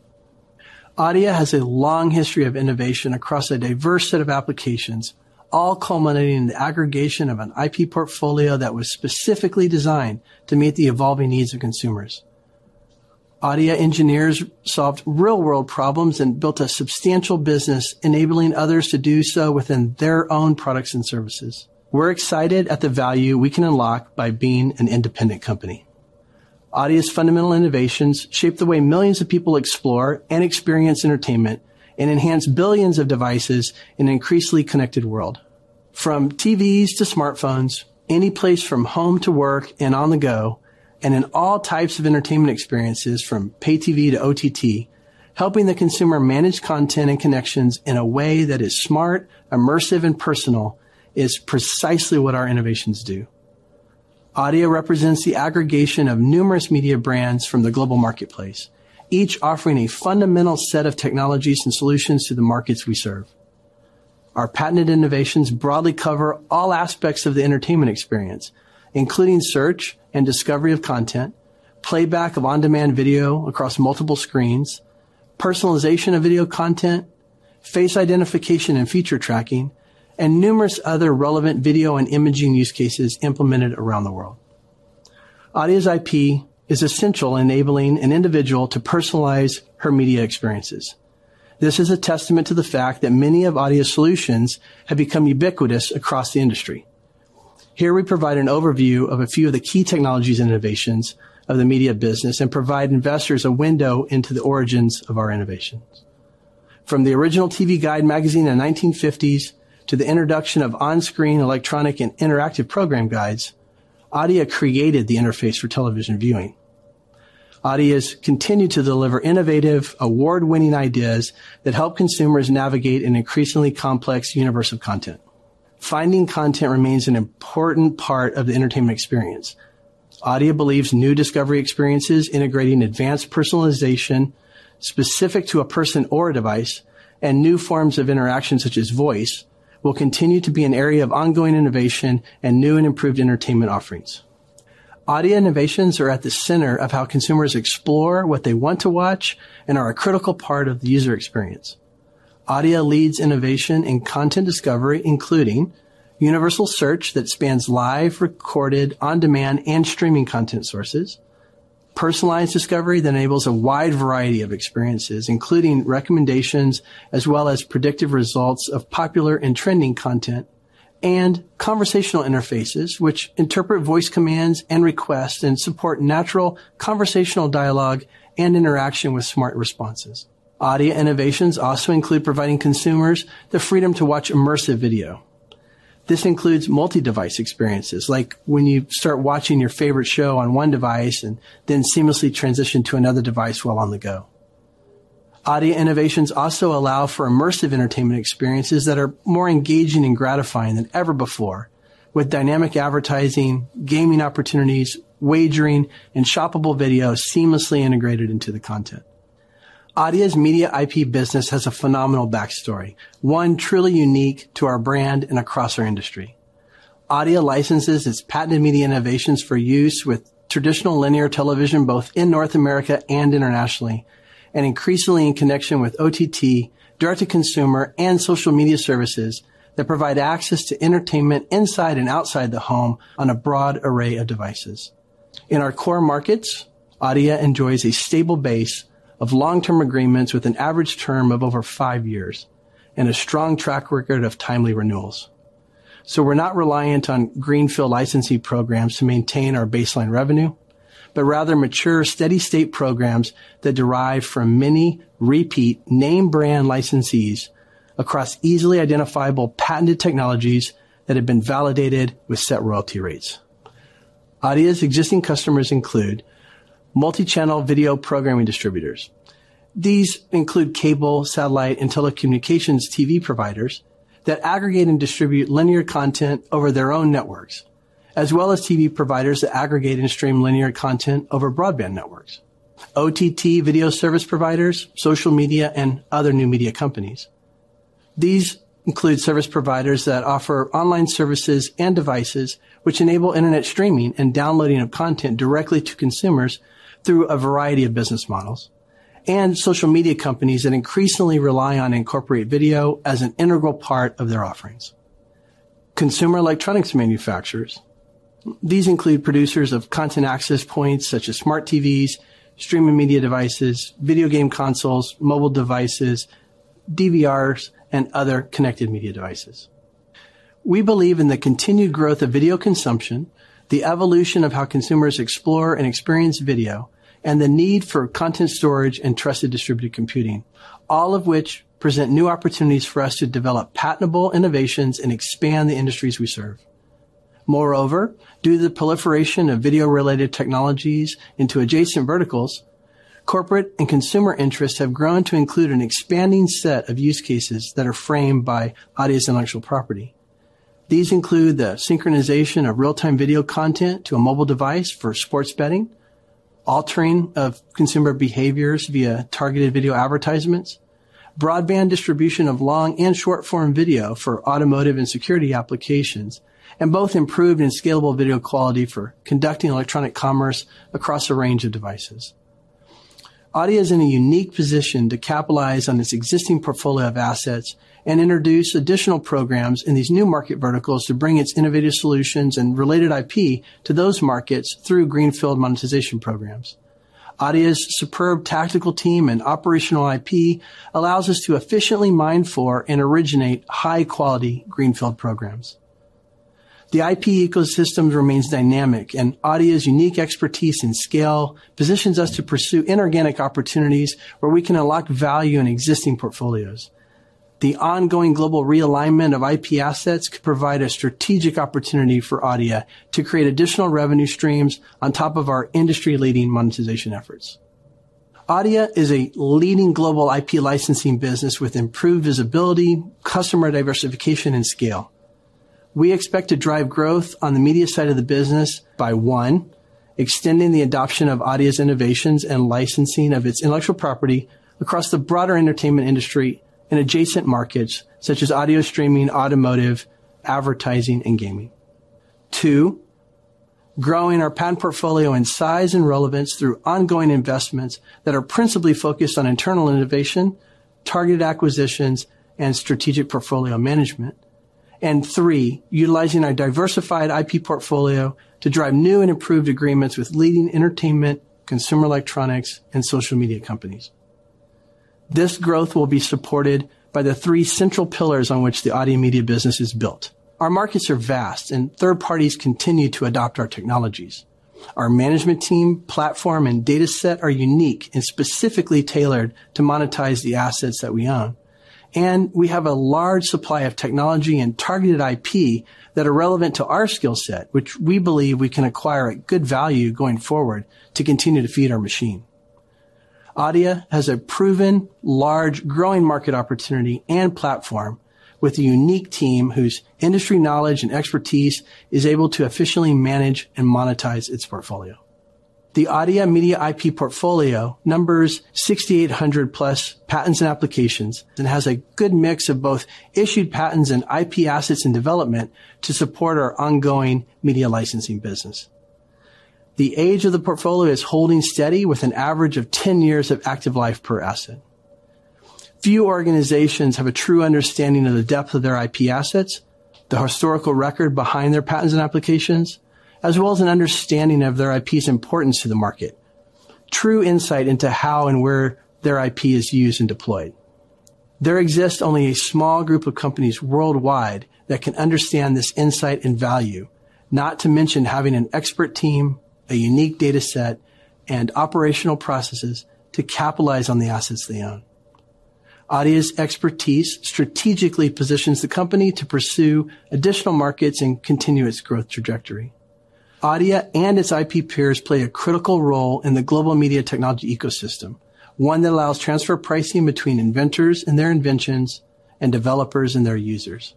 Adeia has a long history of innovation across a diverse set of applications, all culminating in the aggregation of an IP portfolio that was specifically designed to meet the evolving needs of consumers. Adeia engineers solved real-world problems and built a substantial business, enabling others to do so within their own products and services. We're excited at the value we can unlock by being an independent company. Adeia's fundamental innovations shape the way millions of people explore and experience entertainment and enhance billions of devices in an increasingly connected world. From TVs to smartphones, any place from home to work and on the go, and in all types of entertainment experiences from Pay-TV to OTT, helping the consumer manage content and connections in a way that is smart, immersive, and personal is precisely what our innovations do. Adeia represents the aggregation of numerous media brands from the global marketplace, each offering a fundamental set of technologies and solutions to the markets we serve. Our patented innovations broadly cover all aspects of the entertainment experience, including search and discovery of content, playback of on-demand video across multiple screens, personalization of video content, face identification and feature tracking, and numerous other relevant video and imaging use cases implemented around the world. Adeia's IP is essential in enabling an individual to personalize her media experiences. This is a testament to the fact that many of Adeia's solutions have become ubiquitous across the industry. Here we provide an overview of a few of the key technologies and innovations of the media business and provide investors a window into the origins of our innovations. From the original TV Guide magazine in the 1950s to the introduction of on-screen electronic and interactive program guides, Adeia created the interface for television viewing. Adeia has continued to deliver innovative, award-winning ideas that help consumers navigate an increasingly complex universe of content. Finding content remains an important part of the entertainment experience. Adeia believes new discovery experiences integrating advanced personalization specific to a person or a device and new forms of interaction, such as voice, will continue to be an area of ongoing innovation and new and improved entertainment offerings. Adeia innovations are at the center of how consumers explore what they want to watch and are a critical part of the user experience. Adeia leads innovation in content discovery, including universal search that spans live, recorded, on-demand, and streaming content sources. Personalized discovery that enables a wide variety of experiences, including recommendations, as well as predictive results of popular and trending content and conversational interfaces, which interpret voice commands and requests and support natural conversational dialogue and interaction with smart responses. Adeia innovations also include providing consumers the freedom to watch immersive video. This includes multi-device experiences like when you start watching your favorite show on one device and then seamlessly transition to another device while on the go. Adeia innovations also allow for immersive entertainment experiences that are more engaging and gratifying than ever before with dynamic advertising, gaming opportunities, wagering, and shoppable videos seamlessly integrated into the content. Adeia's media IP business has a phenomenal backstory, one truly unique to our brand and across our industry. Adeia licenses its patented media innovations for use with traditional linear television, both in North America and internationally, and increasingly in connection with OTT, Direct-To-Consumer, and social media services that provide access to entertainment inside and outside the home on a broad array of devices. In our core markets, Adeia enjoys a stable base of long-term agreements with an average term of over five years and a strong track record of timely renewals. We're not reliant on greenfield licensing programs to maintain our baseline revenue, but rather mature, steady-state programs that derive from many repeat name-brand licensees across easily identifiable patented technologies that have been validated with set royalty rates. Adeia's existing customers include multi-channel video programming distributors. These include cable, satellite, and telecommunications TV providers that aggregate and distribute linear content over their own networks, as well as TV providers that aggregate and stream linear content over broadband networks, OTT video service providers, social media, and other new media companies. These include service providers that offer online services and devices which enable internet streaming and downloading of content directly to consumers through a variety of business models, and social media companies that increasingly rely on incorporate video as an integral part of their offerings. Consumer electronics manufacturers. These include producers of content access points such as smart TVs, streaming media devices, video game consoles, mobile devices, DVRs, and other connected media devices. We believe in the continued growth of video consumption, the evolution of how consumers explore and experience video, and the need for content storage and trusted distributed computing, all of which present new opportunities for us to develop patentable innovations and expand the industries we serve. Moreover, due to the proliferation of video-related technologies into adjacent verticals, corporate and consumer interests have grown to include an expanding set of use cases that are framed by Adeia's intellectual property. These include the synchronization of real-time video content to a mobile device for sports betting, altering of consumer behaviors via targeted video advertisements, broadband distribution of long and short-form video for automotive and security applications, and both improved and scalable video quality for conducting electronic commerce across a range of devices. Adeia is in a unique position to capitalize on its existing portfolio of assets and introduce additional programs in these new market verticals to bring its innovative solutions and related IP to those markets through greenfield monetization programs. Adeia's superb tactical team and operational IP allows us to efficiently mine for and originate high-quality greenfield programs. The IP ecosystem remains dynamic, and Adeia's unique expertise and scale positions us to pursue inorganic opportunities where we can unlock value in existing portfolios. The ongoing global realignment of IP assets could provide a strategic opportunity for Adeia to create additional revenue streams on top of our industry-leading monetization efforts. Adeia is a leading global IP licensing business with improved visibility, customer diversification, and scale. We expect to drive growth on the media side of the business by, one, extending the adoption of Adeia's innovations and licensing of its intellectual property across the broader entertainment industry and adjacent markets such as audio streaming, automotive, advertising, and gaming. Two, growing our patent portfolio in size and relevance through ongoing investments that are principally focused on internal innovation, targeted acquisitions, and strategic portfolio management. And three, utilizing our diversified IP portfolio to drive new and improved agreements with leading entertainment, consumer electronics, and social media companies. This growth will be supported by the three central pillars on which the Adeia media business is built. Our markets are vast, and third parties continue to adopt our technologies. Our management team, platform, and dataset are unique and specifically tailored to monetize the assets that we own. We have a large supply of technology and targeted IP that are relevant to our skill set, which we believe we can acquire at good value going forward to continue to feed our machine. Adeia has a proven large growing market opportunity and platform with a unique team whose industry knowledge and expertise is able to efficiently manage and monetize its portfolio. The Adeia media IP portfolio numbers 6,800+ patents and applications and has a good mix of both issued patents and IP assets in development to support our ongoing media licensing business. The age of the portfolio is holding steady with an average of 10 years of active life per asset. Few organizations have a true understanding of the depth of their IP assets, the historical record behind their patents and applications, as well as an understanding of their IP's importance to the market, true insight into how and where their IP is used and deployed. There exists only a small group of companies worldwide that can understand this insight and value, not to mention having an expert team, a unique dataset, and operational processes to capitalize on the assets they own. Adeia's expertise strategically positions the company to pursue additional markets and continue its growth trajectory. Adeia and its IP peers play a critical role in the global media technology ecosystem, one that allows transfer pricing between inventors and their inventions and developers and their users.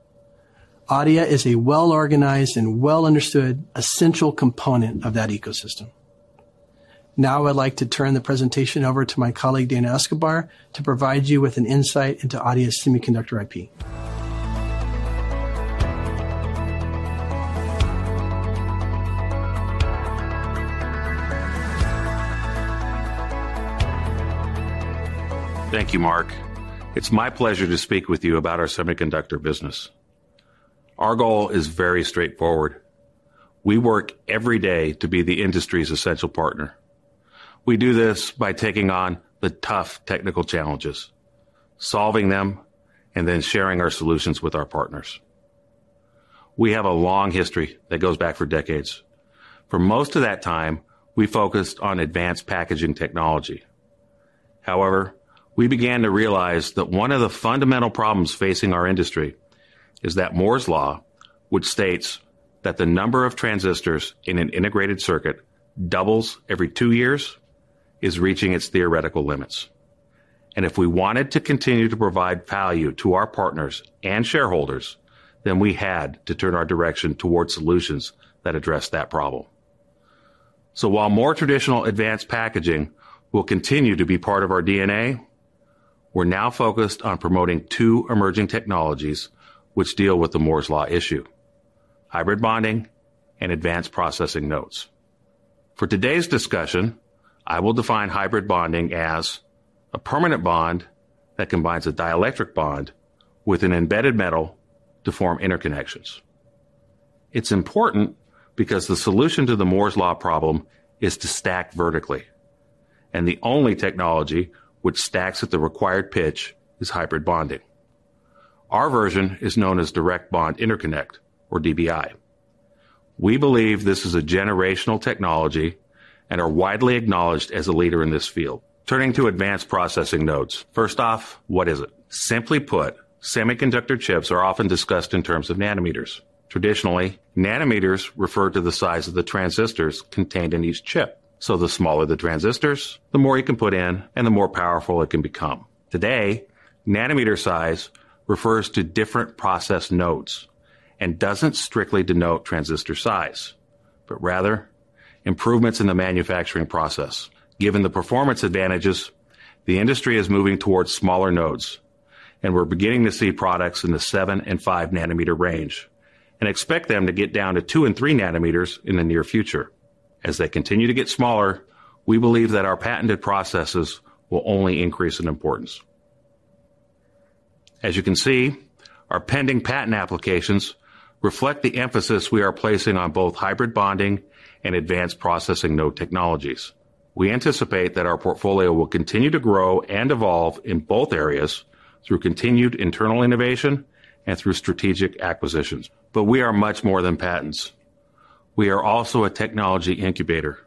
Adeia is a well-organized and well-understood essential component of that ecosystem. Now I'd like to turn the presentation over to my colleague, Dana Escobar, to provide you with an insight into Adeia's semiconductor IP. Thank you, Mark. It's my pleasure to speak with you about our semiconductor business. Our goal is very straightforward. We work every day to be the industry's essential partner. We do this by taking on the tough technical challenges, solving them, and then sharing our solutions with our partners. We have a long history that goes back for decades. For most of that time, we focused on advanced packaging technology. However, we began to realize that one of the fundamental problems facing our industry is that Moore's law, which states that the number of transistors in an integrated circuit doubles every two years, is reaching its theoretical limits. If we wanted to continue to provide value to our partners and shareholders, then we had to turn our direction towards solutions that address that problem. While more traditional advanced packaging will continue to be part of our DNA, we're now focused on promoting two emerging technologies which deal with the Moore's law issue, hybrid bonding and advanced process nodes. For today's discussion, I will define hybrid bonding as a permanent bond that combines a dielectric bond with an embedded metal to form interconnections. It's important because the solution to the Moore's law problem is to stack vertically, and the only technology which stacks at the required pitch is hybrid bonding. Our version is known as Direct Bond Interconnect or DBI. We believe this is a generational technology and are widely acknowledged as a leader in this field. Turning to advanced process nodes. First off, what is it? Simply put, semiconductor chips are often discussed in terms of nanometers. Traditionally, nanometers refer to the size of the transistors contained in each chip. The smaller the transistors, the more you can put in and the more powerful it can become. Today, nanometer size refers to different process nodes and doesn't strictly denote transistor size, but rather improvements in the manufacturing process. Given the performance advantages, the industry is moving towards smaller nodes, and we're beginning to see products in the 7 nm and 5 nm range and expect them to get down to 2 nm and 3 nm in the near future. As they continue to get smaller, we believe that our patented processes will only increase in importance. As you can see, our pending patent applications reflect the emphasis we are placing on both hybrid bonding and advanced process node technologies. We anticipate that our portfolio will continue to grow and evolve in both areas through continued internal innovation and through strategic acquisitions. We are much more than patents. We are also a technology incubator,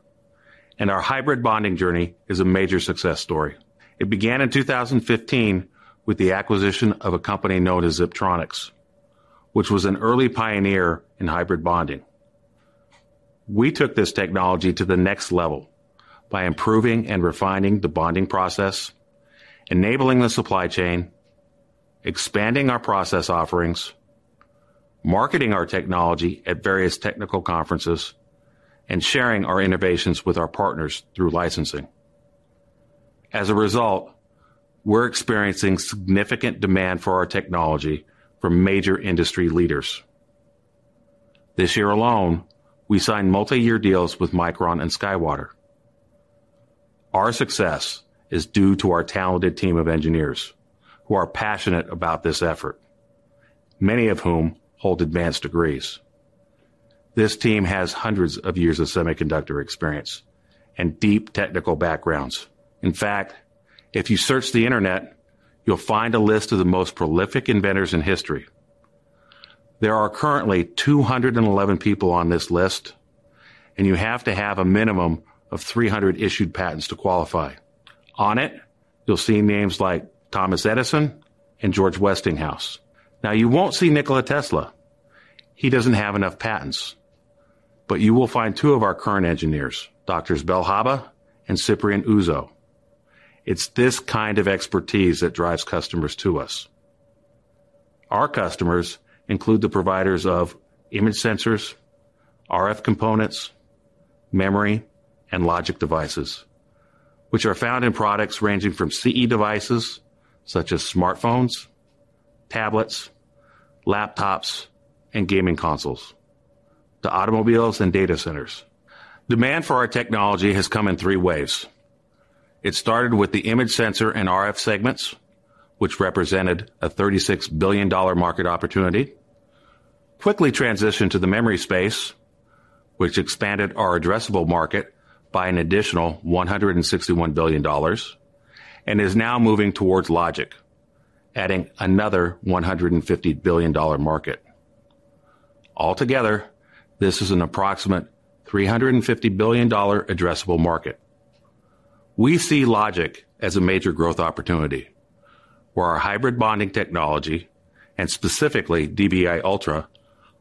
and our hybrid bonding journey is a major success story. It began in 2015 with the acquisition of a company known as Ziptronix, which was an early pioneer in hybrid bonding. We took this technology to the next level by improving and refining the bonding process, enabling the supply chain, expanding our process offerings, marketing our technology at various technical conferences, and sharing our innovations with our partners through licensing. As a result, we're experiencing significant demand for our technology from major industry leaders. This year alone, we signed multi-year deals with Micron and SkyWater. Our success is due to our talented team of engineers who are passionate about this effort, many of whom hold advanced degrees. This team has hundreds of years of semiconductor experience and deep technical backgrounds. In fact, if you search the Internet, you'll find a list of the most prolific inventors in history. There are currently 211 people on this list, and you have to have a minimum of 300 issued patents to qualify. On it, you'll see names like Thomas Edison and George Westinghouse. Now, you won't see Nikola Tesla. He doesn't have enough patents. You will find two of our current engineers, Doctors Bel Haba and Cyprian Uzoh. It's this kind of expertise that drives customers to us. Our customers include the providers of image sensors, RF components, memory, and logic devices, which are found in products ranging from CE devices such as smartphones, tablets, laptops, and gaming consoles, to automobiles and data centers. Demand for our technology has come in three waves. It started with the image sensor and RF segments, which represented a $36 billion market opportunity. Quickly transitioned to the memory space, which expanded our addressable market by an additional $161 billion, and is now moving towards logic, adding another $150 billion market. Altogether, this is an approximate $350 billion addressable market. We see logic as a major growth opportunity, where our hybrid bonding technology, and specifically DBI Ultra,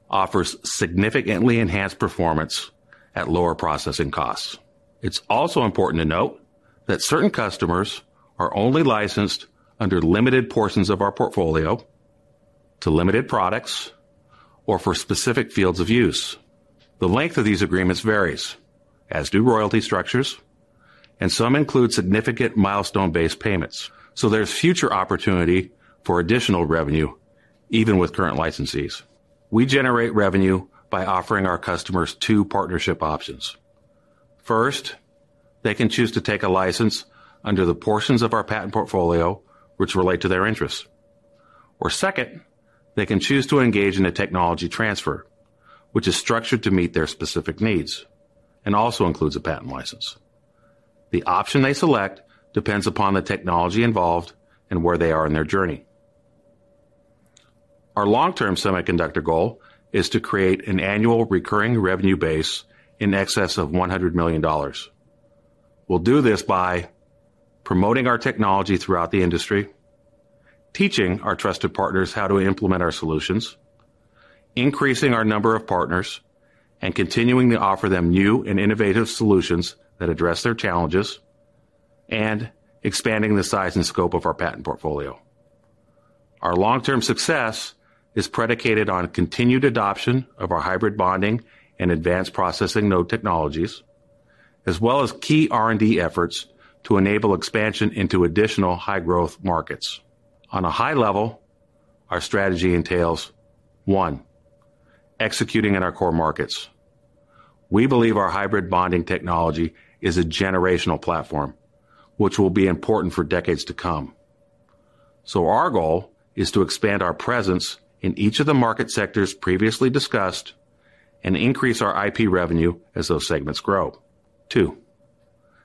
offers significantly enhanced performance at lower processing costs. It's also important to note that certain customers are only licensed under limited portions of our portfolio to limited products or for specific fields of use. The length of these agreements varies, as do royalty structures, and some include significant milestone-based payments. There's future opportunity for additional revenue even with current licensees. We generate revenue by offering our customers two partnership options. First, they can choose to take a license under the portions of our patent portfolio which relate to their interests. Second, they can choose to engage in a technology transfer, which is structured to meet their specific needs and also includes a patent license. The option they select depends upon the technology involved and where they are in their journey. Our long-term semiconductor goal is to create an annual recurring revenue base in excess of $100 million. We'll do this by promoting our technology throughout the industry, teaching our trusted partners how to implement our solutions, increasing our number of partners, and continuing to offer them new and innovative solutions that address their challenges and expanding the size and scope of our patent portfolio. Our long-term success is predicated on continued adoption of our hybrid bonding and advanced process node technologies, as well as key R&D efforts to enable expansion into additional high-growth markets. On a high level, our strategy entails, one, executing in our core markets. We believe our hybrid bonding technology is a generational platform which will be important for decades to come. Our goal is to expand our presence in each of the market sectors previously discussed and increase our IP revenue as those segments grow.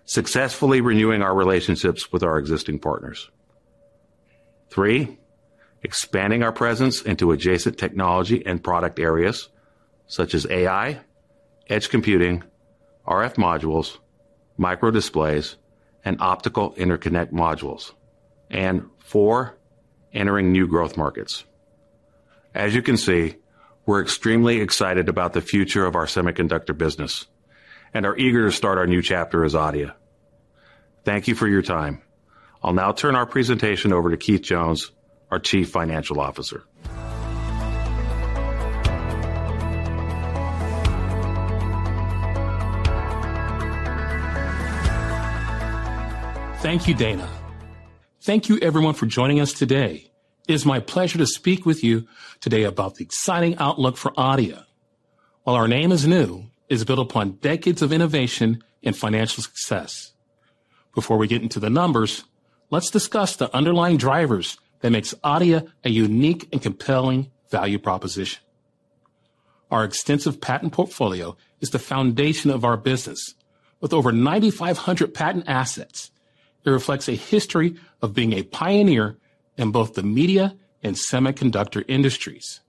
Two, successfully renewing our relationships with our existing partners. Three, expanding our presence into adjacent technology and product areas such as AI, edge computing, RF modules, micro displays, and optical interconnect modules. Four, entering new growth markets. As you can see, we're extremely excited about the future of our semiconductor business and are eager to start our new chapter as Adeia. Thank you for your time. I'll now turn our presentation over to Keith Jones, our Chief Financial Officer. Thank you, Dana. Thank you everyone for joining us today. It is my pleasure to speak with you today about the exciting outlook for Adeia. While our name is new, it's built upon decades of innovation and financial success. Before we get into the numbers, let's discuss the underlying drivers that makes Adeia a unique and compelling value proposition. Our extensive patent portfolio is the foundation of our business. With over 9,500 patent assets, it reflects a history of being a pioneer in both the media and semiconductor industries.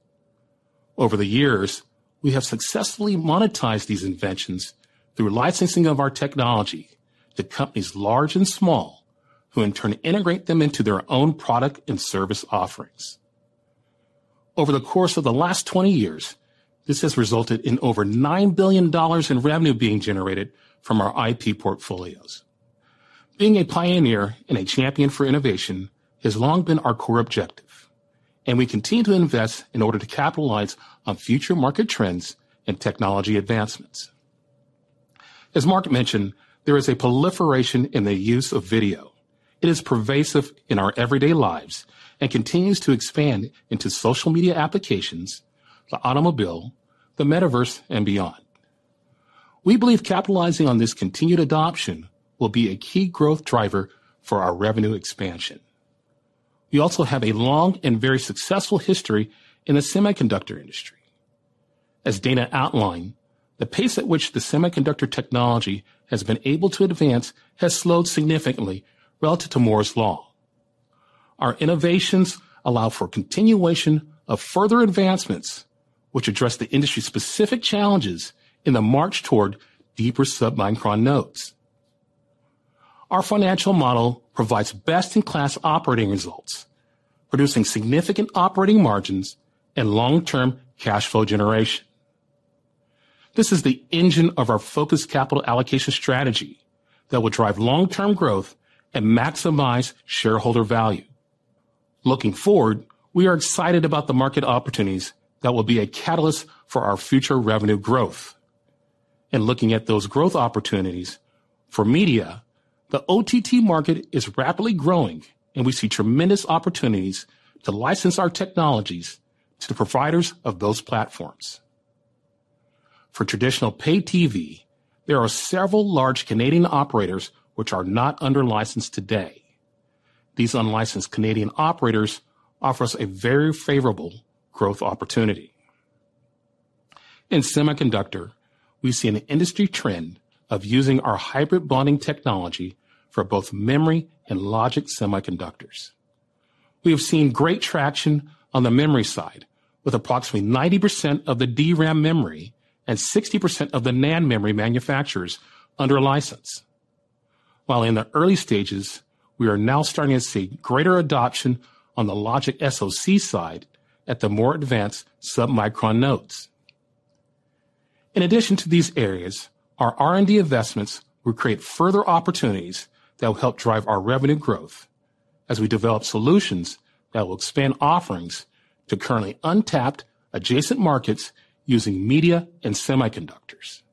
Over the years, we have successfully monetized these inventions through licensing of our technology to companies large and small, who in turn integrate them into their own product and service offerings. Over the course of the last 20 years, this has resulted in over $9 billion in revenue being generated from our IP portfolios. Being a pioneer and a champion for innovation has long been our core objective, and we continue to invest in order to capitalize on future market trends and technology advancements. As Mark mentioned, there is a proliferation in the use of video. It is pervasive in our everyday lives and continues to expand into social media applications, the automobile, the metaverse, and beyond. We believe capitalizing on this continued adoption will be a key growth driver for our revenue expansion. We also have a long and very successful history in the semiconductor industry. As Dana outlined, the pace at which the semiconductor technology has been able to advance has slowed significantly relative to Moore's law. Our innovations allow for continuation of further advancements, which address the industry specific challenges in the march toward deeper submicron nodes. Our financial model provides best-in-class operating results, producing significant operating margins and long-term cash flow generation. This is the engine of our focused capital allocation strategy that will drive long-term growth and maximize shareholder value. Looking forward, we are excited about the market opportunities that will be a catalyst for our future revenue growth. In looking at those growth opportunities, for media, the OTT market is rapidly growing, and we see tremendous opportunities to license our technologies to providers of those platforms. For traditional Pay-TV, there are several large Canadian operators which are not under license today. These unlicensed Canadian operators offer us a very favorable growth opportunity. In semiconductor, we see an industry trend of using our hybrid bonding technology for both memory and logic semiconductors. We have seen great traction on the memory side with approximately 90% of the DRAM memory and 60% of the NAND memory manufacturers under license. While in the early stages, we are now starting to see greater adoption on the logic SOC side at the more advanced submicron nodes. In addition to these areas, our R&D investments will create further opportunities that will help drive our revenue growth as we develop solutions that will expand offerings to currently untapped adjacent markets using media and semiconductors.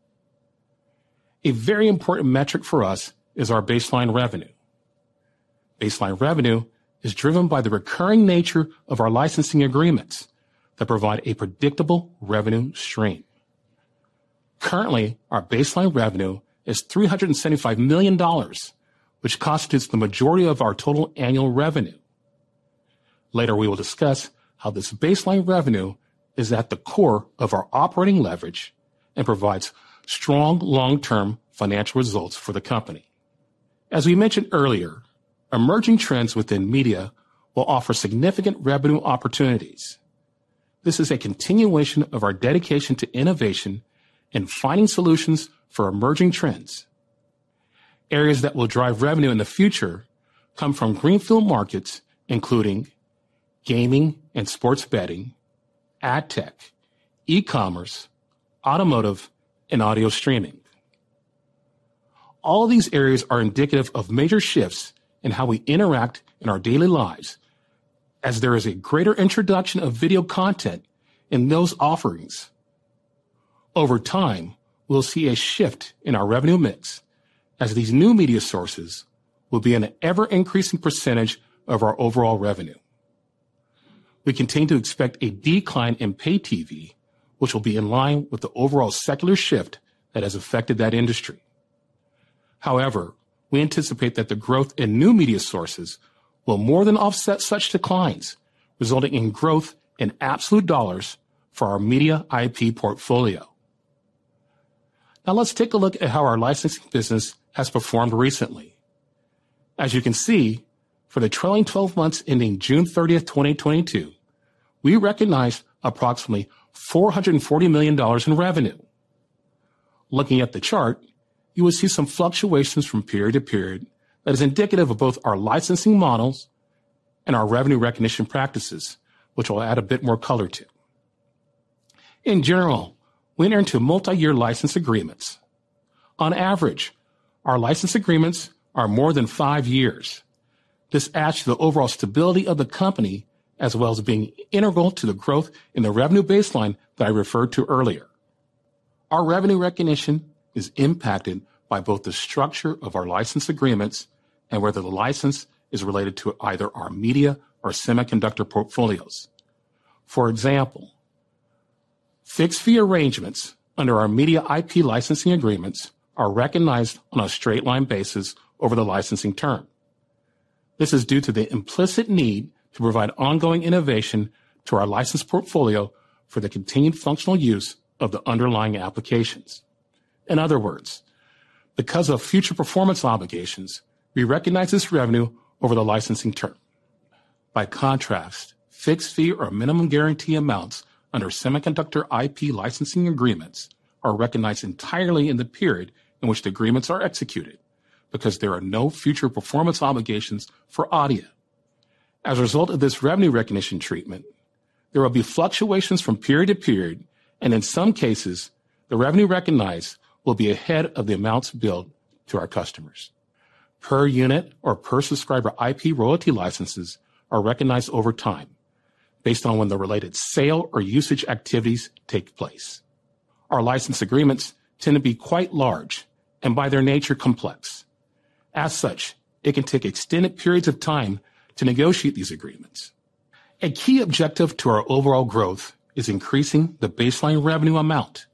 A very important metric for us is our baseline revenue. Baseline revenue is driven by the recurring nature of our licensing agreements that provide a predictable revenue stream. Currently, our baseline revenue is $375 million, which constitutes the majority of our total annual revenue. Later, we will discuss how this baseline revenue is at the core of our operating leverage and provides strong long-term financial results for the company. As we mentioned earlier, emerging trends within media will offer significant revenue opportunities. This is a continuation of our dedication to innovation and finding solutions for emerging trends. Areas that will drive revenue in the future come from greenfield markets, including gaming and sports betting, ad tech, e-commerce, automotive, and audio streaming. All these areas are indicative of major shifts in how we interact in our daily lives as there is a greater introduction of video content in those offerings. Over time, we'll see a shift in our revenue mix as these new media sources will be an ever-increasing percentage of our overall revenue. We continue to expect a decline in Pay-TV, which will be in line with the overall secular shift that has affected that industry. However, we anticipate that the growth in new media sources will more than offset such declines, resulting in growth in absolute dollars for our media IP portfolio. Now let's take a look at how our licensing business has performed recently. As you can see, for the trailing twelve months ending June 30, 2022, we recognized approximately $440 million in revenue. Looking at the chart, you will see some fluctuations from period to period that is indicative of both our licensing models and our revenue recognition practices, which I'll add a bit more color to. In general, we enter into multi-year license agreements. On average, our license agreements are more than 5 years. This adds to the overall stability of the company, as well as being integral to the growth in the revenue baseline that I referred to earlier. Our revenue recognition is impacted by both the structure of our license agreements and whether the license is related to either our media or semiconductor portfolios. For example, fixed fee arrangements under our media IP licensing agreements are recognized on a straight-line basis over the licensing term. This is due to the implicit need to provide ongoing innovation to our license portfolio for the continued functional use of the underlying applications. In other words, because of future performance obligations, we recognize this revenue over the licensing term. By contrast, fixed fee or minimum guarantee amounts under semiconductor IP licensing agreements are recognized entirely in the period in which the agreements are executed because there are no future performance obligations for Adeia. As a result of this revenue recognition treatment, there will be fluctuations from period to period, and in some cases, the revenue recognized will be ahead of the amounts billed to our customers. Per unit or per subscriber IP royalty licenses are recognized over time based on when the related sale or usage activities take place. Our license agreements tend to be quite large and by their nature, complex. As such, it can take extended periods of time to negotiate these agreements. A key objective to our overall growth is increasing the baseline revenue amount.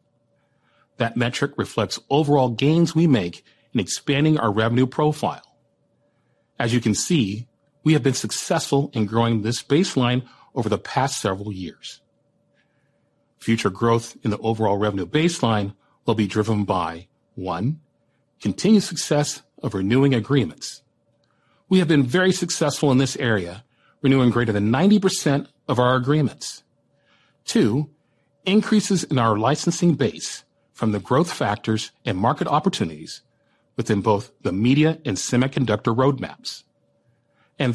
That metric reflects overall gains we make in expanding our revenue profile. As you can see, we have been successful in growing this baseline over the past several years. Future growth in the overall revenue baseline will be driven by, one, continued success of renewing agreements. We have been very successful in this area, renewing greater than 90% of our agreements. Two, increases in our licensing base from the growth factors and market opportunities within both the media and semiconductor roadmaps.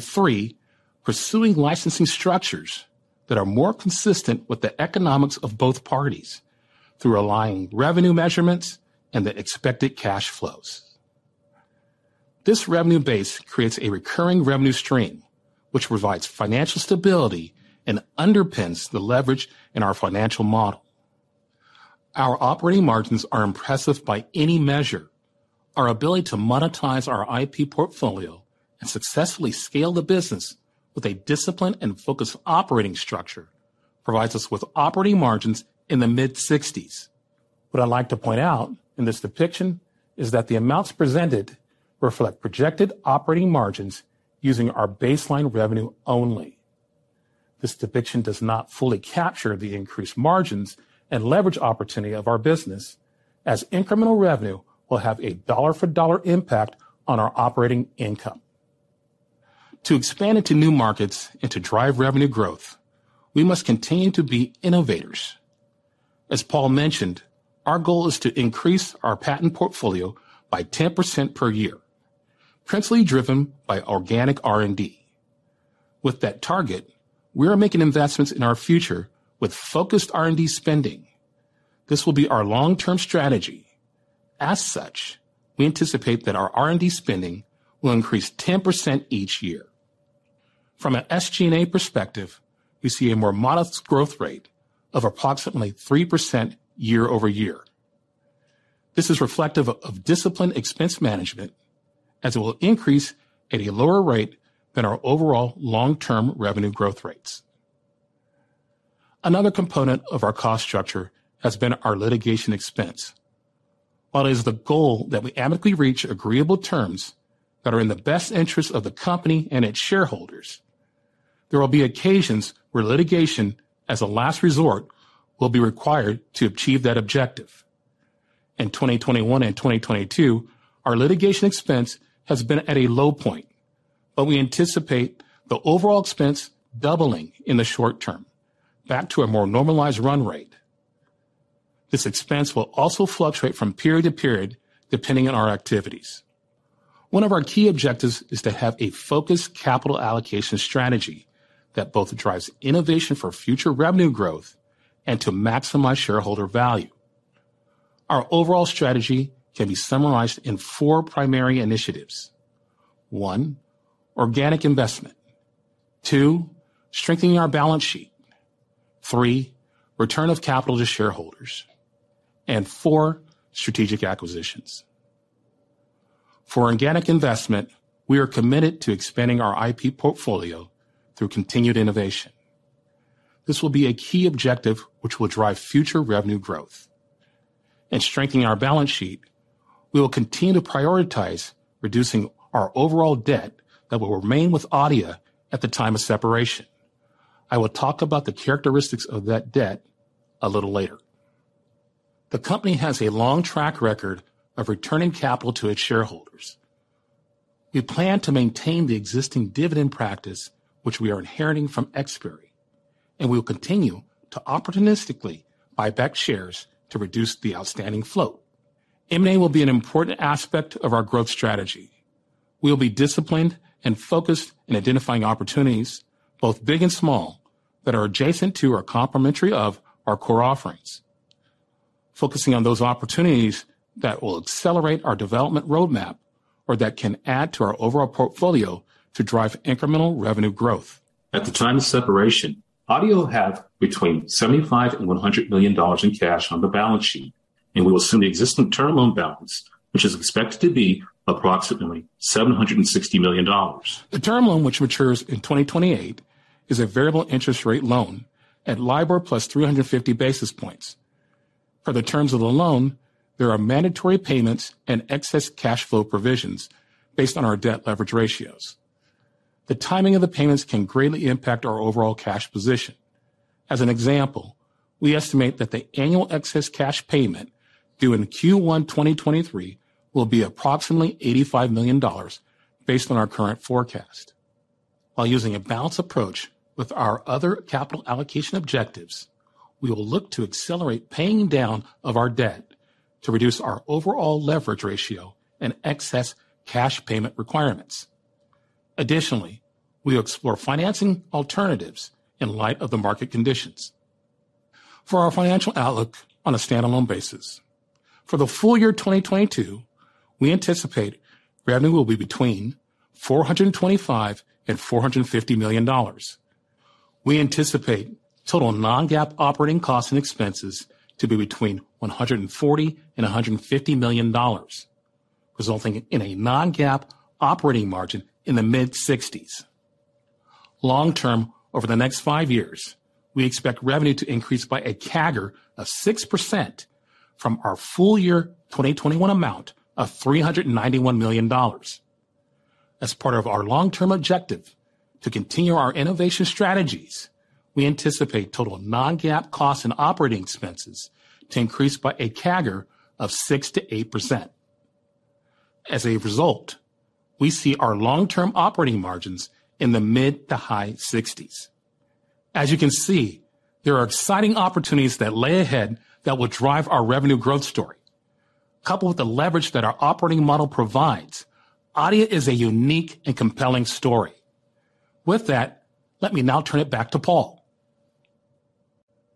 Three, pursuing licensing structures that are more consistent with the economics of both parties through aligning revenue measurements and the expected cash flows. This revenue base creates a recurring revenue stream, which provides financial stability and underpins the leverage in our financial model. Our operating margins are impressive by any measure. Our ability to monetize our IP portfolio and successfully scale the business with a disciplined and focused operating structure provides us with operating margins in the mid-60s%. What I'd like to point out in this depiction is that the amounts presented reflect projected operating margins using our baseline revenue only. This depiction does not fully capture the increased margins and leverage opportunity of our business as incremental revenue will have a dollar-for-dollar impact on our operating income. To expand into new markets and to drive revenue growth, we must continue to be innovators. As Paul mentioned, our goal is to increase our patent portfolio by 10% per year, principally driven by organic R&D. With that target, we are making investments in our future with focused R&D spending. This will be our long-term strategy. As such, we anticipate that our R&D spending will increase 10% each year. From an SG&A perspective, we see a more modest growth rate of approximately 3% year-over-year. This is reflective of disciplined expense management, as it will increase at a lower rate than our overall long-term revenue growth rates. Another component of our cost structure has been our litigation expense. While it is the goal that we amicably reach agreeable terms that are in the best interest of the company and its shareholders, there will be occasions where litigation, as a last resort, will be required to achieve that objective. In 2021 and 2022, our litigation expense has been at a low point, but we anticipate the overall expense doubling in the short term back to a more normalized run rate. This expense will also fluctuate from period to period, depending on our activities. One of our key objectives is to have a focused capital allocation strategy that both drives innovation for future revenue growth and to maximize shareholder value. Our overall strategy can be summarized in four primary initiatives. One, organic investment. Two, strengthening our balance sheet. Three, return of capital to shareholders. Four, strategic acquisitions. For organic investment, we are committed to expanding our IP portfolio through continued innovation. This will be a key objective which will drive future revenue growth. In strengthening our balance sheet, we will continue to prioritize reducing our overall debt that will remain with Adeia at the time of separation. I will talk about the characteristics of that debt a little later. The company has a long track record of returning capital to its shareholders. We plan to maintain the existing dividend practice which we are inheriting from Xperi, and we will continue to opportunistically buy back shares to reduce the outstanding float. M&A will be an important aspect of our growth strategy. We'll be disciplined and focused in identifying opportunities, both big and small, that are adjacent to or complementary of our core offerings, focusing on those opportunities that will accelerate our development roadmap or that can add to our overall portfolio to drive incremental revenue growth. At the time of separation, Adeia will have between $75 million and $100 million in cash on the balance sheet, and we will assume the existing term loan balance, which is expected to be approximately $760 million. The term loan, which matures in 2028, is a variable interest rate loan at LIBOR plus 350 basis points. Per the terms of the loan, there are mandatory payments and excess cash flow provisions based on our debt leverage ratios. The timing of the payments can greatly impact our overall cash position. As an example, we estimate that the annual excess cash payment due in Q1 2023 will be approximately $85 million based on our current forecast. While using a balanced approach with our other capital allocation objectives, we will look to accelerate paying down of our debt to reduce our overall leverage ratio and excess cash payment requirements. Additionally, we will explore financing alternatives in light of the market conditions. For our financial outlook on a standalone basis, for the full year 2022, we anticipate revenue will be between $425 million and $450 million. We anticipate total non-GAAP operating costs and expenses to be between $140 million and $150 million, resulting in a non-GAAP operating margin in the mid-60s%. Long term, over the next five years, we expect revenue to increase by a CAGR of 6% from our full year 2021 amount of $391 million. As part of our long-term objective to continue our innovation strategies, we anticipate total non-GAAP costs and operating expenses to increase by a CAGR of 6%-8%. As a result, we see our long-term operating margins in the mid- to high-60s. As you can see, there are exciting opportunities that lay ahead that will drive our revenue growth story. Coupled with the leverage that our operating model provides, Adeia is a unique and compelling story. With that, let me now turn it back to Paul.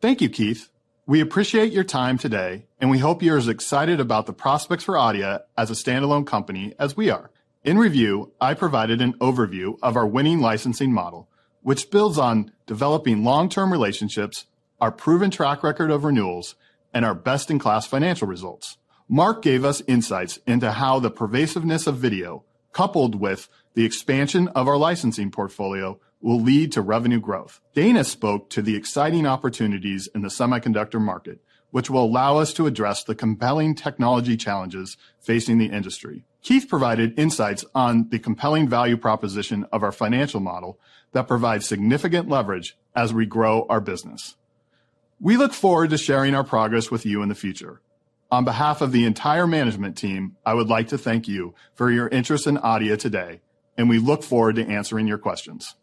Thank you, Keith. We appreciate your time today, and we hope you're as excited about the prospects for Adeia as a standalone company as we are. In review, I provided an overview of our winning licensing model, which builds on developing long-term relationships, our proven track record of renewals, and our best-in-class financial results. Mark gave us insights into how the pervasiveness of video, coupled with the expansion of our licensing portfolio, will lead to revenue growth. Dana spoke to the exciting opportunities in the semiconductor market, which will allow us to address the compelling technology challenges facing the industry. Keith provided insights on the compelling value proposition of our financial model that provides significant leverage as we grow our business. We look forward to sharing our progress with you in the future. On behalf of the entire management team, I would like to thank you for your interest in Adeia today, and we look forward to answering your questions.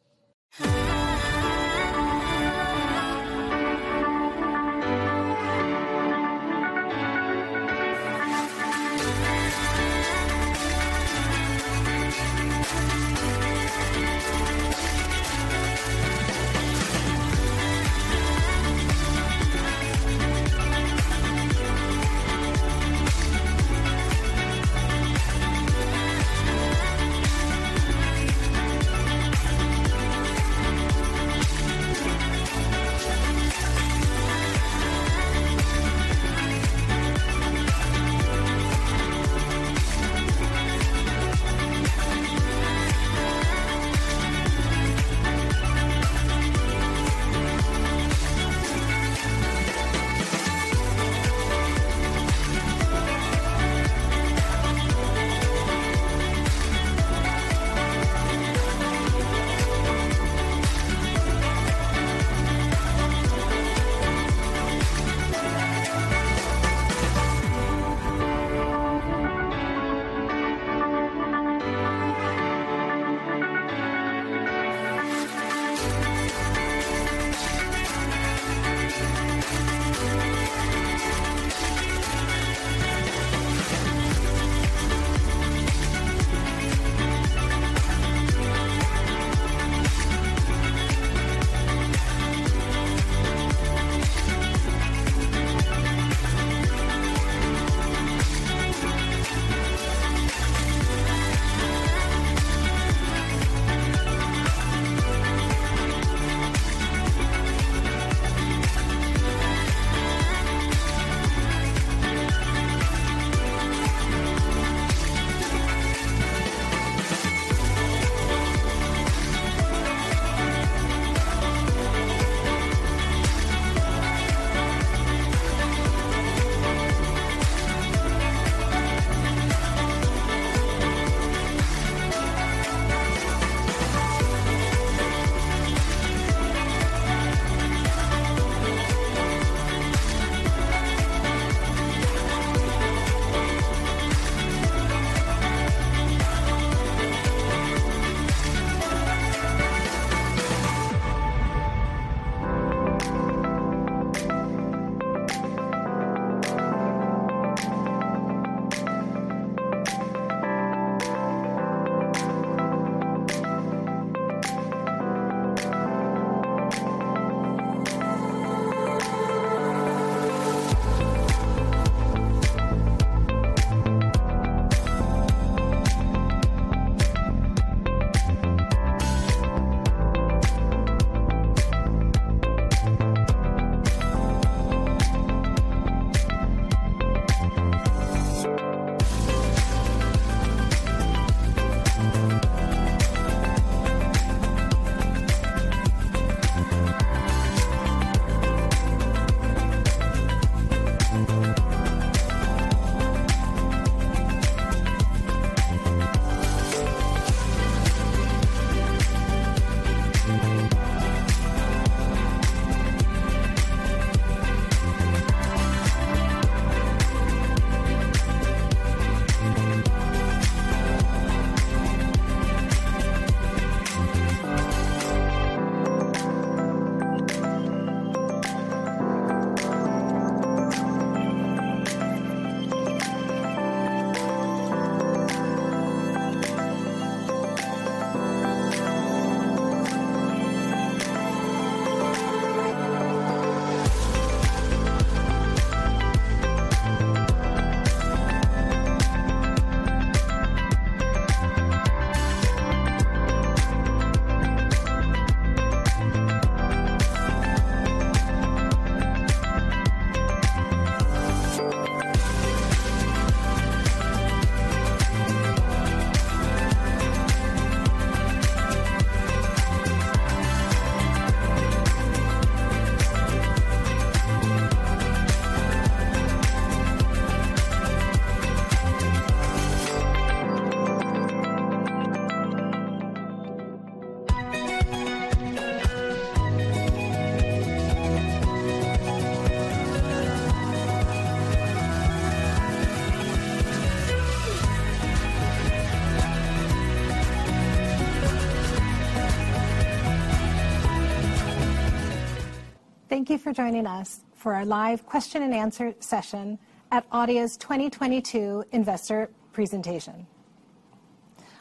Thank you for joining us for our live question and answer session at Adeia's 2022 Investor presentation.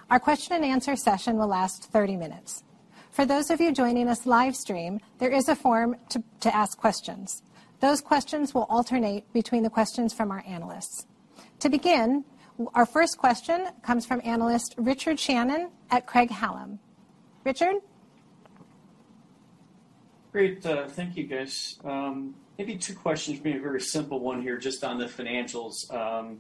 Our question and answer session will last 30 minutes. For those of you joining us livestream, there is a form to ask questions. Those questions will alternate between the questions from our analysts. To begin, our first question comes from analyst Richard Shannon at Craig-Hallum. Richard. Great. Thank you, guys. Maybe two questions for me, a very simple one here just on the financials. I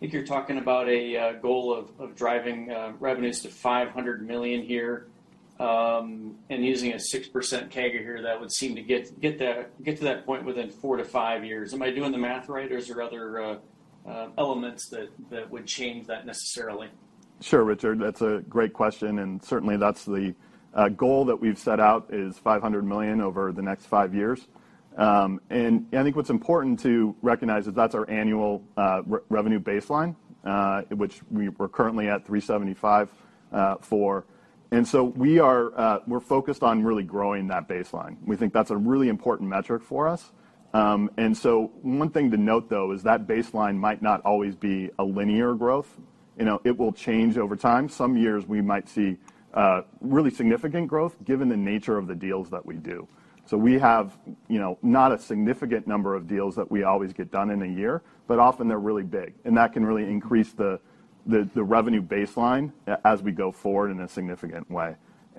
think you're talking about a goal of driving revenues to $500 million here, and using a 6% CAGR here. That would seem to get to that point within four to five years. Am I doing the math right, or is there other elements that would change that necessarily? Sure, Richard. That's a great question, and certainly that's the goal that we've set out is $500 million over the next five years. I think what's important to recognize is that's our annual revenue baseline, which we're currently at $375 million for. We are focused on really growing that baseline. We think that's a really important metric for us. One thing to note, though, is that baseline might not always be a linear growth. You know, it will change over time. Some years we might see really significant growth given the nature of the deals that we do. We have, you know, not a significant number of deals that we always get done in a year, but often they're really big, and that can really increase the revenue baseline as we go forward in a significant way.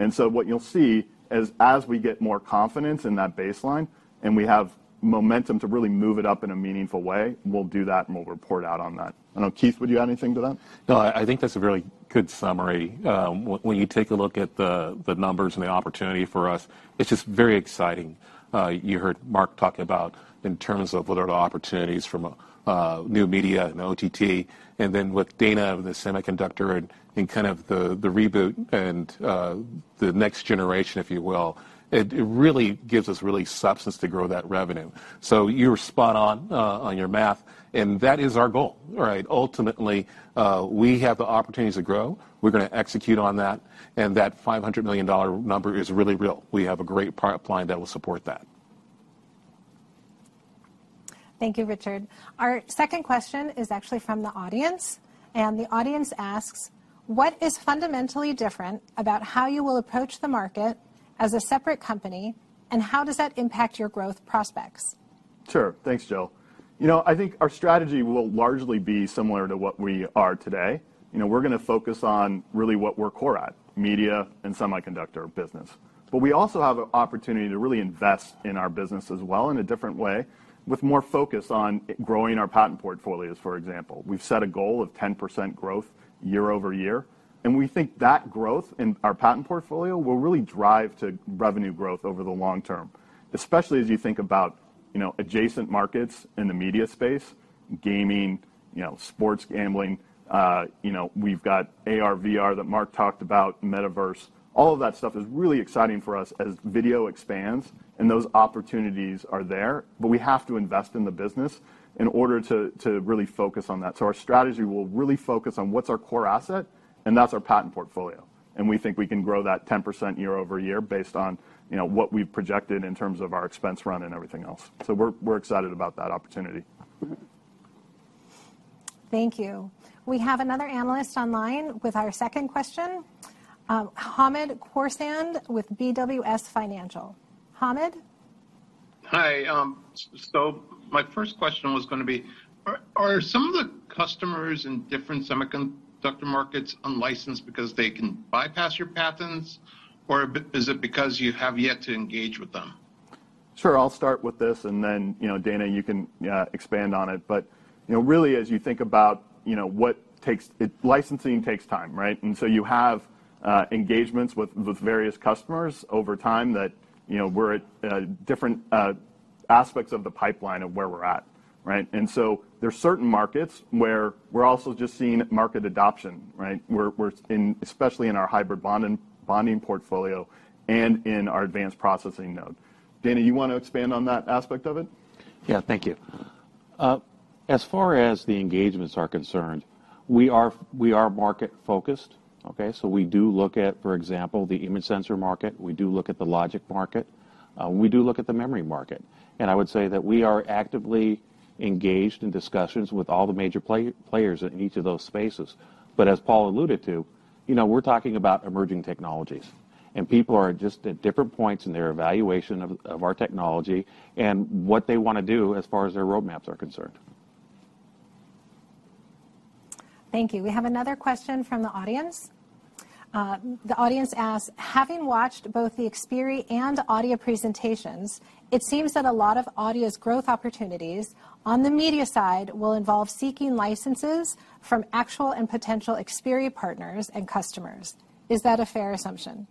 What you'll see as we get more confidence in that baseline and we have momentum to really move it up in a meaningful way, we'll do that and we'll report out on that. I know, Keith, would you add anything to that? No, I think that's a really good summary. When you take a look at the numbers and the opportunity for us, it's just very exciting. You heard Mark talk about in terms of what are the opportunities from a new media and OTT and then with Dana and the semiconductor and kind of the reboot and the next generation, if you will. It really gives us real substance to grow that revenue. You were spot on your math, and that is our goal, right? Ultimately, we have the opportunities to grow. We're gonna execute on that and that $500 million number is really real. We have a great product line that will support that. Thank you, Richard. Our second question is actually from the audience, and the audience asks: What is fundamentally different about how you will approach the market as a separate company, and how does that impact your growth prospects? Sure. Thanks, Jill. You know, I think our strategy will largely be similar to what we are today. You know, we're gonna focus on really what we're core at, media and semiconductor business. We also have an opportunity to really invest in our business as well in a different way with more focus on growing our patent portfolios, for example. We've set a goal of 10% growth year-over-year, and we think that growth in our patent portfolio will really drive to revenue growth over the long term, especially as you think about, you know, adjacent markets in the media space, gaming, you know, sports gambling. You know, we've got AR/VR that Mark talked about, metaverse. All of that stuff is really exciting for us as video expands and those opportunities are there, but we have to invest in the business in order to really focus on that. Our strategy will really focus on what's our core asset, and that's our patent portfolio. We think we can grow that 10% year-over-year based on, you know, what we've projected in terms of our expense run and everything else. We're excited about that opportunity. Thank you. We have another analyst online with our second question. Hamed Khorsand with BWS Financial. Hamed? Hi. My first question was gonna be, are some of the customers in different semiconductor markets unlicensed because they can bypass your patents or is it because you have yet to engage with them? Sure. I'll start with this and then, you know, Dana, you can expand on it. You know, really as you think about, you know, Licensing takes time, right? You have engagements with various customers over time that, you know, we're at different aspects of the pipeline of where we're at, right? There's certain markets where we're also just seeing market adoption, right? We're especially in our hybrid bonding portfolio and in our advanced process node. Dana, you wanna expand on that aspect of it? Yeah. Thank you. As far as the engagements are concerned, we are market-focused, okay? We do look at, for example, the image sensor market. We do look at the logic market. We do look at the memory market. I would say that we are actively engaged in discussions with all the major players in each of those spaces. As Paul alluded to, you know, we're talking about emerging technologies, and people are just at different points in their evaluation of our technology and what they wanna do as far as their roadmaps are concerned. Thank you. We have another question from the audience. The audience asks: Having watched both the Xperi and Adeia presentations, it seems that a lot of Adeia's growth opportunities on the media side will involve seeking licenses from actual and potential Xperi partners and customers. Is that a fair assumption?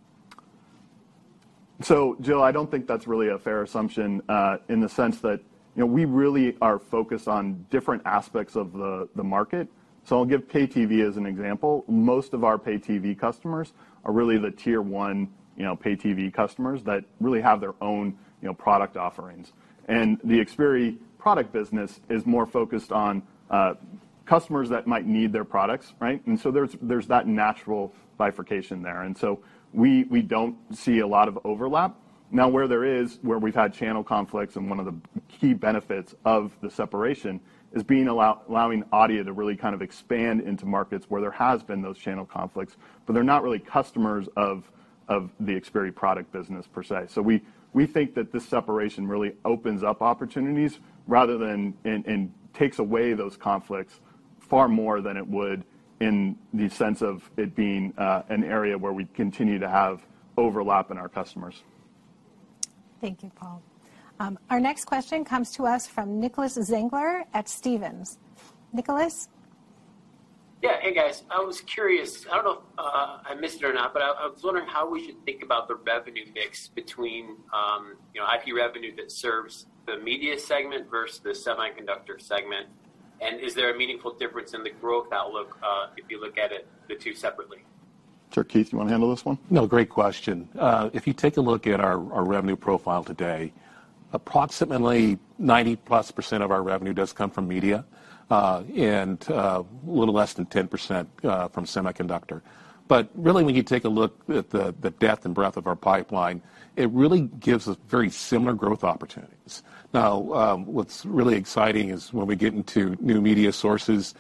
Jill, I don't think that's really a fair assumption, in the sense that, you know, we really are focused on different aspects of the market. I'll give Pay-TV as an example. Most of our Pay-TV customers are really the tier one, you know, Pay-TV customers that really have their own, you know, product offerings. And the Xperi product business is more focused on, customers that might need their products, right? And so there's that natural bifurcation there. And so we don't see a lot of overlap. Now, where there is, where we've had channel conflicts and one of the key benefits of the separation is allowing Adeia to really kind of expand into markets where there has been those channel conflicts, but they're not really customers of the Xperi product business per se. We think that this separation really opens up opportunities rather than and takes away those conflicts far more than it would in the sense of it being an area where we continue to have overlap in our customers. Thank you, Paul. Our next question comes to us from Nicholas Zangler at Stephens. Nicholas? Yeah. Hey, guys. I was curious. I don't know if I missed it or not, but I was wondering how we should think about the revenue mix between, you know, IP revenue that serves the media segment versus the semiconductor segment. Is there a meaningful difference in the growth outlook, if you look at it the two separately? Sure. Keith, you wanna handle this one? No, great question. If you take a look at our revenue profile today, approximately 90+% of our revenue does come from media, and a little less than 10%, from semiconductor. Really, when you take a look at the depth and breadth of our pipeline, it really gives us very similar growth opportunities. Now, what's really exciting is when we get into new media sources,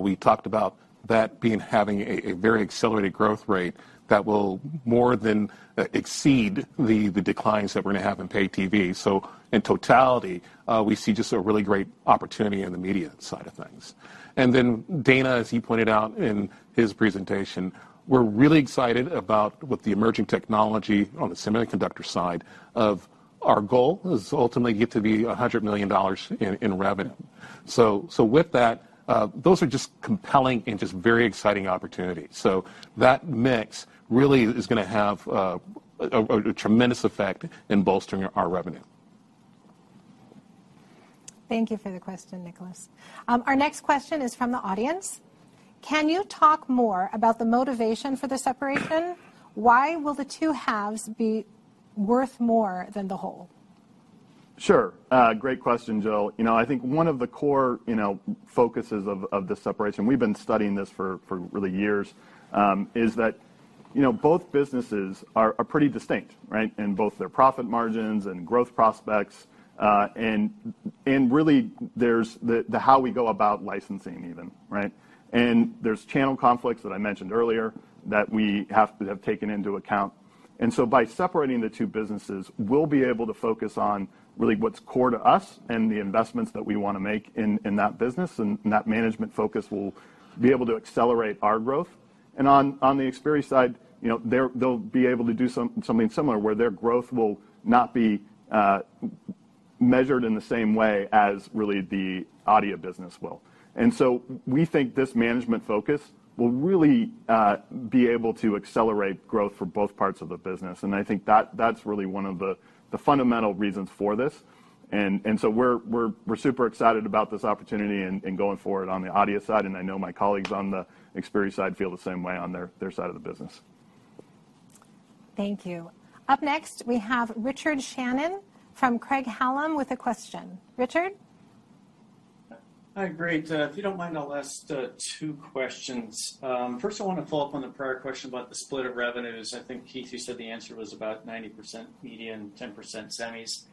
we talked about that being having a very accelerated growth rate that will more than exceed the declines that we're gonna have in Pay-TV. In totality, we see just a really great opportunity in the media side of things. Then Dana, as he pointed out in his presentation, we're really excited about with the emerging technology on the semiconductor side of our goal is to ultimately get to $100 million in revenue. With that, those are just compelling and just very exciting opportunities. That mix really is gonna have a tremendous effect in bolstering our revenue. Thank you for the question, Nicholas. Our next question is from the audience. Can you talk more about the motivation for the separation? Why will the two halves be worth more than the whole? Sure. Great question, Jill. You know, I think one of the core, you know, focuses of the separation, we've been studying this for really years, is that, you know, both businesses are pretty distinct, right? In both their profit margins and growth prospects, and really there's the how we go about licensing even, right? By separating the two businesses, we'll be able to focus on really what's core to us and the investments that we wanna make in that business and that management focus will be able to accelerate our growth. On the Xperi side, you know, they're... They'll be able to do something similar where their growth will not be measured in the same way as really the audio business will. We think this management focus will really be able to accelerate growth for both parts of the business, and I think that's really one of the fundamental reasons for this. We're super excited about this opportunity and going forward on the audio side, and I know my colleagues on the Xperi side feel the same way on their side of the business. Thank you. Up next, we have Richard Shannon from Craig-Hallum with a question. Richard. Hi. Great. If you don't mind, I'll ask two questions. First, I wanna follow up on the prior question about the split of revenues. I think, Keith, you said the answer was about 90% media and 10% semis.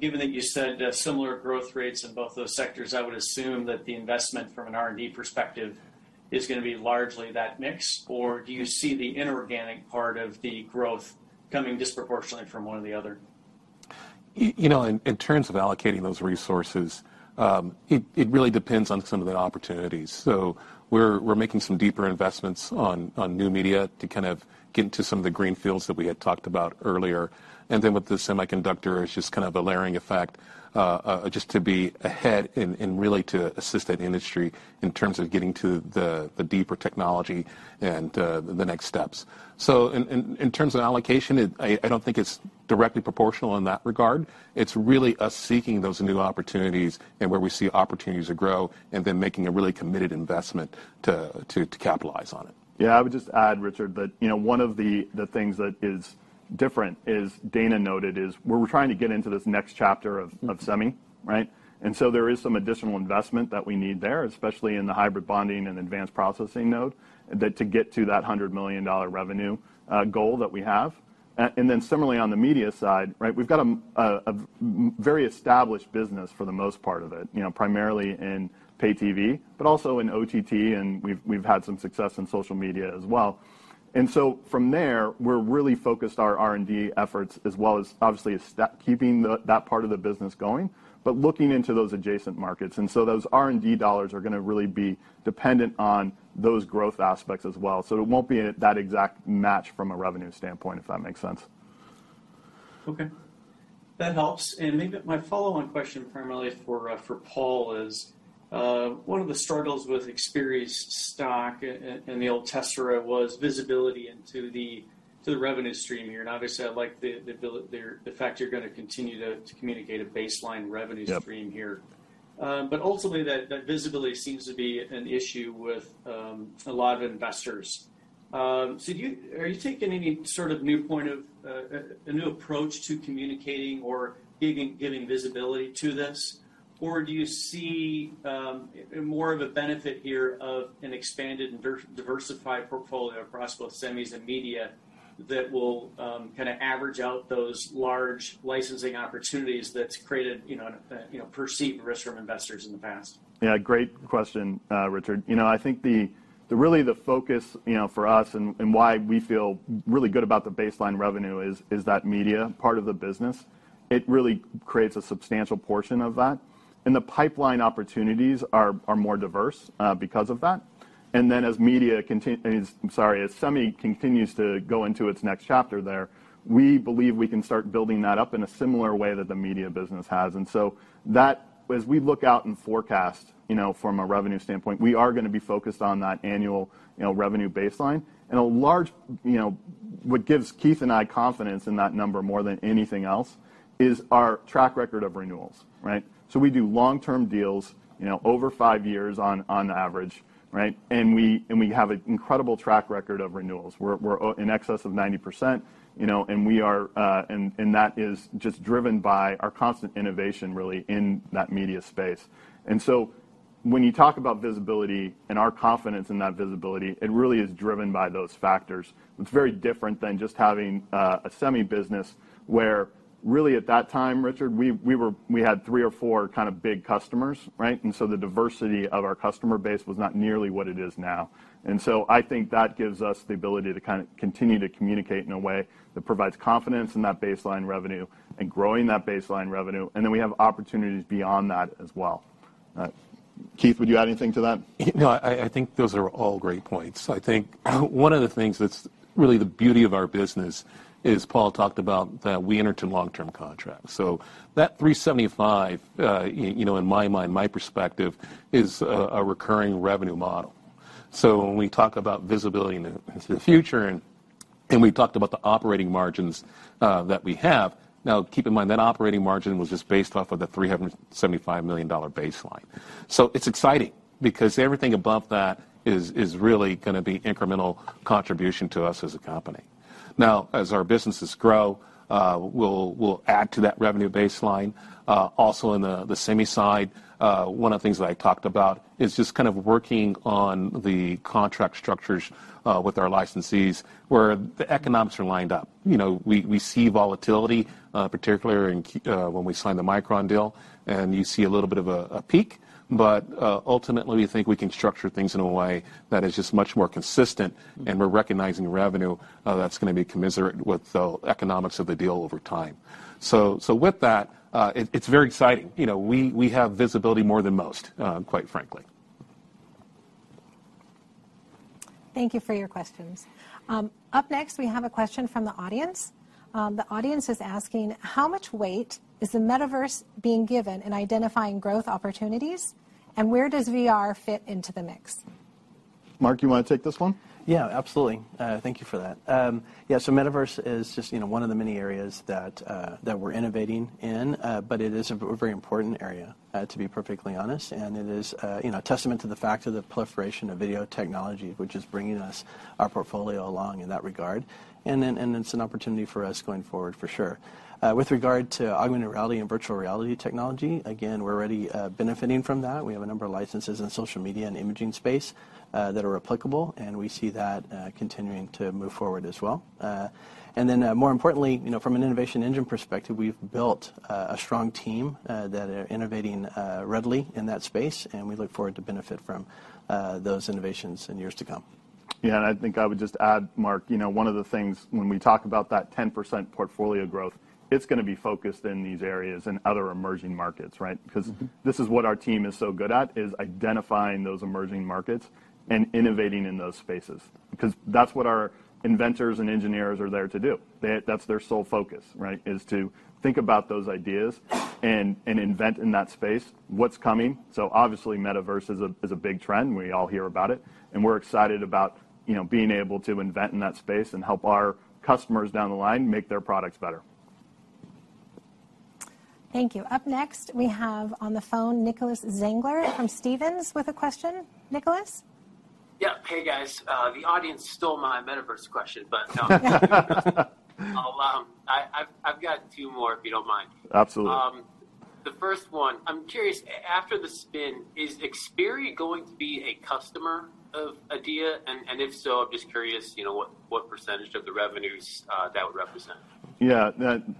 Given that you said similar growth rates in both those sectors, I would assume that the investment from an R&D perspective is gonna be largely that mix. Or do you see the inorganic part of the growth coming disproportionately from one or the other? You know, in terms of allocating those resources, it really depends on some of the opportunities. We're making some deeper investments on new media to kind of get into some of the greenfields that we had talked about earlier. With the semiconductor, it's just kind of a layering effect, just to be ahead and really to assist that industry in terms of getting to the deeper technology and the next steps. In terms of allocation, I don't think it's directly proportional in that regard. It's really us seeking those new opportunities and where we see opportunities to grow and then making a really committed investment to capitalize on it. Yeah. I would just add, Richard, that one of the things that is different is as Dana noted, is where we're trying to get into this next chapter of semi, right? There is some additional investment that we need there, especially in the hybrid bonding and advanced process node that to get to that $100 million revenue goal that we have. And then similarly on the media side, right, we've got a very established business for the most part of it, primarily in Pay-TV, but also in OTT, and we've had some success in social media as well. From there, we're really focused our R&D efforts as well as obviously keeping that part of the business going, but looking into those adjacent markets. Those R&D dollars are gonna really be dependent on those growth aspects as well. It won't be that exact match from a revenue standpoint, if that makes sense. Okay. That helps. Maybe my follow-on question primarily for Paul is one of the struggles with Xperi's stock in the old Tessera was visibility into the revenue stream here. Obviously, I like the fact you're gonna continue to communicate a baseline revenue- Yep Stream here. Ultimately, that visibility seems to be an issue with a lot of investors. Are you taking any sort of new point of a new approach to communicating or giving visibility to this? Or do you see more of a benefit here of an expanded and diversified portfolio across both semis and media that will kinda average out those large licensing opportunities that's created, you know, perceived risk from investors in the past? Yeah, great question, Richard. You know, I think the real focus for us and why we feel really good about the baseline revenue is that media part of the business. It really creates a substantial portion of that. The pipeline opportunities are more diverse because of that. As semi continues to go into its next chapter there, we believe we can start building that up in a similar way that the media business has. As we look out and forecast, you know, from a revenue standpoint, we are gonna be focused on that annual, you know, revenue baseline. What gives Keith and I confidence in that number more than anything else is our track record of renewals, right? We do long-term deals, you know, over five years on average, right? We have an incredible track record of renewals. We're in excess of 90%, you know, and we are. That is just driven by our constant innovation really in that media space. When you talk about visibility and our confidence in that visibility, it really is driven by those factors. It's very different than just having a semi business where really at that time, Richard, we had three or four kind of big customers, right? The diversity of our customer base was not nearly what it is now. I think that gives us the ability to kind of continue to communicate in a way that provides confidence in that baseline revenue and growing that baseline revenue. We have opportunities beyond that as well. Keith, would you add anything to that? No, I think those are all great points. I think one of the things that's really the beauty of our business is Paul talked about that we enter into long-term contracts. That $375 million, you know, in my mind, my perspective is a recurring revenue model. When we talk about visibility into the future and we talked about the operating margins that we have. Now, keep in mind that operating margin was just based off of the $375 million baseline. It's exciting because everything above that is really gonna be incremental contribution to us as a company. Now, as our businesses grow, we'll add to that revenue baseline. Also in the semi side, one of the things that I talked about is just kind of working on the contract structures with our licensees where the economics are lined up. You know, we see volatility, particularly when we sign the Micron deal and you see a little bit of a peak. Ultimately, we think we can structure things in a way that is just much more consistent, and we're recognizing revenue that's gonna be commensurate with the economics of the deal over time. With that, it's very exciting. You know, we have visibility more than most, quite frankly. Thank you for your questions. Up next, we have a question from the audience. The audience is asking, how much weight is the metaverse being given in identifying growth opportunities, and where does VR fit into the mix? Mark, you wanna take this one? Yeah, absolutely. Thank you for that. Yeah, so metaverse is just, you know, one of the many areas that we're innovating in. It is a very important area, to be perfectly honest. It is, you know, a testament to the fact of the proliferation of video technology, which is bringing us our portfolio along in that regard. It's an opportunity for us going forward for sure. With regard to augmented reality and virtual reality technology, again, we're already benefiting from that. We have a number of licenses in social media and imaging space that are applicable, and we see that continuing to move forward as well. More importantly, you know, from an innovation engine perspective, we've built a strong team that are innovating readily in that space, and we look forward to benefit from those innovations in years to come. Yeah. I think I would just add, Mark, you know, one of the things when we talk about that 10% portfolio growth, it's gonna be focused in these areas and other emerging markets, right? Mm-hmm. This is what our team is so good at, is identifying those emerging markets and innovating in those spaces. That's what our inventors and engineers are there to do. That's their sole focus, right? Is to think about those ideas and invent in that space what's coming. Obviously, metaverse is a big trend. We all hear about it, and we're excited about, you know, being able to invent in that space and help our customers down the line make their products better. Thank you. Up next, we have on the phone Nicholas Zangler from Stephens with a question. Nicholas. Yeah. Hey, guys. The audience stole my metaverse question, but I've got two more, if you don't mind. Absolutely. The first one, I'm curious, after the spin, is Xperi going to be a customer of Adeia? If so, I'm just curious, you know, what percentage of the revenues that would represent? Yeah.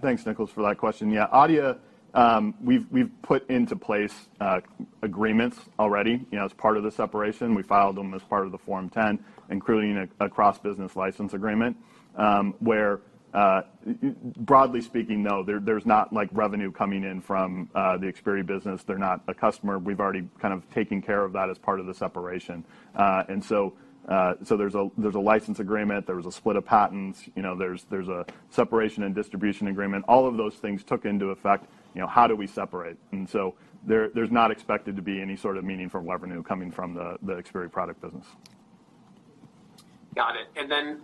Thanks, Nicholas, for that question. Yeah, Adeia, we've put into place agreements already, you know, as part of the separation. We filed them as part of the Form-10, including a cross-business license agreement, where, broadly speaking, there's not, like, revenue coming in from the Xperi business. They're not a customer. We've already kind of taken care of that as part of the separation. So there's a license agreement. There was a split of patents. You know, there's a separation and distribution agreement. All of those things took into effect, you know, how do we separate. There's not expected to be any sort of meaningful revenue coming from the Xperi product business. Got it. Then,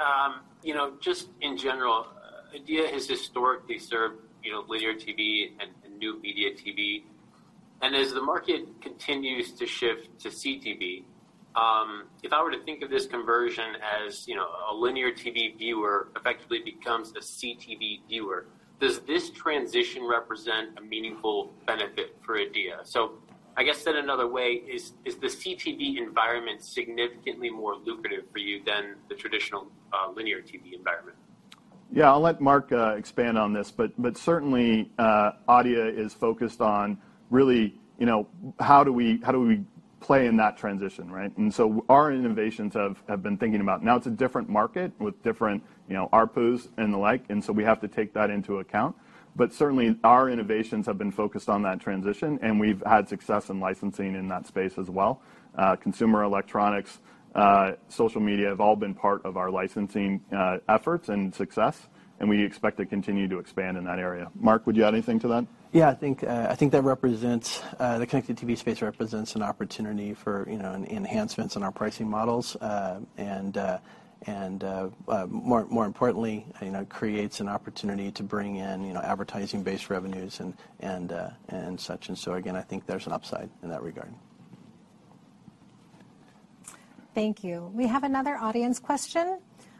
you know, just in general, Adeia has historically served, you know, linear TV and new media TV. As the market continues to shift to CTV, if I were to think of this conversion as, you know, a linear TV viewer effectively becomes a CTV viewer, does this transition represent a meaningful benefit for Adeia? I guess said another way is the CTV environment significantly more lucrative for you than the traditional linear TV environment? Yeah. I'll let Mark expand on this. Certainly, Adeia is focused on really, you know, how do we play in that transition, right? Now it's a different market with different, you know, ARPUs and the like, and so we have to take that into account. Certainly, our innovations have been focused on that transition, and we've had success in licensing in that space as well. Consumer electronics, social media have all been part of our licensing efforts and success, and we expect to continue to expand in that area. Mark, would you add anything to that? I think that the connected TV space represents an opportunity for, you know, enhancements in our pricing models. More importantly, you know, creates an opportunity to bring in, you know, advertising-based revenues and such. Again, I think there's an upside in that regard. Thank you. We have another audience question.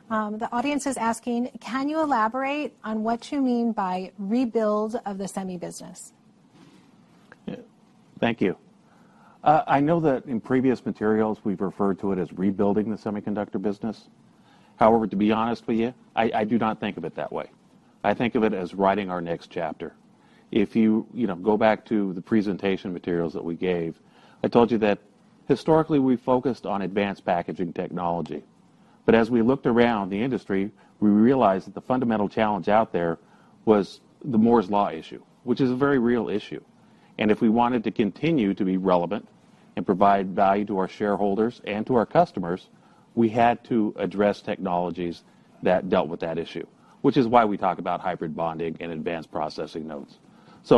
The audience is asking: Can you elaborate on what you mean by rebuild of the semi business? Yeah. Thank you. I know that in previous materials we've referred to it as rebuilding the semiconductor business. However, to be honest with you, I do not think of it that way. I think of it as writing our next chapter. If you know, go back to the presentation materials that we gave, I told you that historically we focused on advanced packaging technology, but as we looked around the industry, we realized that the fundamental challenge out there was the Moore's law issue, which is a very real issue. If we wanted to continue to be relevant and provide value to our shareholders and to our customers, we had to address technologies that dealt with that issue, which is why we talk about hybrid bonding and advanced process nodes.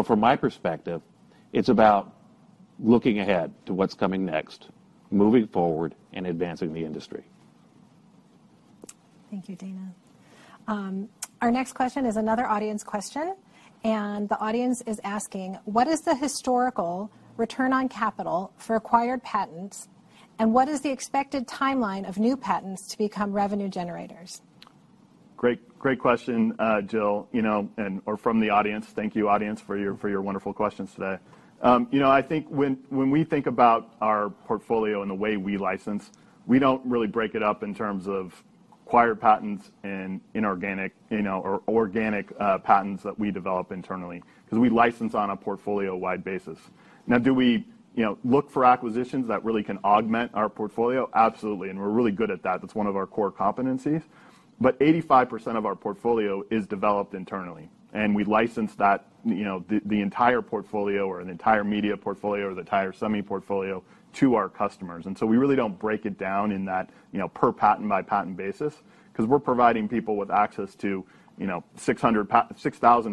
From my perspective, it's about looking ahead to what's coming next, moving forward and advancing the industry. Thank you, Dana. Our next question is another audience question, and the audience is asking: What is the historical return on capital for acquired patents, and what is the expected timeline of new patents to become revenue generators? Great, great question, Jill, you know, or from the audience. Thank you, audience, for your wonderful questions today. You know, I think when we think about our portfolio and the way we license, we don't really break it up in terms of acquired patents and inorganic, you know, or organic patents that we develop internally, because we license on a portfolio-wide basis. Now, do we, you know, look for acquisitions that really can augment our portfolio? Absolutely. We're really good at that. That's one of our core competencies. 85% of our portfolio is developed internally, and we license that, you know, the entire portfolio or the entire media portfolio or the entire semi portfolio to our customers. We really don't break it down in that, you know, per patent by patent basis because we're providing people with access to, you know, 6,000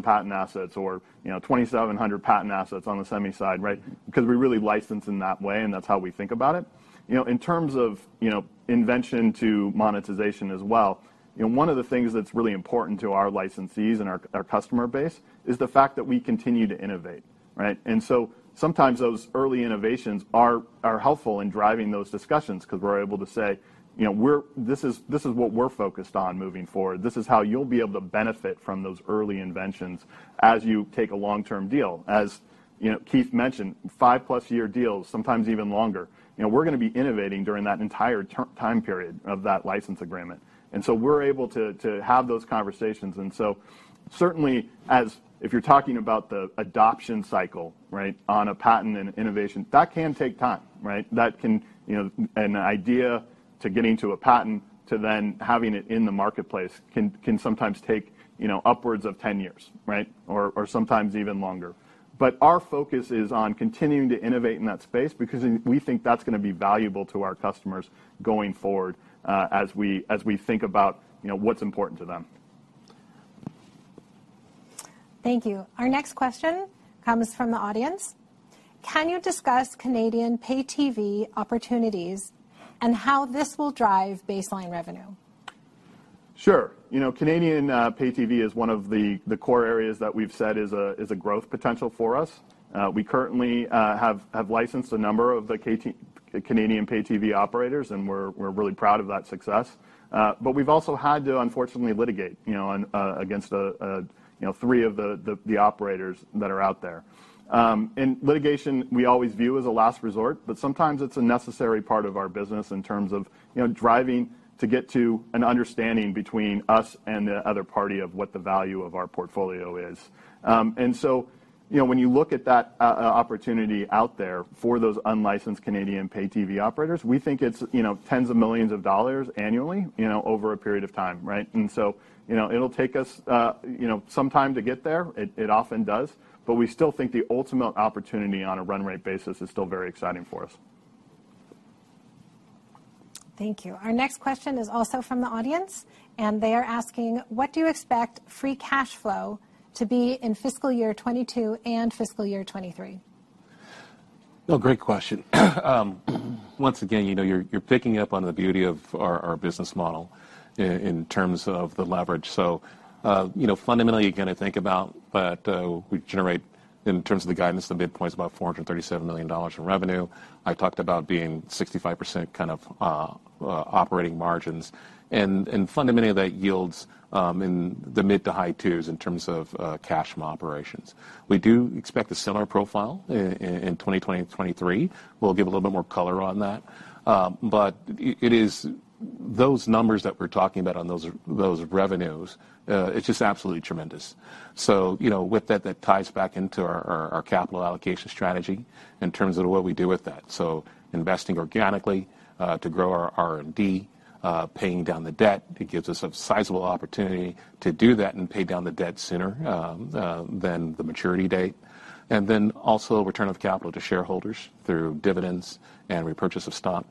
patent assets or, you know, 2,700 patent assets on the semi side, right? Because we really license in that way, and that's how we think about it. You know, in terms of, you know, invention to monetization as well, you know, one of the things that's really important to our licensees and our customer base is the fact that we continue to innovate, right? Sometimes those early innovations are helpful in driving those discussions because we're able to say, you know, this is what we're focused on moving forward. This is how you'll be able to benefit from those early inventions as you take a long-term deal. As you know, Keith mentioned, five plus year deals, sometimes even longer. You know, we're gonna be innovating during that entire time period of that license agreement. We're able to have those conversations. Certainly as if you're talking about the adoption cycle, right, on a patent and innovation, that can take time, right? That can, you know, an idea to getting to a patent to then having it in the marketplace can sometimes take, you know, upwards of 10 years, right? Or sometimes even longer. Our focus is on continuing to innovate in that space because we think that's gonna be valuable to our customers going forward, as we think about, you know, what's important to them. Thank you. Our next question comes from the audience. Can you discuss Canadian Pay-TV opportunities and how this will drive baseline revenue? Sure. You know, Canadian Pay-TV is one of the core areas that we've said is a growth potential for us. We currently have licensed a number of the Canadian Pay-TV operators, and we're really proud of that success. We've also had to unfortunately litigate against three of the operators that are out there. Litigation we always view as a last resort, but sometimes it's a necessary part of our business in terms of driving to get to an understanding between us and the other party of what the value of our portfolio is. You know, when you look at that opportunity out there for those unlicensed Canadian Pay-TV operators, we think it's, you know, tens of millions of dollars annually, you know, over a period of time, right? You know, it'll take us, you know, some time to get there. It often does, but we still think the ultimate opportunity on a run rate basis is still very exciting for us. Thank you. Our next question is also from the audience, and they are asking: What do you expect free cash flow to be in fiscal year 2022 and fiscal year 2023? Well, great question. Once again, you know, you're picking up on the beauty of our business model in terms of the leverage. You know, fundamentally, you're gonna think about that, we generate in terms of the guidance, the midpoint is about $437 million in revenue. I talked about being 65% kind of operating margins, and fundamentally, that yields in the mid- to high-20s in terms of cash from operations. We do expect a similar profile in 2020 and 2023. We'll give a little bit more color on that. It is those numbers that we're talking about on those revenues, it's just absolutely tremendous. You know, with that ties back into our capital allocation strategy in terms of what we do with that. Investing organically to grow our R&D, paying down the debt. It gives us a sizable opportunity to do that and pay down the debt sooner than the maturity date. Then also return of capital to shareholders through dividends and repurchase of stock.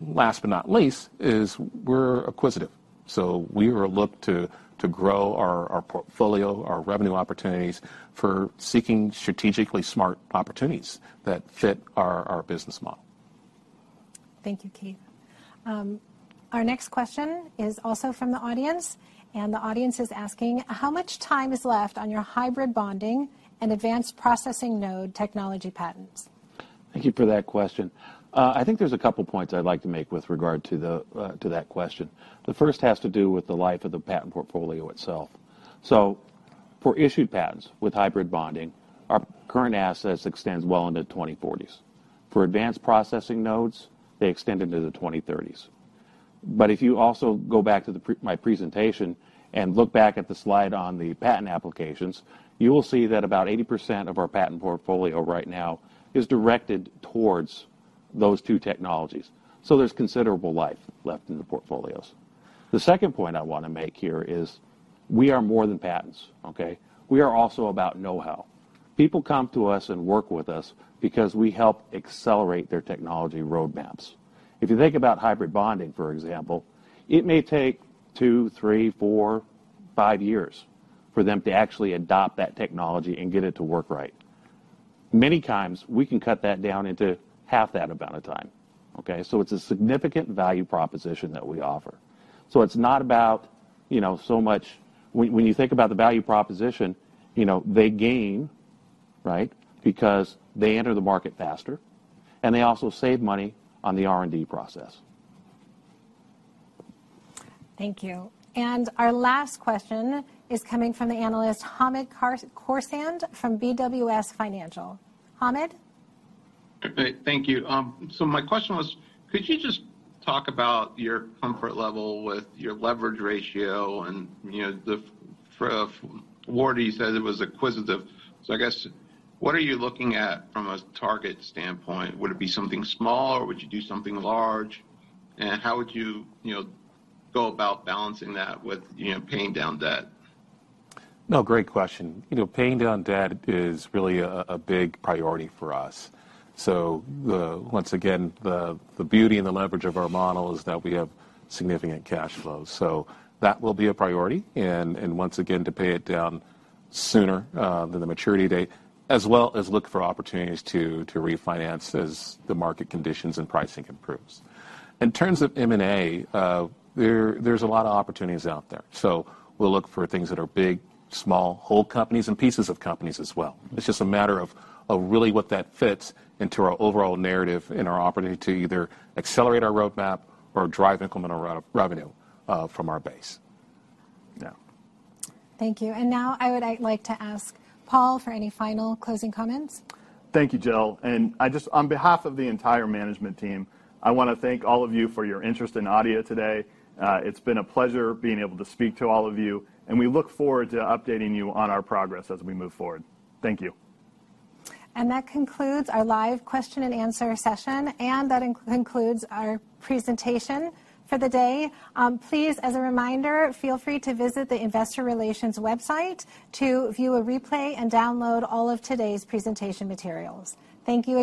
Last but not least, we're acquisitive. We will look to grow our portfolio, our revenue opportunities by seeking strategically smart opportunities that fit our business model. Thank you, Keith. Our next question is also from the audience, and the audience is asking: How much time is left on your hybrid bonding and advanced process node technology patents? Thank you for that question. I think there's a couple points I'd like to make with regard to that question. The first has to do with the life of the patent portfolio itself. For issued patents with hybrid bonding, our current assets extends well into the 2040s. For advanced process nodes, they extend into the 2030s. If you also go back to the prior to my presentation and look back at the slide on the patent applications, you will see that about 80% of our patent portfolio right now is directed towards those two technologies. There's considerable life left in the portfolios. The second point I wanna make here is we are more than patents, okay? We are also about know-how. People come to us and work with us because we help accelerate their technology roadmaps. If you think about hybrid bonding, for example, it may take two, three, four, five years for them to actually adopt that technology and get it to work right. Many times, we can cut that down into half that amount of time, okay? It's a significant value proposition that we offer. It's not about, you know, so much. When you think about the value proposition, you know, they gain, right? Because they enter the market faster, and they also save money on the R&D process. Thank you. Our last question is coming from the analyst Hamed Khorsand from BWS Financial. Hamid? Thank you. My question was, could you just talk about your comfort level with your leverage ratio and, you know, the Wardy said it was acquisitive. I guess, what are you looking at from a target standpoint? Would it be something small or would you do something large? How would you know, go about balancing that with, you know, paying down debt? No, great question. You know, paying down debt is really a big priority for us. Once again, the beauty and the leverage of our model is that we have significant cash flow. That will be a priority and once again, to pay it down sooner than the maturity date, as well as look for opportunities to refinance as the market conditions and pricing improves. In terms of M&A, there's a lot of opportunities out there. We'll look for things that are big, small, whole companies and pieces of companies as well. It's just a matter of really what that fits into our overall narrative and our opportunity to either accelerate our roadmap or drive incremental revenue from our base. Yeah. Thank you. Now I would like to ask Paul for any final closing comments. Thank you, Jill. On behalf of the entire management team, I wanna thank all of you for your interest and attendance today. It's been a pleasure being able to speak to all of you, and we look forward to updating you on our progress as we move forward. Thank you. That concludes our live question and answer session, and that includes our presentation for the day. Please, as a reminder, feel free to visit the Investor Relations website to view a replay and download all of today's presentation materials. Thank you all.